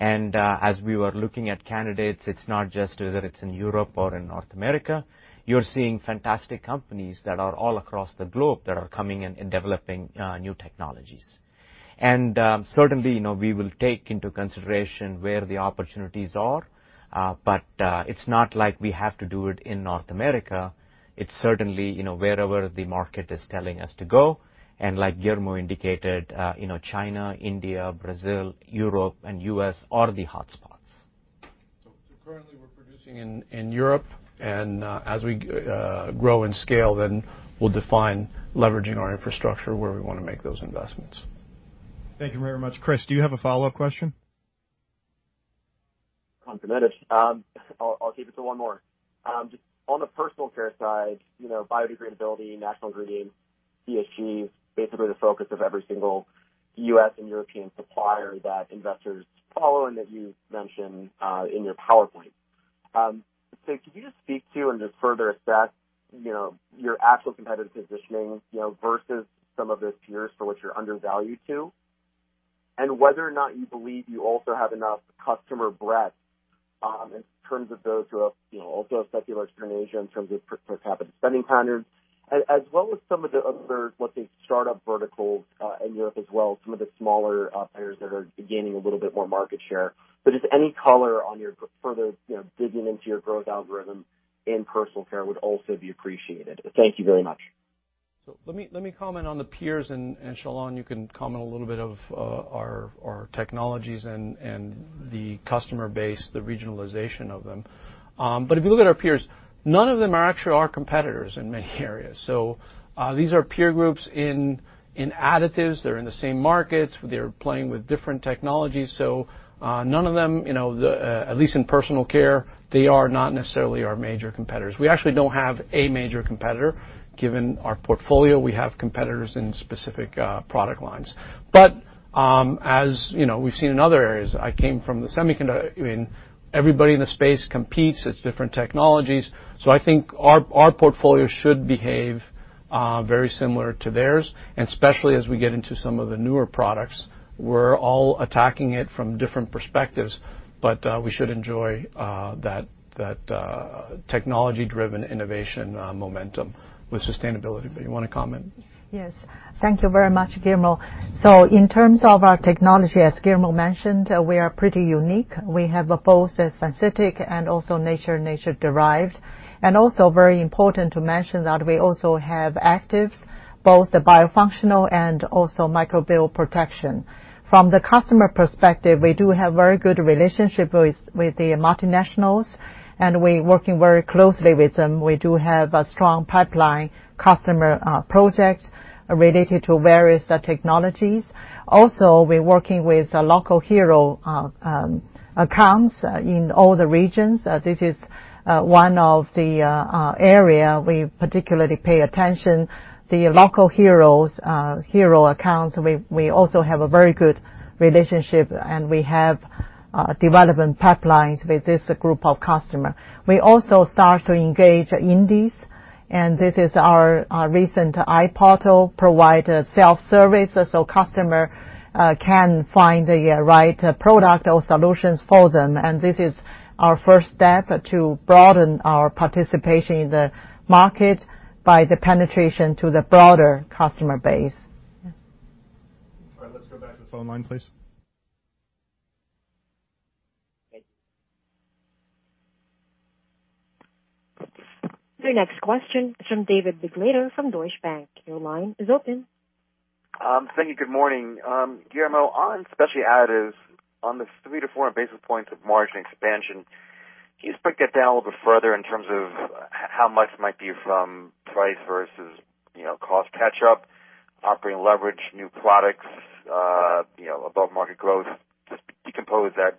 As we were looking at candidates, it's not just whether it's in Europe or in North America. You're seeing fantastic companies that are all across the globe that are coming and developing new technologies. Certainly, you know, we will take into consideration where the opportunities are, but it's not like we have to do it in North America. It's certainly, you know, wherever the market is telling us to go. Like Guillermo indicated, you know, China, India, Brazil, Europe, and U.S. are the hotspots. Currently, we're producing in Europe. As we grow and scale, then we'll define leveraging our infrastructure where we wanna make those investments. Thank you very much. Chris, do you have a follow-up question? I'll keep it to one more. Just on the Personal Care side, you know, biodegradability, natural ingredients, ESG, basically the focus of every single U.S. and European supplier that investors follow and that you mentioned in your PowerPoint. Could you just speak to and just further assess, you know, your actual competitive positioning, you know, versus some of those peers to which you're undervalued to? Whether or not you believe you also have enough customer breadth in terms of those who have, you know, also a secular expansion in terms of what's happened to spending patterns. As well as some of the other, let's say, startup verticals in Europe as well, some of the smaller players that are gaining a little bit more market share. Just any color on your path forward, you know, digging into your growth algorithm in Personal Care would also be appreciated. Thank you very much. Let me comment on the peers, and Xiaolan, you can comment a little bit of our technologies and the customer base, the regionalization of them. If you look at our peers, none of them are actually our competitors in many areas. These are peer groups in additives. They are in the same markets. They are playing with different technologies. None of them, you know, at least in Personal Care, they are not necessarily our major competitors. We actually do not have a major competitor given our portfolio. We have competitors in specific product lines. As you know, we have seen in other areas, I mean, everybody in the space competes. It is different technologies. I think our portfolio should behave very similar to theirs, and especially as we get into some of the newer products. We're all attacking it from different perspectives, but we should enjoy that technology-driven innovation momentum with sustainability. You wanna comment? Yes. Thank you very much, Guillermo. In terms of our technology, as Guillermo mentioned, we are pretty unique. We have both the synthetic and also nature derived. Also very important to mention that we also have actives, both the biofunctional and also microbial protection. From the customer perspective, we do have very good relationship with the multinationals, and we're working very closely with them. We do have a strong pipeline customer projects related to various technologies. Also, we're working with local hero accounts in all the regions. This is one of the area we particularly pay attention. The local heroes hero accounts, we also have a very good relationship, and we have development pipelines with this group of customer. We also start to engage indies, and this is our recent iPortal provide self-service, so customer can find the right product or solutions for them. This is our first step to broaden our participation in the market by the penetration to the broader customer base. Yeah. All right, let's go back to the phone line, please. Thank you. Your next question is from David Begleiter from Deutsche Bank. Your line is open. Thank you. Good morning. Guillermo, on Specialty Additives, on the 3-4 basis points of margin expansion, can you just break that down a little bit further in terms of how much might be from price versus, you know, cost catch-up, operating leverage, new products, you know, above market growth? Just decompose that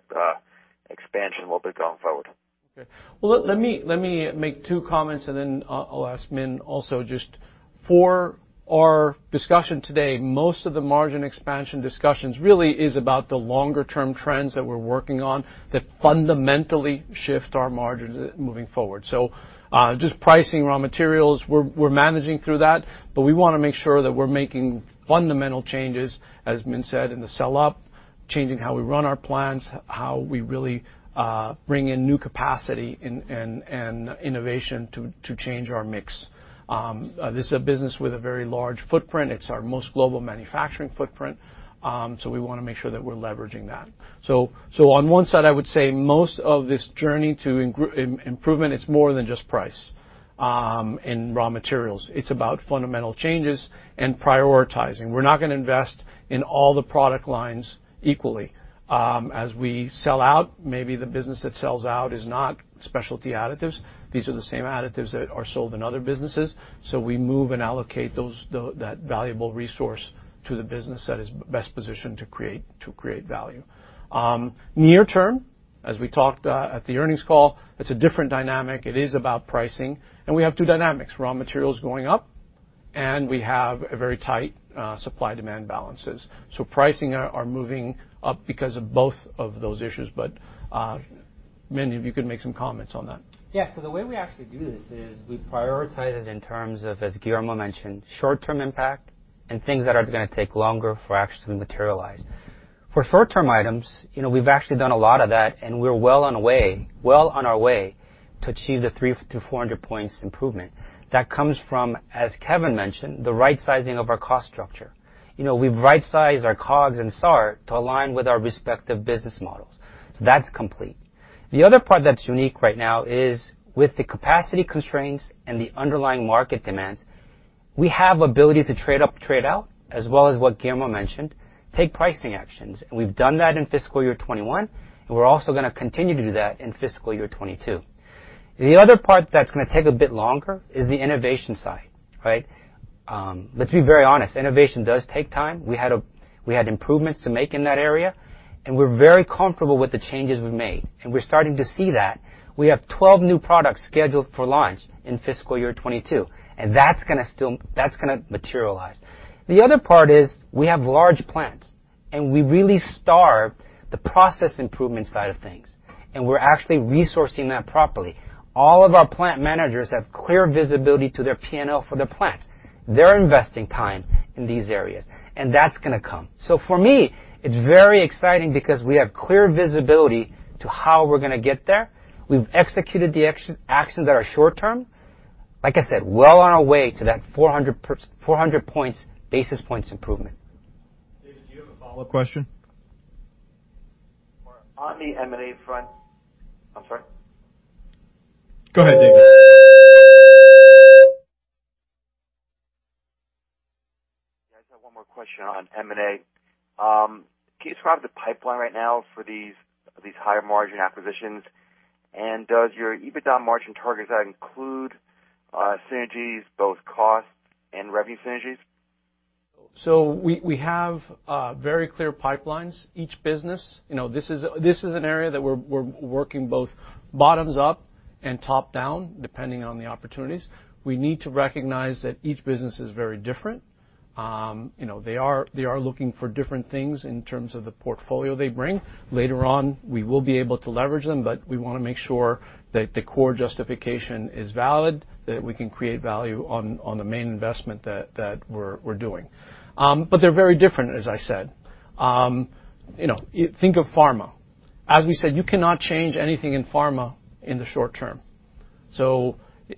expansion a little bit going forward. Okay. Well, let me make two comments and then I'll ask Min also. Just for our discussion today, most of the margin expansion discussions really is about the longer term trends that we're working on that fundamentally shift our margins moving forward. Just pricing raw materials, we're managing through that, but we wanna make sure that we're making fundamental changes, as Min said, in the S&OP, changing how we run our plants, how we really bring in new capacity and innovation to change our mix. This is a business with a very large footprint. It's our most global manufacturing footprint, so we wanna make sure that we're leveraging that. On one side, I would say most of this journey to margin improvement, it's more than just price and raw materials. It's about fundamental changes and prioritizing. We're not gonna invest in all the product lines equally. As we sell out, maybe the business that sells out is not Specialty Additives. These are the same additives that are sold in other businesses, so we move and allocate those, that valuable resource to the business that is best positioned to create value. Near term, as we talked, at the earnings call, it's a different dynamic. It is about pricing. We have two dynamics, raw materials going up, and we have a very tight, supply-demand balances. Pricing are moving up because of both of those issues. Min, if you could make some comments on that. Yeah. The way we actually do this is we prioritize it in terms of, as Guillermo mentioned, short-term impact and things that are gonna take longer for actually materialize. For short-term items, you know, we've actually done a lot of that, and we're well on our way to achieve the 300-400 points improvement. That comes from, as Kevin mentioned, the right sizing of our cost structure. You know, we've right sized our COGS and SG&A to align with our respective business models. That's complete. The other part that's unique right now is with the capacity constraints and the underlying market demands. We have ability to trade up, trade out, as well as what Guillermo mentioned, take pricing actions, and we've done that in fiscal year 2021, and we're also gonna continue to do that in fiscal year 2022. The other part that's gonna take a bit longer is the innovation side, right? Let's be very honest, innovation does take time. We had improvements to make in that area, and we're very comfortable with the changes we've made, and we're starting to see that. We have 12 new products scheduled for launch in fiscal year 2022, and that's gonna materialize. The other part is we have large plants, and we really starve the process improvement side of things, and we're actually resourcing that properly. All of our plant managers have clear visibility to their P&L for their plants. They're investing time in these areas, and that's gonna come. For me, it's very exciting because we have clear visibility to how we're gonna get there. We've executed the actions that are short term. Like I said, well on our way to that 400 basis points improvement. David, do you have a follow-up question? I'm sorry. Go ahead, David. Yeah, I just have one more question on M&A. Can you describe the pipeline right now for these higher margin acquisitions? Does your EBITDA margin targets include synergies, both cost and revenue synergies? We have very clear pipelines, each business. You know, this is an area that we're working both bottoms up and top-down, depending on the opportunities. We need to recognize that each business is very different. You know, they are looking for different things in terms of the portfolio they bring. Later on, we will be able to leverage them, but we wanna make sure that the core justification is valid, that we can create value on the main investment that we're doing. But they're very different, as I said. You know, think of pharma. As we said, you cannot change anything in pharma in the short term.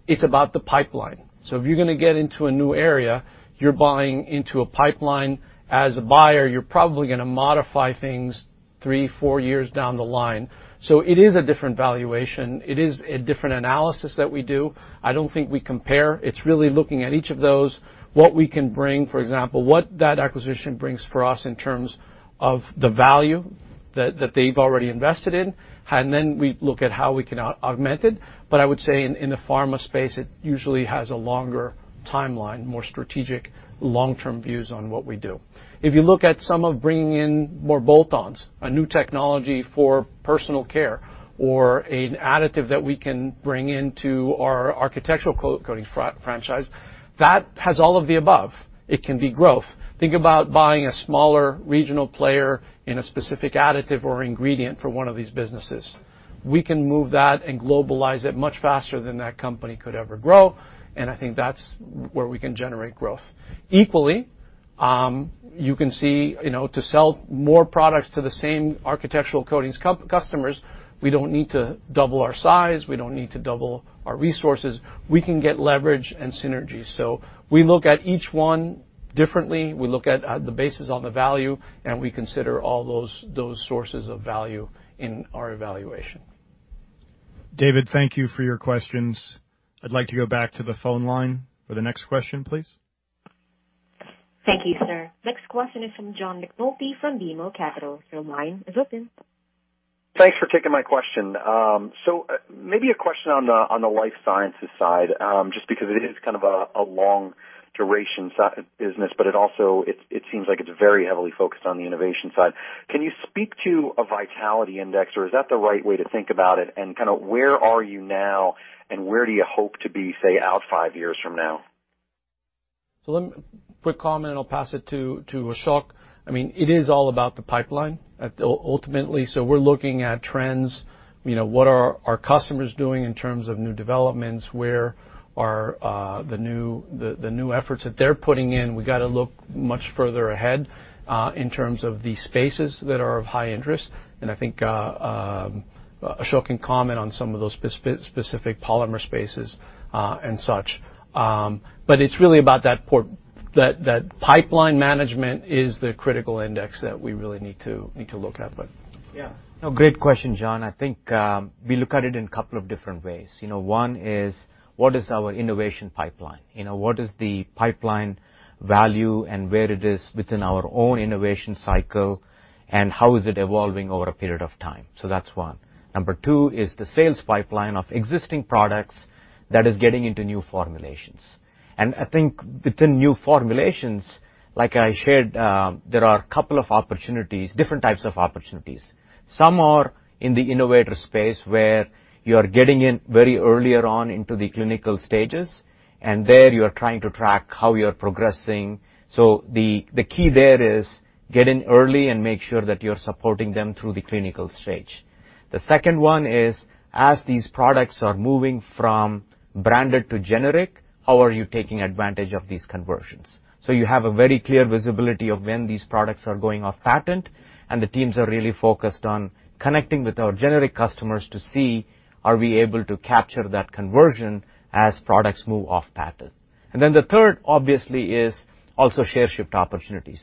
It's about the pipeline. If you're gonna get into a new area, you're buying into a pipeline. As a buyer, you're probably gonna modify things three, four years down the line. It is a different valuation. It is a different analysis that we do. I don't think we compare. It's really looking at each of those, what we can bring, for example, what that acquisition brings for us in terms of the value that they've already invested in, and then we look at how we can augment it. I would say in the pharma space, it usually has a longer timeline, more strategic long-term views on what we do. If you look at some of bringing in more bolt-ons, a new technology for Personal Care or an additive that we can bring into our architectural coatings franchise, that has all of the above. It can be growth. Think about buying a smaller regional player in a specific additive or ingredient for one of these businesses. We can move that and globalize it much faster than that company could ever grow, and I think that's where we can generate growth. Equally, you can see, you know, to sell more products to the same architectural coatings customers, we don't need to double our size, we don't need to double our resources. We can get leverage and synergy. We look at each one differently. We look at the basis of the value, and we consider all those sources of value in our evaluation. David, thank you for your questions. I'd like to go back to the phone line for the next question, please. Thank you, sir. Next question is from John McNulty from BMO Capital. Your line is open. Thanks for taking my question. Maybe a question on the Life Sciences side, just because it is kind of a long duration science business, but it also seems like it's very heavily focused on the innovation side. Can you speak to a vitality index, or is that the right way to think about it? Kinda where are you now, and where do you hope to be, say, out five years from now? Let me quick comment, and I'll pass it to Ashok. I mean, it is all about the pipeline ultimately. We're looking at trends, you know, what are our customers doing in terms of new developments? Where are the new efforts that they're putting in? We gotta look much further ahead in terms of the spaces that are of high interest. I think Ashok can comment on some of those specific polymer spaces and such. It's really about that pipeline management is the critical index that we really need to look at. Yeah. No, great question, John. I think we look at it in a couple of different ways. You know, one is what is our innovation pipeline? You know, what is the pipeline value and where it is within our own innovation cycle, and how is it evolving over a period of time? That's one. Number two is the sales pipeline of existing products that is getting into new formulations. I think within new formulations, like I shared, there are a couple of opportunities, different types of opportunities. Some are in the innovator space where you are getting in very early on into the clinical stages, and there you are trying to track how you're progressing. The key there is get in early and make sure that you're supporting them through the clinical stage. The second one is, as these products are moving from branded to generic, how are you taking advantage of these conversions? You have a very clear visibility of when these products are going off patent, and the teams are really focused on connecting with our generic customers to see, are we able to capture that conversion as products move off patent. The third, obviously, is also share shift opportunities.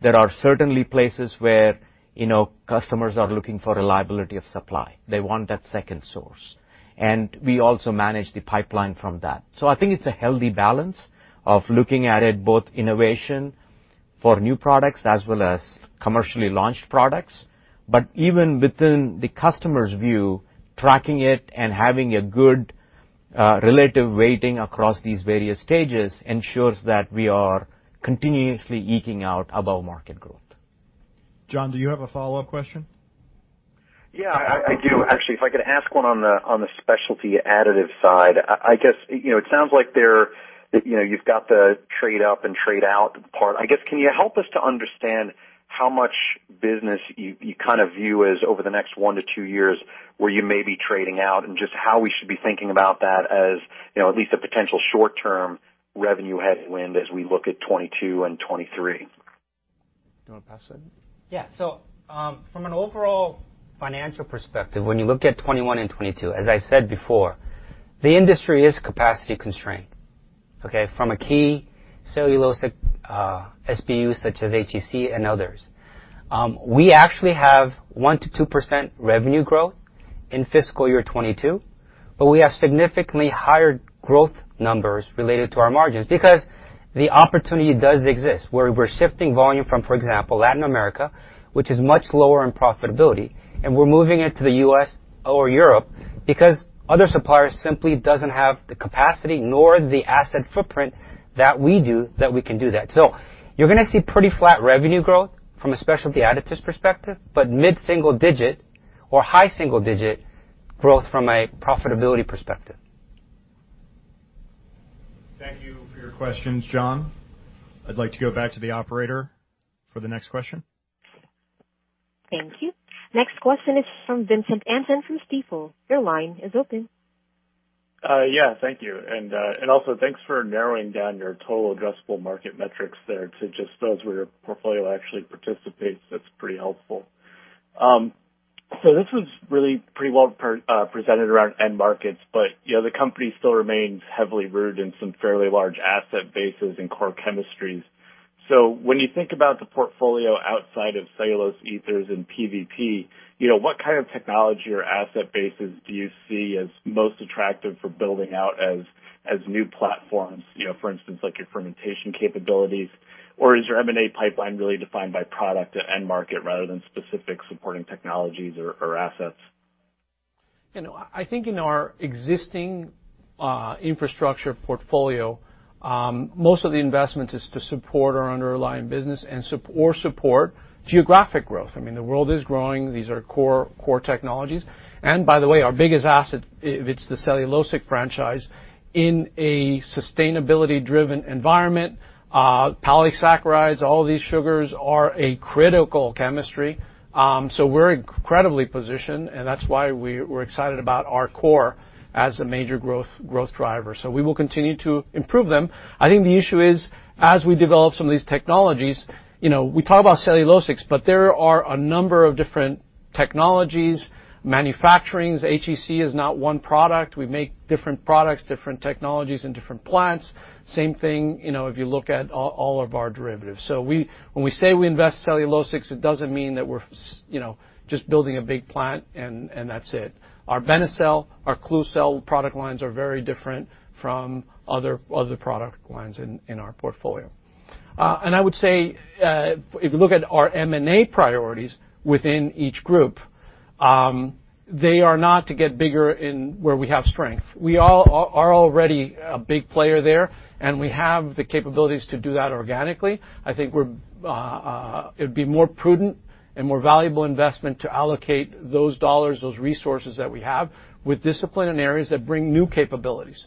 There are certainly places where. You know, customers are looking for reliability of supply. They want that second source, and we also manage the pipeline from that. I think it's a healthy balance of looking at it both innovation for new products as well as commercially launched products. Even within the customer's view, tracking it and having a good relative weighting across these various stages ensures that we are continuously eking out above market growth. John, do you have a follow-up question? Yeah, I do. Actually, if I could ask one on the Specialty Additives side. I guess, you know, it sounds like there, you know, you've got the trade up and trade out part. I guess, can you help us to understand how much business you kind of view as over the next one to two years where you may be trading out and just how we should be thinking about that as, you know, at least a potential short-term revenue headwind as we look at 2022 and 2023? Do you wanna pass that? Yeah. From an overall financial perspective, when you look at 2021 and 2022, as I said before, the industry is capacity constrained, okay? From a key cellulosic, SPU, such as HEC and others. We actually have 1%-2% revenue growth in fiscal year 2022, but we have significantly higher growth numbers related to our margins because the opportunity does exist, where we're shifting volume from, for example, Latin America, which is much lower in profitability, and we're moving it to the U.S. or Europe because other suppliers simply doesn't have the capacity nor the asset footprint that we do, that we can do that. You're gonna see pretty flat revenue growth from a Specialty Additives perspective, but mid-single-digit or high single-digit growth from a profitability perspective. Thank you for your questions, John. I'd like to go back to the operator for the next question. Thank you. Next question is from Vincent Anderson from Stifel. Your line is open. Yeah, thank you. Also thanks for narrowing down your total addressable market metrics there to just those where your portfolio actually participates. That's pretty helpful. This was really pretty well presented around end markets, you know, the company still remains heavily rooted in some fairly large asset bases and core chemistries. When you think about the portfolio outside of cellulose ethers and PVP, you know, what kind of technology or asset bases do you see as most attractive for building out as new platforms? You know, for instance, like your fermentation capabilities, or is your M&A pipeline really defined by product to end market rather than specific supporting technologies or assets? You know, I think in our existing infrastructure portfolio, most of the investment is to support our underlying business and support geographic growth. I mean, the world is growing. These are core technologies. By the way, our biggest asset, if it's the cellulosic franchise in a sustainability-driven environment, polysaccharides, all these sugars are a critical chemistry. We're incredibly positioned, and that's why we're excited about our core as a major growth driver. We will continue to improve them. I think the issue is as we develop some of these technologies, you know, we talk about cellulosics, but there are a number of different technologies, manufacturings. HEC is not one product. We make different products, different technologies in different plants. Same thing, you know, if you look at all of our derivatives. When we say we invest cellulosics, it doesn't mean that we're you know, just building a big plant and that's it. Our Benecel, our Klucel product lines are very different from other product lines in our portfolio. I would say if you look at our M&A priorities within each group, they are not to get bigger in where we have strength. We are already a big player there, and we have the capabilities to do that organically. I think it'd be more prudent and more valuable investment to allocate those dollars, those resources that we have with discipline in areas that bring new capabilities.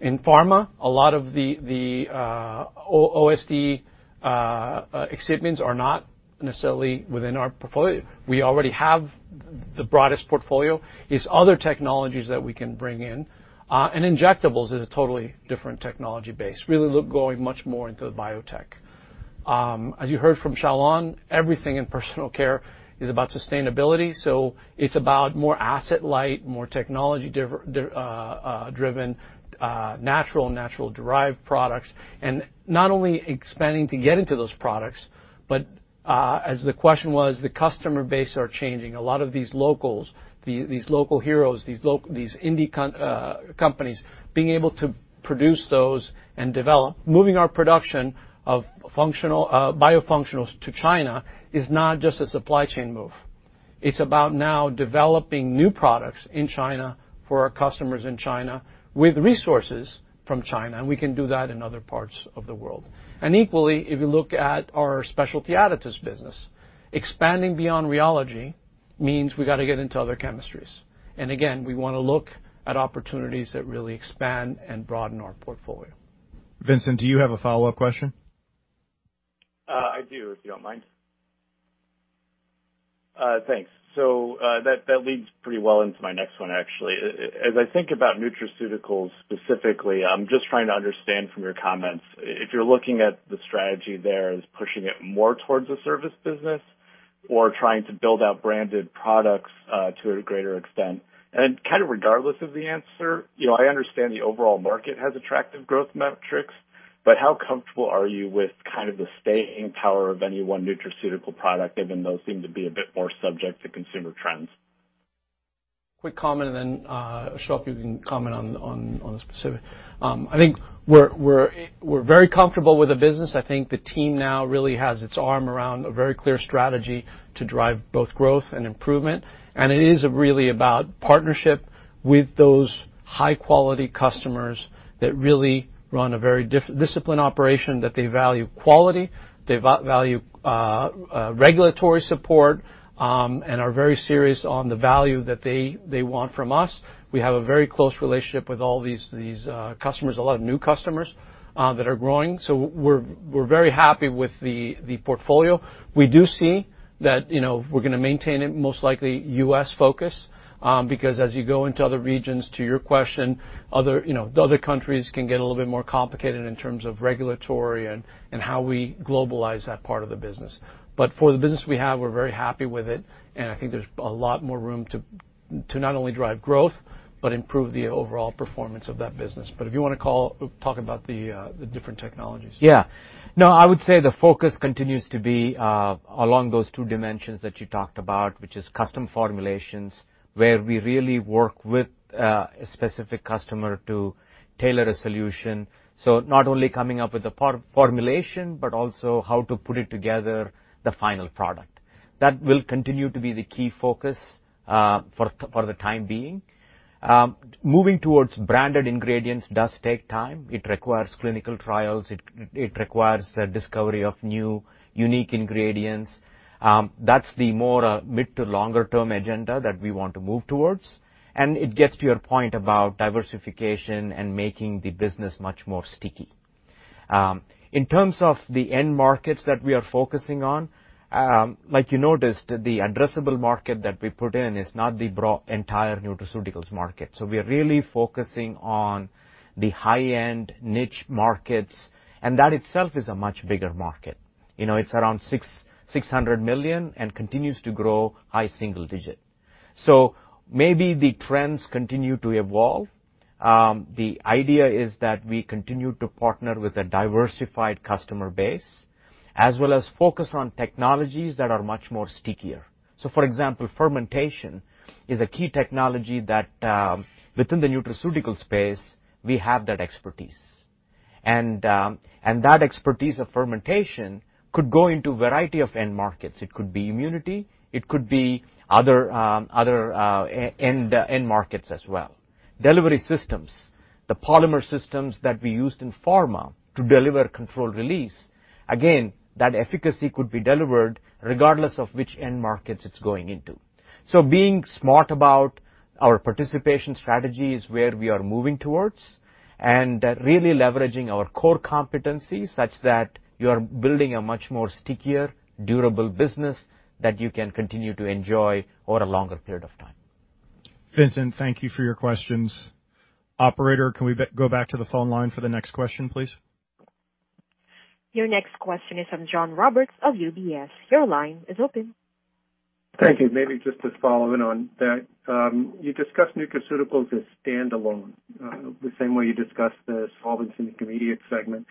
In pharma, a lot of the OSD excipients are not necessarily within our portfolio. We already have the broadest portfolio. It's other technologies that we can bring in. Injectables is a totally different technology base, really look going much more into the biotech. As you heard from Xiaolan, everything in Personal Care is about sustainability, so it's about more asset light, more technology driven, natural derived products. Not only expanding to get into those products, but as the question was, the customer base are changing. A lot of these locals, these local heroes, these indie companies, being able to produce those and develop. Moving our production of functional biofunctionals to China is not just a supply chain move. It's about now developing new products in China for our customers in China with resources from China, and we can do that in other parts of the world. Equally, if you look at our Specialty Additives business, expanding beyond rheology means we gotta get into other chemistries. Again, we wanna look at opportunities that really expand and broaden our portfolio. Vincent, do you have a follow-up question? I do, if you don't mind. Thanks. That leads pretty well into my next one, actually. As I think about nutraceuticals specifically, I'm just trying to understand from your comments if you're looking at the strategy there as pushing it more towards a service business or trying to build out branded products to a greater extent. Kind of regardless of the answer, you know, I understand the overall market has attractive growth metrics. How comfortable are you with kind of the staying power of any one nutraceutical product, even though it seems to be a bit more subject to consumer trends? Quick comment, then Ashok, you can comment on the specific. I think we're very comfortable with the business. I think the team now really has its arm around a very clear strategy to drive both growth and improvement. It is really about partnership with those high-quality customers that really run a very disciplined operation, that they value quality, they value regulatory support, and are very serious on the value that they want from us. We have a very close relationship with all these customers, a lot of new customers that are growing. We're very happy with the portfolio. We do see that, you know, we're gonna maintain it most likely U.S. focus, because as you go into other regions, to your question, you know, the other countries can get a little bit more complicated in terms of regulatory and how we globalize that part of the business. For the business we have, we're very happy with it, and I think there's a lot more room to not only drive growth, but improve the overall performance of that business. If you wanna talk about the different technologies. Yeah. No, I would say the focus continues to be along those two dimensions that you talked about, which is custom formulations, where we really work with a specific customer to tailor a solution. Not only coming up with the formulation, but also how to put it together the final product. That will continue to be the key focus for the time being. Moving towards branded ingredients does take time. It requires clinical trials. It requires the discovery of new, unique ingredients. That's the more mid to longer term agenda that we want to move towards. It gets to your point about diversification and making the business much more sticky. In terms of the end markets that we are focusing on, like you noticed, the addressable market that we put in is not the entire nutraceuticals market. We are really focusing on the high-end niche markets, and that itself is a much bigger market. You know, it's around $600 million and continues to grow high single digit. Maybe the trends continue to evolve. The idea is that we continue to partner with a diversified customer base, as well as focus on technologies that are much more stickier. For example, fermentation is a key technology that within the nutraceutical space, we have that expertise. That expertise of fermentation could go into a variety of end markets. It could be immunity, it could be other end markets as well. Delivery systems, the polymer systems that we used in pharma to deliver controlled release, again, that efficacy could be delivered regardless of which end markets it's going into. Being smart about our participation strategy is where we are moving towards, and really leveraging our core competencies such that you're building a much more stickier, durable business that you can continue to enjoy over a longer period of time. Vincent, thank you for your questions. Operator, can we go back to the phone line for the next question, please? Your next question is from John Roberts of UBS. Your line is open. Thank you. Maybe just to follow up on that. You discussed nutraceuticals as standalone, the same way you discussed the solvents and ingredients segment.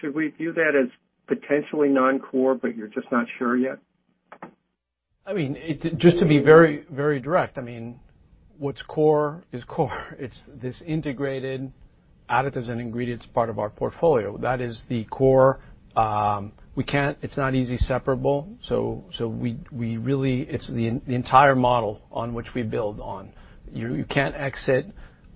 Should we view that as potentially non-core, but you're just not sure yet? I mean, just to be very direct, I mean, what's core is core. It's this integrated additives and ingredients part of our portfolio. That is the core. We can't—it's not easily separable. So we really—it's the entire model on which we build on. You can't exit,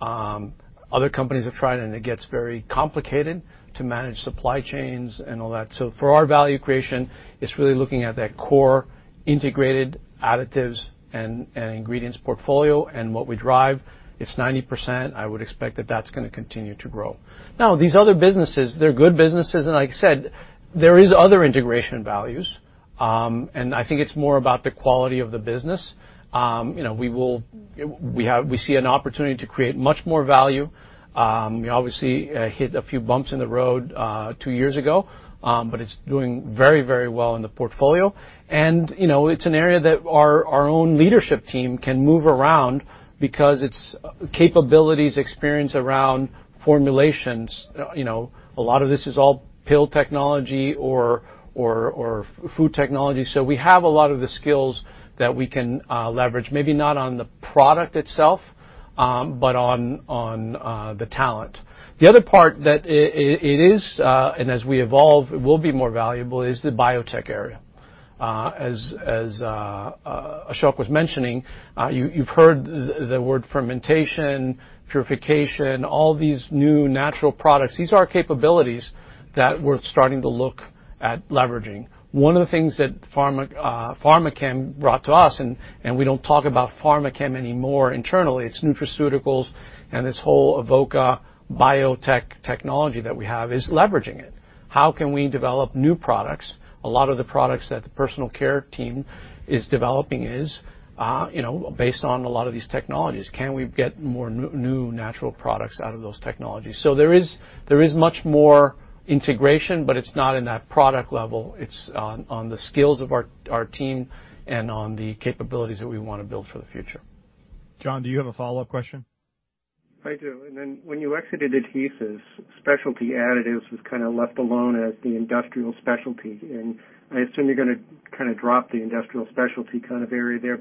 other companies have tried, and it gets very complicated to manage supply chains and all that. So for our value creation, it's really looking at that core integrated additives and ingredients portfolio, and what we drive. It's 90%. I would expect that that's gonna continue to grow. Now, these other businesses, they're good businesses, and like I said, there is other integration values. And I think it's more about the quality of the business. You know, we see an opportunity to create much more value. We obviously hit a few bumps in the road two years ago, but it's doing very, very well in the portfolio. You know, it's an area that our own leadership team can move around because its capabilities, experience around formulations. You know, a lot of this is all pill technology or food technology. We have a lot of the skills that we can leverage. Maybe not on the product itself, but on the talent. The other part that it is, and as we evolve, it will be more valuable, is the biotech area. As Ashok was mentioning, you've heard the word fermentation, purification, all these new natural products. These are capabilities that we're starting to look at leveraging. One of the things that Pharmachem brought to us, and we don't talk about Pharmachem anymore internally. It's nutraceuticals, and this whole Avoca biotech technology that we have is leveraging it. How can we develop new products? A lot of the products that the Personal Care team is developing is, you know, based on a lot of these technologies. Can we get more new natural products out of those technologies? There is much more integration, but it's not in that product level. It's on the skills of our team and on the capabilities that we wanna build for the future. John, do you have a follow-up question? I do. Then when you exited adhesives, specialty additives was kinda left alone as the industrial specialty, and I assume you're gonna kinda drop the industrial specialty kind of area there.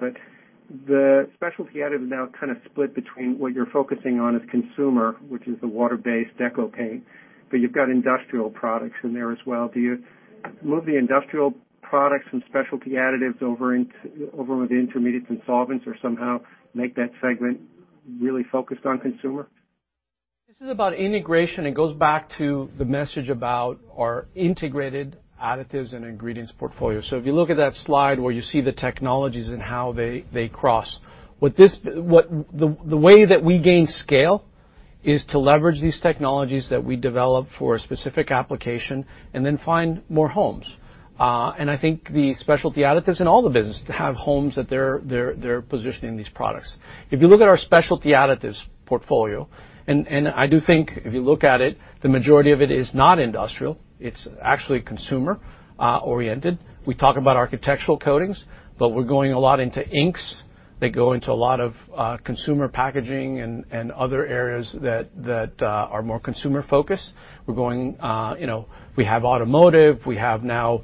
The specialty additive is now kind of split between what you're focusing on as consumer, which is the water-based decorative paint, but you've got industrial products in there as well. Do you move the industrial products and specialty additives over with Intermediates and solvents or somehow make that segment really focused on consumer? This is about integration, and it goes back to the message about our integrated additives and ingredients portfolio. If you look at that slide where you see the technologies and how they cross. The way that we gain scale is to leverage these technologies that we develop for a specific application and then find more homes. I think the Specialty Additives in all the businesses have homes that they're positioning these products. If you look at our Specialty Additives portfolio, I do think if you look at it, the majority of it is not industrial. It's actually consumer oriented. We talk about architectural coatings, but we're going a lot into inks that go into a lot of consumer packaging and other areas that are more consumer-focused. We're going, you know, we have automotive. We have now,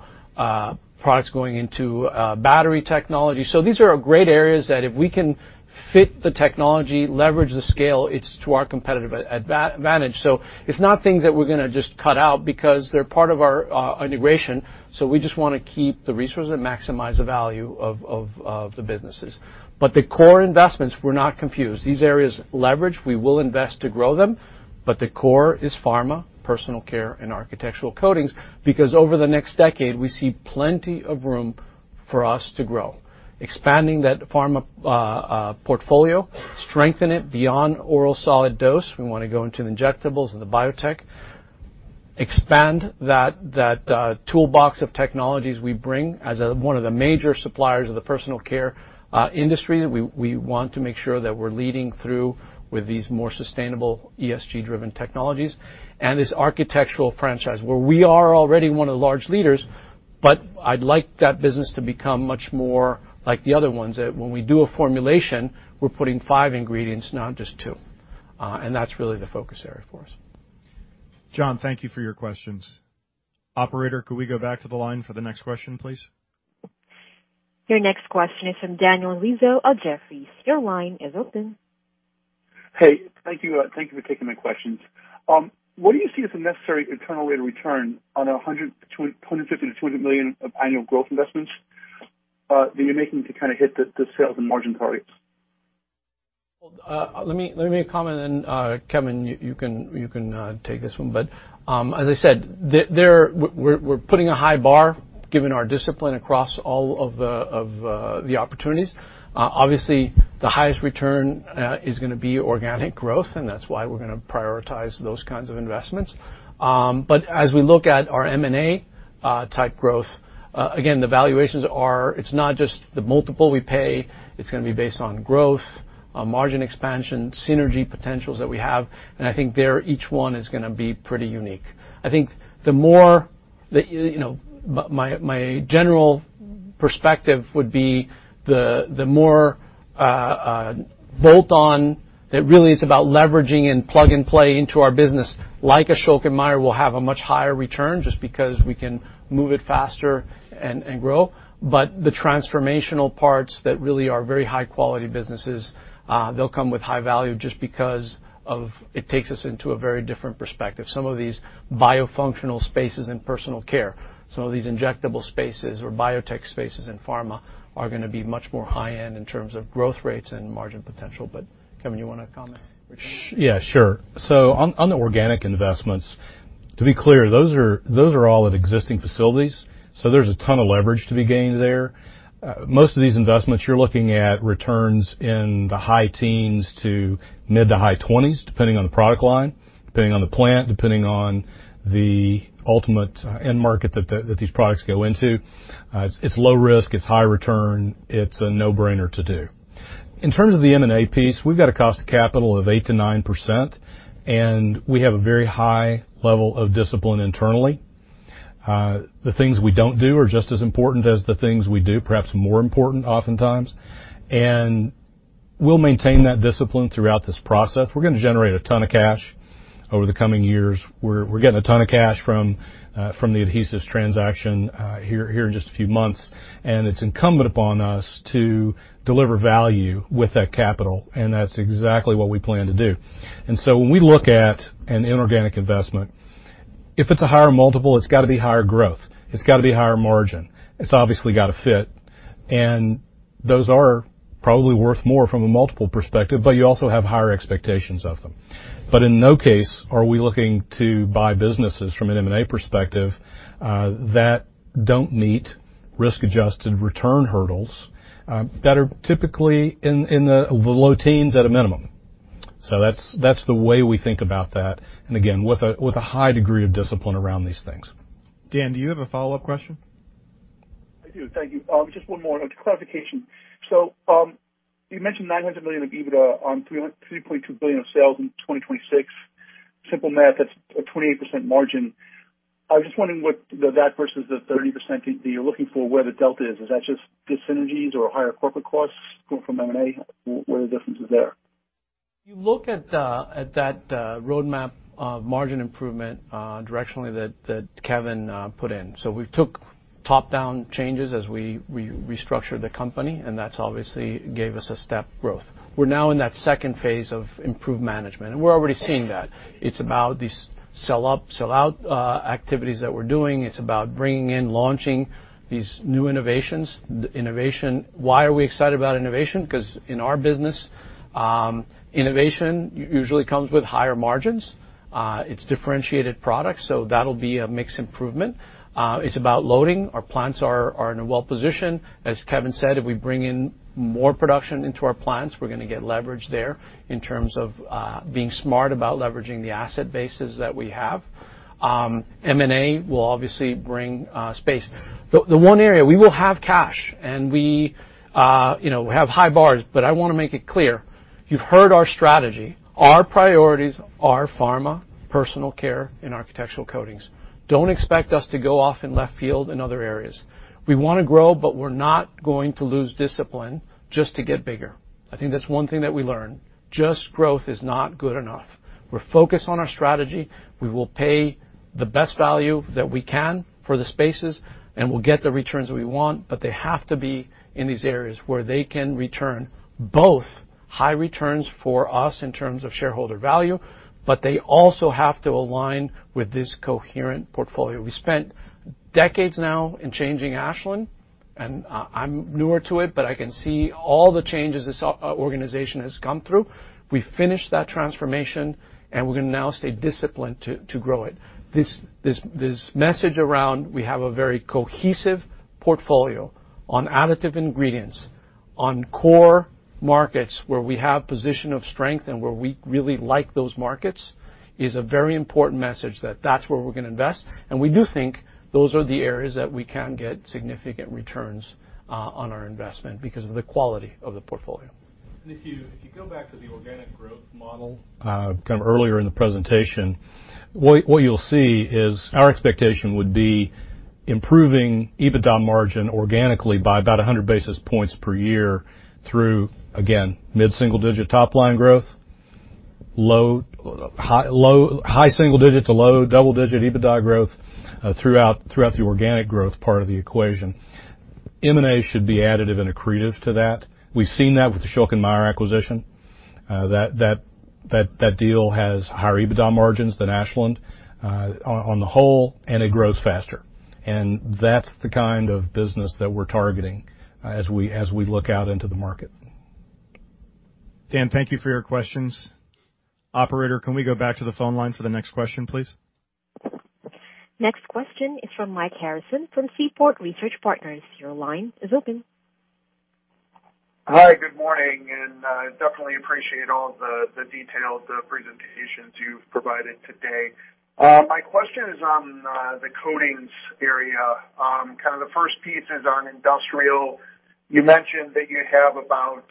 products going into, battery technology. These are great areas that if we can fit the technology, leverage the scale, it's to our competitive advantage. It's not things that we're gonna just cut out because they're part of our, integration. We just wanna keep the resources and maximize the value of the businesses. The core investments, we're not confused. These areas leverage, we will invest to grow them, but the core is pharma, Personal Care, and architectural coatings because over the next decade, we see plenty of room for us to grow. Expanding that pharma portfolio, strengthen it beyond oral solid dose. We wanna go into the injectables and the biotech. Expand that toolbox of technologies we bring as one of the major suppliers of the Personal Care industry. We want to make sure that we're leading through with these more sustainable ESG-driven technologies. This architectural franchise where we are already one of the large leaders, but I'd like that business to become much more like the other ones, that when we do a formulation, we're putting five ingredients, not just two. That's really the focus area for us. John, thank you for your questions. Operator, could we go back to the line for the next question, please? Your next question is from Daniel Rizzo of Jefferies. Your line is open. Hey, thank you. Thank you for taking my questions. What do you see as a necessary internal rate of return on $100 million-$250 million of annual growth investments that you're making to kind of hit the sales and margin targets? Well, let me comment, and then, Kevin, you can take this one. As I said, we're putting a high bar given our discipline across all of the opportunities. Obviously, the highest return is gonna be organic growth, and that's why we're gonna prioritize those kinds of investments. As we look at our M&A type growth, again, the valuations are it's not just the multiple we pay, it's gonna be based on growth, on margin expansion, synergy potentials that we have, and I think there each one is gonna be pretty unique. I think the more that, you know, my general perspective would be the more bolt on that really is about leveraging and plug and play into our business, like Ashok and Min will have a much higher return just because we can move it faster and grow. The transformational parts that really are very high-quality businesses, they'll come with high value just because it takes us into a very different perspective. Some of these bio-functional spaces in Personal Care, some of these injectable spaces or biotech spaces in pharma are gonna be much more high-end in terms of growth rates and margin potential. Kevin, you wanna comment or chime in? Yeah, sure. On the organic investments, to be clear, those are all at existing facilities, so there's a ton of leverage to be gained there. Most of these investments you're looking at returns in the high teens to mid- to high 20s, depending on the product line, depending on the plant, depending on the ultimate end market that these products go into. It's low risk, it's high return, it's a no-brainer to do. In terms of the M&A piece, we've got a cost of capital of 8%-9%, and we have a very high level of discipline internally. The things we don't do are just as important as the things we do, perhaps more important oftentimes. We'll maintain that discipline throughout this process. We're gonna generate a ton of cash over the coming years. We're getting a ton of cash from the adhesives transaction here in just a few months. It's incumbent upon us to deliver value with that capital, and that's exactly what we plan to do. When we look at an inorganic investment, if it's a higher multiple, it's gotta be higher growth. It's gotta be higher margin. It's obviously gotta fit. Those are probably worth more from a multiple perspective, but you also have higher expectations of them. In no case are we looking to buy businesses from an M&A perspective that don't meet risk-adjusted return hurdles that are typically in the low teens at a minimum. That's the way we think about that, and again, with a high degree of discipline around these things. Dan, do you have a follow-up question? I do. Thank you. Just one more clarification. You mentioned $900 million of EBITDA on $3.2 billion of sales in 2026. Simple math, that's a 28% margin. I was just wondering what that versus the 30% that you're looking for, where the delta is. Is that just dis-synergies or higher corporate costs going from M&A? What are the differences there? You look at that roadmap of margin improvement, directionally that Kevin put in. We took top-down changes as we restructured the company, and that's obviously gave us a step growth. We're now in that second phase of improved management, and we're already seeing that. It's about these sell up, sell out activities that we're doing. It's about bringing in, launching these new innovations. Innovation. Why are we excited about innovation? 'Cause in our business, innovation usually comes with higher margins. It's differentiated products, so that'll be a mix improvement. It's about loading. Our plants are in a well position. As Kevin said, if we bring in more production into our plants, we're gonna get leverage there in terms of being smart about leveraging the asset bases that we have. M&A will obviously bring space. The one area we will have cash, and we, you know, have high bars, but I wanna make it clear. You've heard our strategy. Our priorities are pharma, personal care, and architectural coatings. Don't expect us to go off in left field in other areas. We wanna grow, but we're not going to lose discipline just to get bigger. I think that's one thing that we learned. Just growth is not good enough. We're focused on our strategy. We will pay the best value that we can for the spaces, and we'll get the returns we want, but they have to be in these areas where they can return both high returns for us in terms of shareholder value, but they also have to align with this coherent portfolio. We spent decades now in changing Ashland, and I'm newer to it, but I can see all the changes this organization has gone through. We finished that transformation, and we're gonna now stay disciplined to grow it. This message around we have a very cohesive portfolio on additive ingredients, on core markets where we have position of strength and where we really like those markets, is a very important message that that's where we're gonna invest. We do think those are the areas that we can get significant returns on our investment because of the quality of the portfolio. If you go back to the organic growth model, kind of earlier in the presentation, what you'll see is our expectation would be improving EBITDA margin organically by about 100 basis points per year through, again, mid-single digit top line growth, low to high single digit to low double digit EBITDA growth, throughout the organic growth part of the equation. M&A should be additive and accretive to that. We've seen that with the Schülke acquisition. That deal has higher EBITDA margins than Ashland on the whole, and it grows faster. That's the kind of business that we're targeting as we look out into the market. Dan, thank you for your questions. Operator, can we go back to the phone line for the next question, please? Next question is from Mike Harrison from Seaport Research Partners. Your line is open. Hi, good morning, and definitely appreciate all the details, the presentations you've provided today. My question is on the coatings area. Kind of the first piece is on industrial. You mentioned that you have about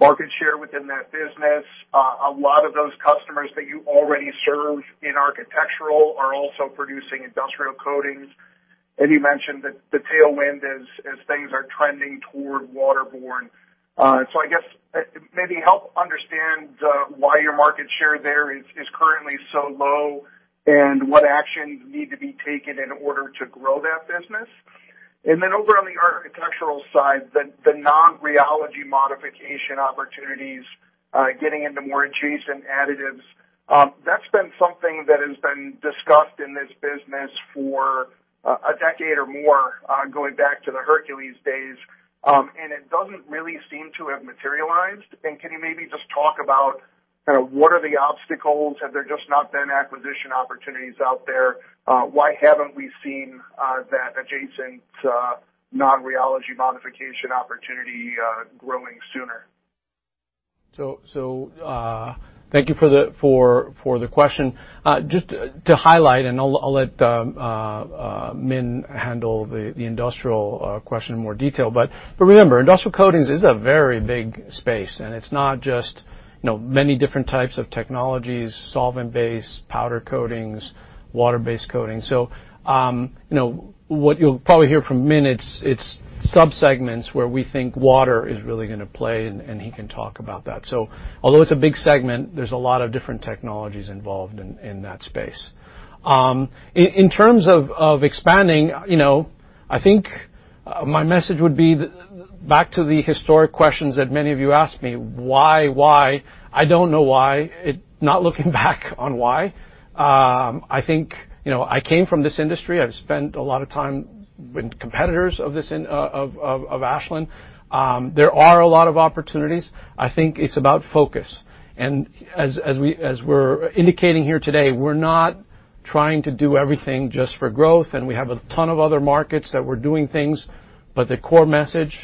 1% market share within that business. A lot of those customers that you already serve in architectural are also producing industrial coatings. You mentioned that the tailwind as things are trending toward waterborne. So I guess maybe help understand why your market share there is currently so low and what actions need to be taken in order to grow that business. Then over on the architectural side, the non-rheology modification opportunities, getting into more adjacent additives, that's been something that has been discussed in this business for a decade or more, going back to the Hercules days. It doesn't really seem to have materialized. Can you maybe just talk about kind of what are the obstacles? Have there just not been acquisition opportunities out there? Why haven't we seen that adjacent non-rheology modification opportunity growing sooner? Thank you for the question. Just to highlight, and I'll let Min handle the industrial question in more detail. Remember, industrial coatings is a very big space, and it's not just, you know, many different types of technologies, solvent base, powder coatings, water-based coatings. You know, what you'll probably hear from Min, it's subsegments where we think water is really gonna play, and he can talk about that. Although it's a big segment, there's a lot of different technologies involved in that space. In terms of expanding, you know, I think my message would be back to the historic questions that many of you asked me, why? I don't know why. Not looking back on why. I think, you know, I came from this industry. I've spent a lot of time with competitors of Ashland. There are a lot of opportunities. I think it's about focus. As we're indicating here today, we're not trying to do everything just for growth, and we have a ton of other markets that we're doing things, but the core message,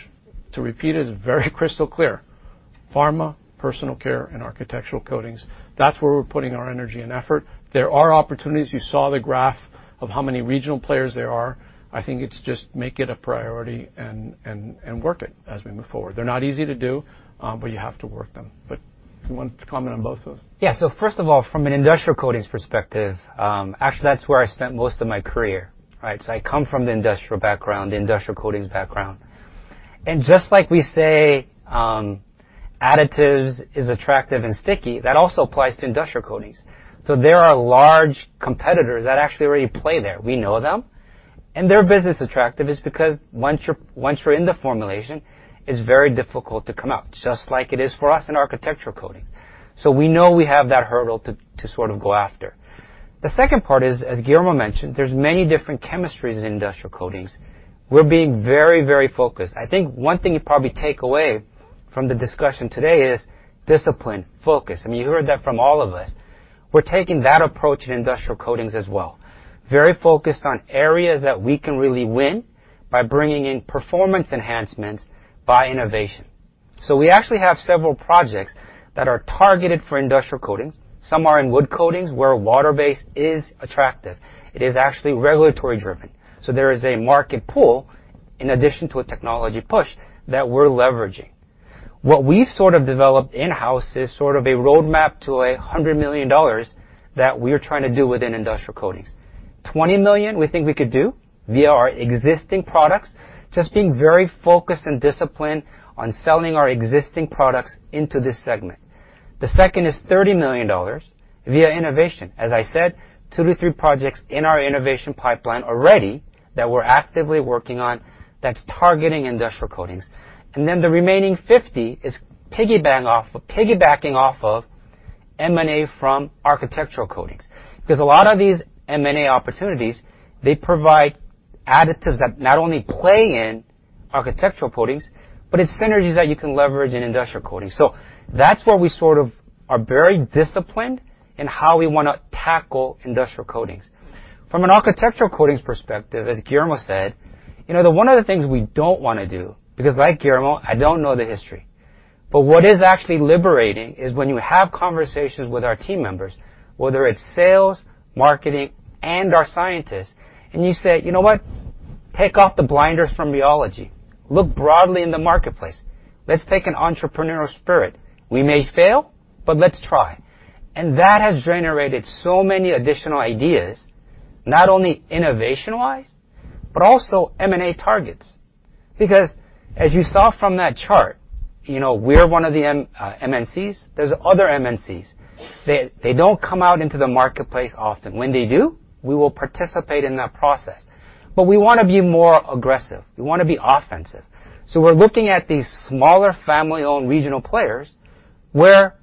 to repeat, is very crystal clear. Pharma, Personal Care, and architectural coatings, that's where we're putting our energy and effort. There are opportunities. You saw the graph of how many regional players there are. I think it's just make it a priority and work it as we move forward. They're not easy to do, but you have to work them. You want to comment on both of those? Yeah. First of all, from an industrial coatings perspective, actually that's where I spent most of my career, right? I come from the industrial background, the industrial coatings background. Just like we say, additives is attractive and sticky, that also applies to industrial coatings. There are large competitors that actually already play there. We know them, and their business attractive is because once you're in the formulation, it's very difficult to come out, just like it is for us in architectural coatings. We know we have that hurdle to sort of go after. The second part is, as Guillermo mentioned, there's many different chemistries in industrial coatings. We're being very, very focused. I think one thing you probably take away from the discussion today is discipline, focus. I mean, you heard that from all of us. We're taking that approach in industrial coatings as well. Very focused on areas that we can really win by bringing in performance enhancements by innovation. We actually have several projects that are targeted for industrial coatings. Some are in wood coatings, where water-based is attractive. It is actually regulatory driven. There is a market pull in addition to a technology push that we're leveraging. What we sort of developed in-house is sort of a roadmap to $100 million that we're trying to do within industrial coatings. $20 million we think we could do via our existing products, just being very focused and disciplined on selling our existing products into this segment. The second is $30 million via innovation. As I said, two to three projects in our innovation pipeline already that we're actively working on that's targeting industrial coatings. Then the remaining 50 is piggybacking off of M&A from architectural coatings. Because a lot of these M&A opportunities, they provide additives that not only play in architectural coatings, but it's synergies that you can leverage in industrial coatings. That's where we sort of are very disciplined in how we wanna tackle industrial coatings. From an architectural coatings perspective, as Guillermo said, you know, one of the things we don't wanna do, because like Guillermo, I don't know the history. What is actually liberating is when you have conversations with our team members, whether it's sales, marketing, and our scientists, and you say, "You know what? Take off the blinders from rheology. Look broadly in the marketplace. Let's take an entrepreneurial spirit. We may fail, but let's try." That has generated so many additional ideas, not only innovation-wise but also M&A targets. Because as you saw from that chart, you know, we're one of the MNCs. There's other MNCs. They don't come out into the marketplace often. When they do, we will participate in that process. But we wanna be more aggressive, we wanna be offensive. We're looking at these smaller family-owned regional players, where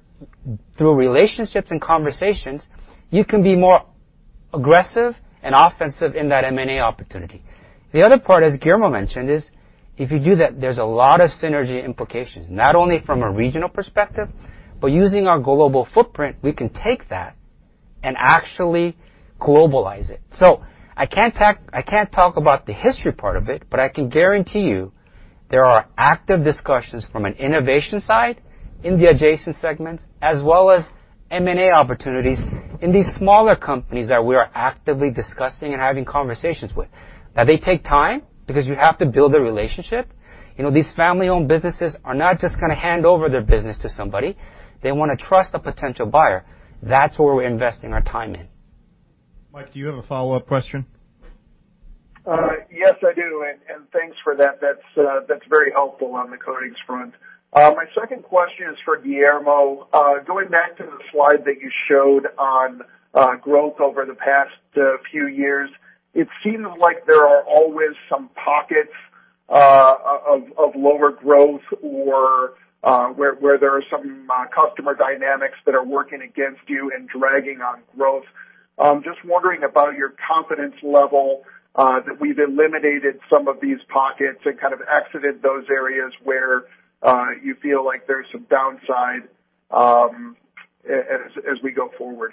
through relationships and conversations, you can be more aggressive and offensive in that M&A opportunity. The other part, as Guillermo mentioned, is if you do that, there's a lot of synergy implications, not only from a regional perspective, but using our global footprint, we can take that and actually globalize it. I can't talk about the history part of it, but I can guarantee you there are active discussions from an innovation side in the adjacent segments as well as M&A opportunities in these smaller companies that we are actively discussing and having conversations with. Now they take time because you have to build a relationship. You know, these family-owned businesses are not just gonna hand over their business to somebody. They wanna trust a potential buyer. That's where we're investing our time in. Mike, do you have a follow-up question? Yes, I do, and thanks for that. That's very helpful on the coatings front. My second question is for Guillermo. Going back to the slide that you showed on growth over the past few years, it seems like there are always some pockets of lower growth or where there are some customer dynamics that are working against you and dragging on growth. Just wondering about your confidence level that we've eliminated some of these pockets and kind of exited those areas where you feel like there's some downside as we go forward.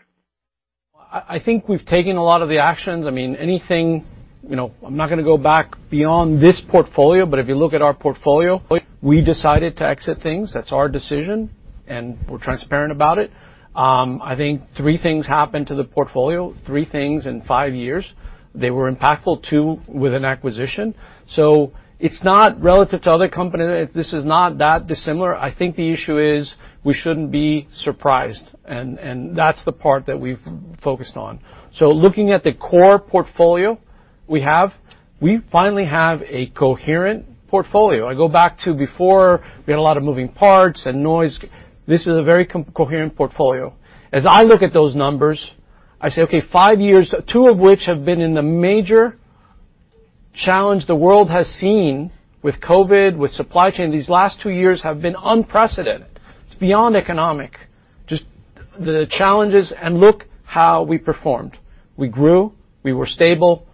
I think we've taken a lot of the actions. I mean, anything, you know, I'm not gonna go back beyond this portfolio, but if you look at our portfolio, we decided to exit things. That's our decision, and we're transparent about it. I think three things happened to the portfolio, three things in five years. They were impactful, too, with an acquisition. It's not relative to other company. This is not that dissimilar. I think the issue is we shouldn't be surprised, and that's the part that we've focused on. Looking at the core portfolio we have, we finally have a coherent portfolio. I go back to before, we had a lot of moving parts and noise. This is a very coherent portfolio. As I look at those numbers, I say, okay, five years, two of which have been in the major challenge the world has seen with COVID, with supply chain. These last two years have been unprecedented. It's beyond economic, just the challenges, and look how we performed. We grew, we were stable.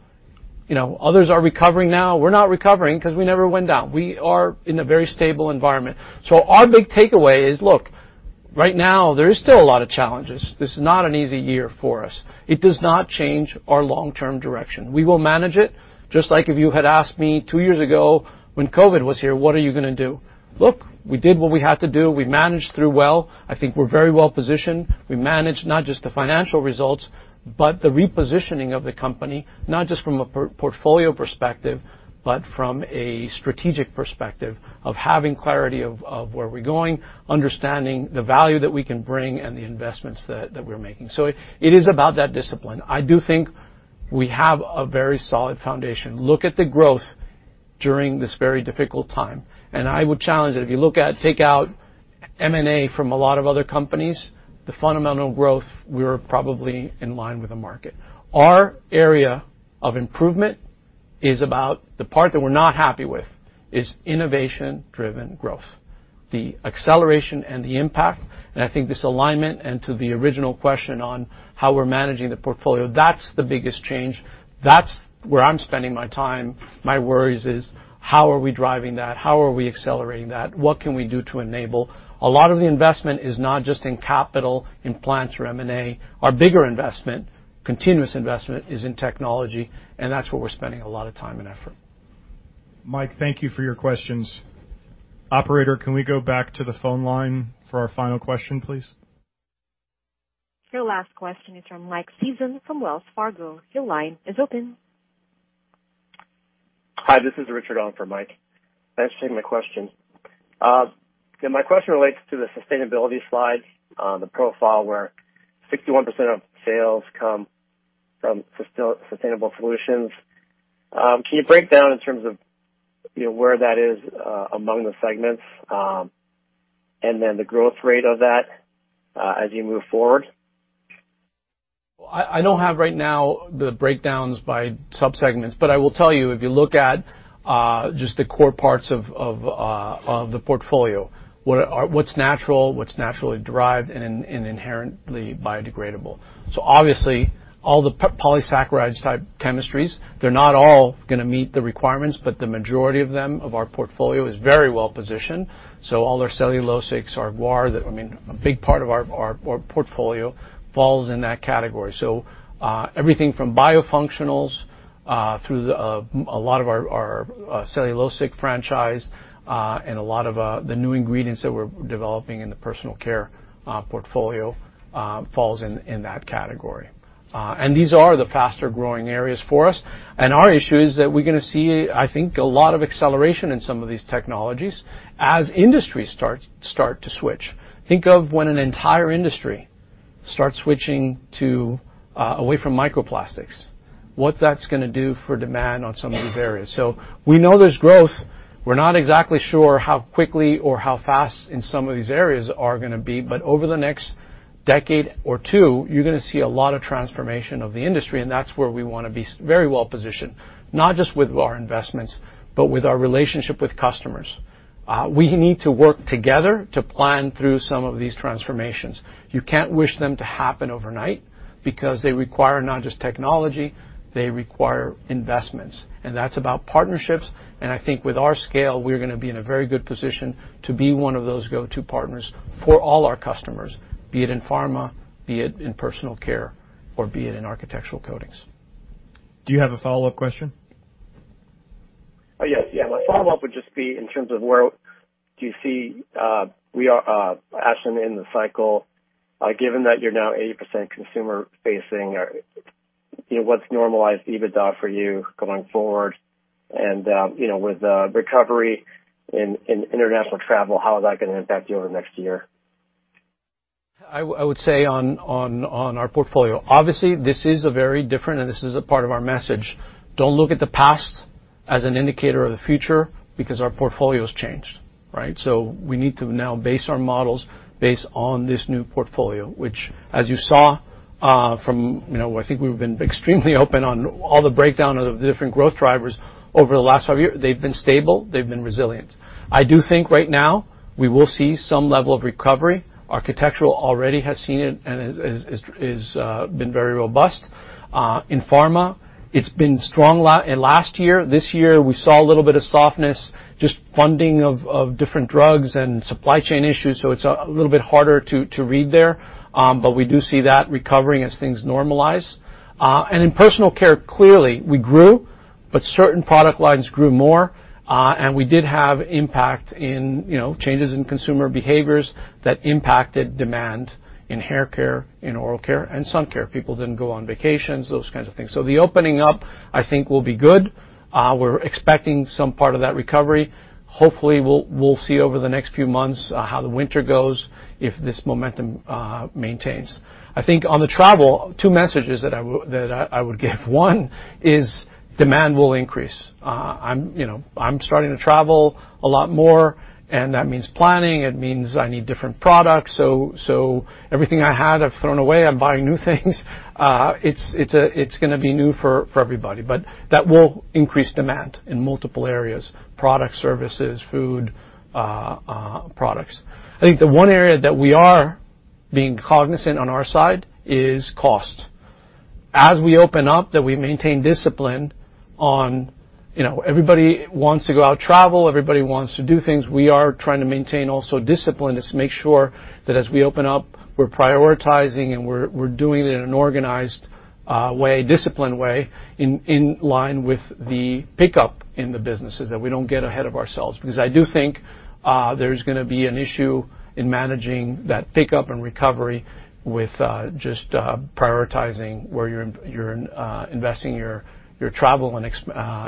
You know, others are recovering now. We're not recovering 'cause we never went down. We are in a very stable environment. Our big takeaway is, look, right now there is still a lot of challenges. This is not an easy year for us. It does not change our long-term direction. We will manage it. Just like if you had asked me two years ago when COVID was here, what are you gonna do? Look, we did what we had to do. We managed through well. I think we're very well positioned. We managed not just the financial results, but the repositioning of the company, not just from a portfolio perspective, but from a strategic perspective of having clarity of where we're going, understanding the value that we can bring and the investments that we're making. It is about that discipline. I do think we have a very solid foundation. Look at the growth during this very difficult time, and I would challenge that if you look at take out M&A from a lot of other companies, the fundamental growth, we're probably in line with the market. Our area of improvement is about the part that we're not happy with is innovation-driven growth, the acceleration and the impact. I think this alignment and to the original question on how we're managing the portfolio, that's the biggest change. That's where I'm spending my time. My worries is how are we driving that? How are we accelerating that? What can we do to enable? A lot of the investment is not just in capital, in plants, or M&A. Our bigger investment, continuous investment is in technology, and that's where we're spending a lot of time and effort. Mike, thank you for your questions. Operator, can we go back to the phone line for our final question, please? Your last question is from Mike Sison from Wells Fargo. Your line is open. Hi, this is Richard on for Mike. Thanks for taking my question. My question relates to the sustainability slide, the profile where 61% of sales come from sustainable solutions. Can you break down in terms of, you know, where that is among the segments, and then the growth rate of that as you move forward? I don't have right now the breakdowns by subsegments, but I will tell you if you look at just the core parts of the portfolio. What’s natural, what’s naturally derived and inherently biodegradable. Obviously, all the polysaccharides type chemistries, they're not all gonna meet the requirements, but the majority of our portfolio is very well positioned. All our cellulosics and guar, I mean, a big part of our portfolio falls in that category. Everything from biofunctionals through a lot of our cellulosic franchise and a lot of the new ingredients that we're developing in the Personal Care portfolio falls in that category. These are the faster-growing areas for us. Our issue is that we're gonna see, I think, a lot of acceleration in some of these technologies as industries start to switch. Think of when an entire industry starts switching to away from microplastics, what that's gonna do for demand on some of these areas. We know there's growth. We're not exactly sure how quickly or how fast in some of these areas are gonna be, but over the next decade or two, you're gonna see a lot of transformation of the industry, and that's where we wanna be very well positioned, not just with our investments, but with our relationship with customers. We need to work together to plan through some of these transformations. You can't wish them to happen overnight because they require not just technology, they require investments, and that's about partnerships. I think with our scale, we're gonna be in a very good position to be one of those go-to partners for all our customers, be it in pharma, be it in Personal Care, or be it in architectural coatings. Do you have a follow-up question? Yes. My follow-up would just be in terms of where do you see Ashland in the cycle, given that you're now 80% consumer-facing or, you know, what's normalized EBITDA for you going forward? You know, with recovery in international travel, how is that gonna impact you over the next year? I would say on our portfolio. Obviously, this is a very different, and this is a part of our message. Don't look at the past as an indicator of the future because our portfolio has changed, right? We need to now base our models based on this new portfolio, which as you saw from you know, I think we've been extremely open on all the breakdown of the different growth drivers over the last five years. They've been stable, they've been resilient. I do think right now we will see some level of recovery. Architectural already has seen it and it's been very robust. In pharma, it's been strong last year. This year, we saw a little bit of softness, just funding of different drugs and supply chain issues. It's a little bit harder to read there. We do see that recovering as things normalize. In Personal Care, clearly, we grew, but certain product lines grew more. We did have impact in, you know, changes in consumer behaviors that impacted demand in hair care, in oral care, and sun care. People didn't go on vacations, those kinds of things. The opening up, I think, will be good. We're expecting some part of that recovery. Hopefully, we'll see over the next few months how the winter goes if this momentum maintains. I think on the travel, two messages that I would give. One is demand will increase. I'm, you know, starting to travel a lot more, and that means planning. It means I need different products. Everything I had, I've thrown away. I'm buying new things. It's gonna be new for everybody. That will increase demand in multiple areas, product services, food, products. I think the one area that we are being cognizant on our side is cost. As we open up, that we maintain discipline on, everybody wants to go out and travel, everybody wants to do things. We are trying to maintain also discipline just to make sure that as we open up, we're prioritizing and we're doing it in an organized way, disciplined way in line with the pickup in the businesses that we don't get ahead of ourselves. Because I do think, there's gonna be an issue in managing that pickup and recovery with just prioritizing where you're investing your travel and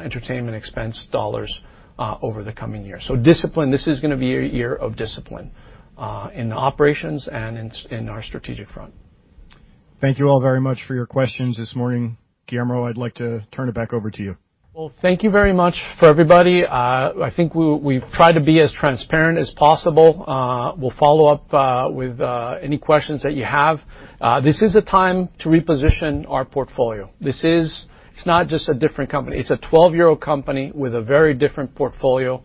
entertainment expense dollars over the coming years. Discipline, this is gonna be a year of discipline in operations and in our strategic front. Thank you all very much for your questions this morning. Guillermo, I'd like to turn it back over to you. Well, thank you very much for everybody. I think we've tried to be as transparent as possible. We'll follow up with any questions that you have. This is a time to reposition our portfolio. This is. It's not just a different company. It's a 12-year-old company with a very different portfolio.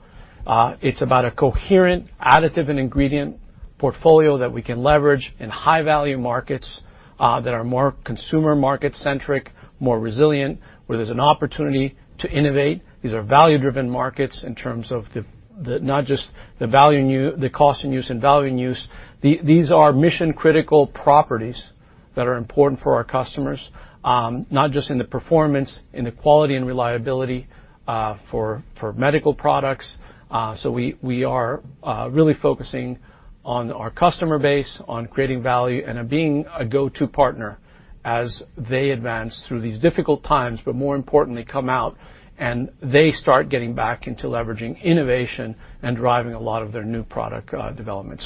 It's about a coherent additive and ingredient portfolio that we can leverage in high-value markets that are more consumer market-centric, more resilient, where there's an opportunity to innovate. These are value-driven markets in terms of the not just the value in use, the cost in use and value in use. These are mission-critical properties that are important for our customers, not just in the performance, in the quality and reliability, for medical products. We are really focusing on our customer base, on creating value, and on being a go-to partner as they advance through these difficult times, but more importantly, come out and they start getting back into leveraging innovation and driving a lot of their new product development.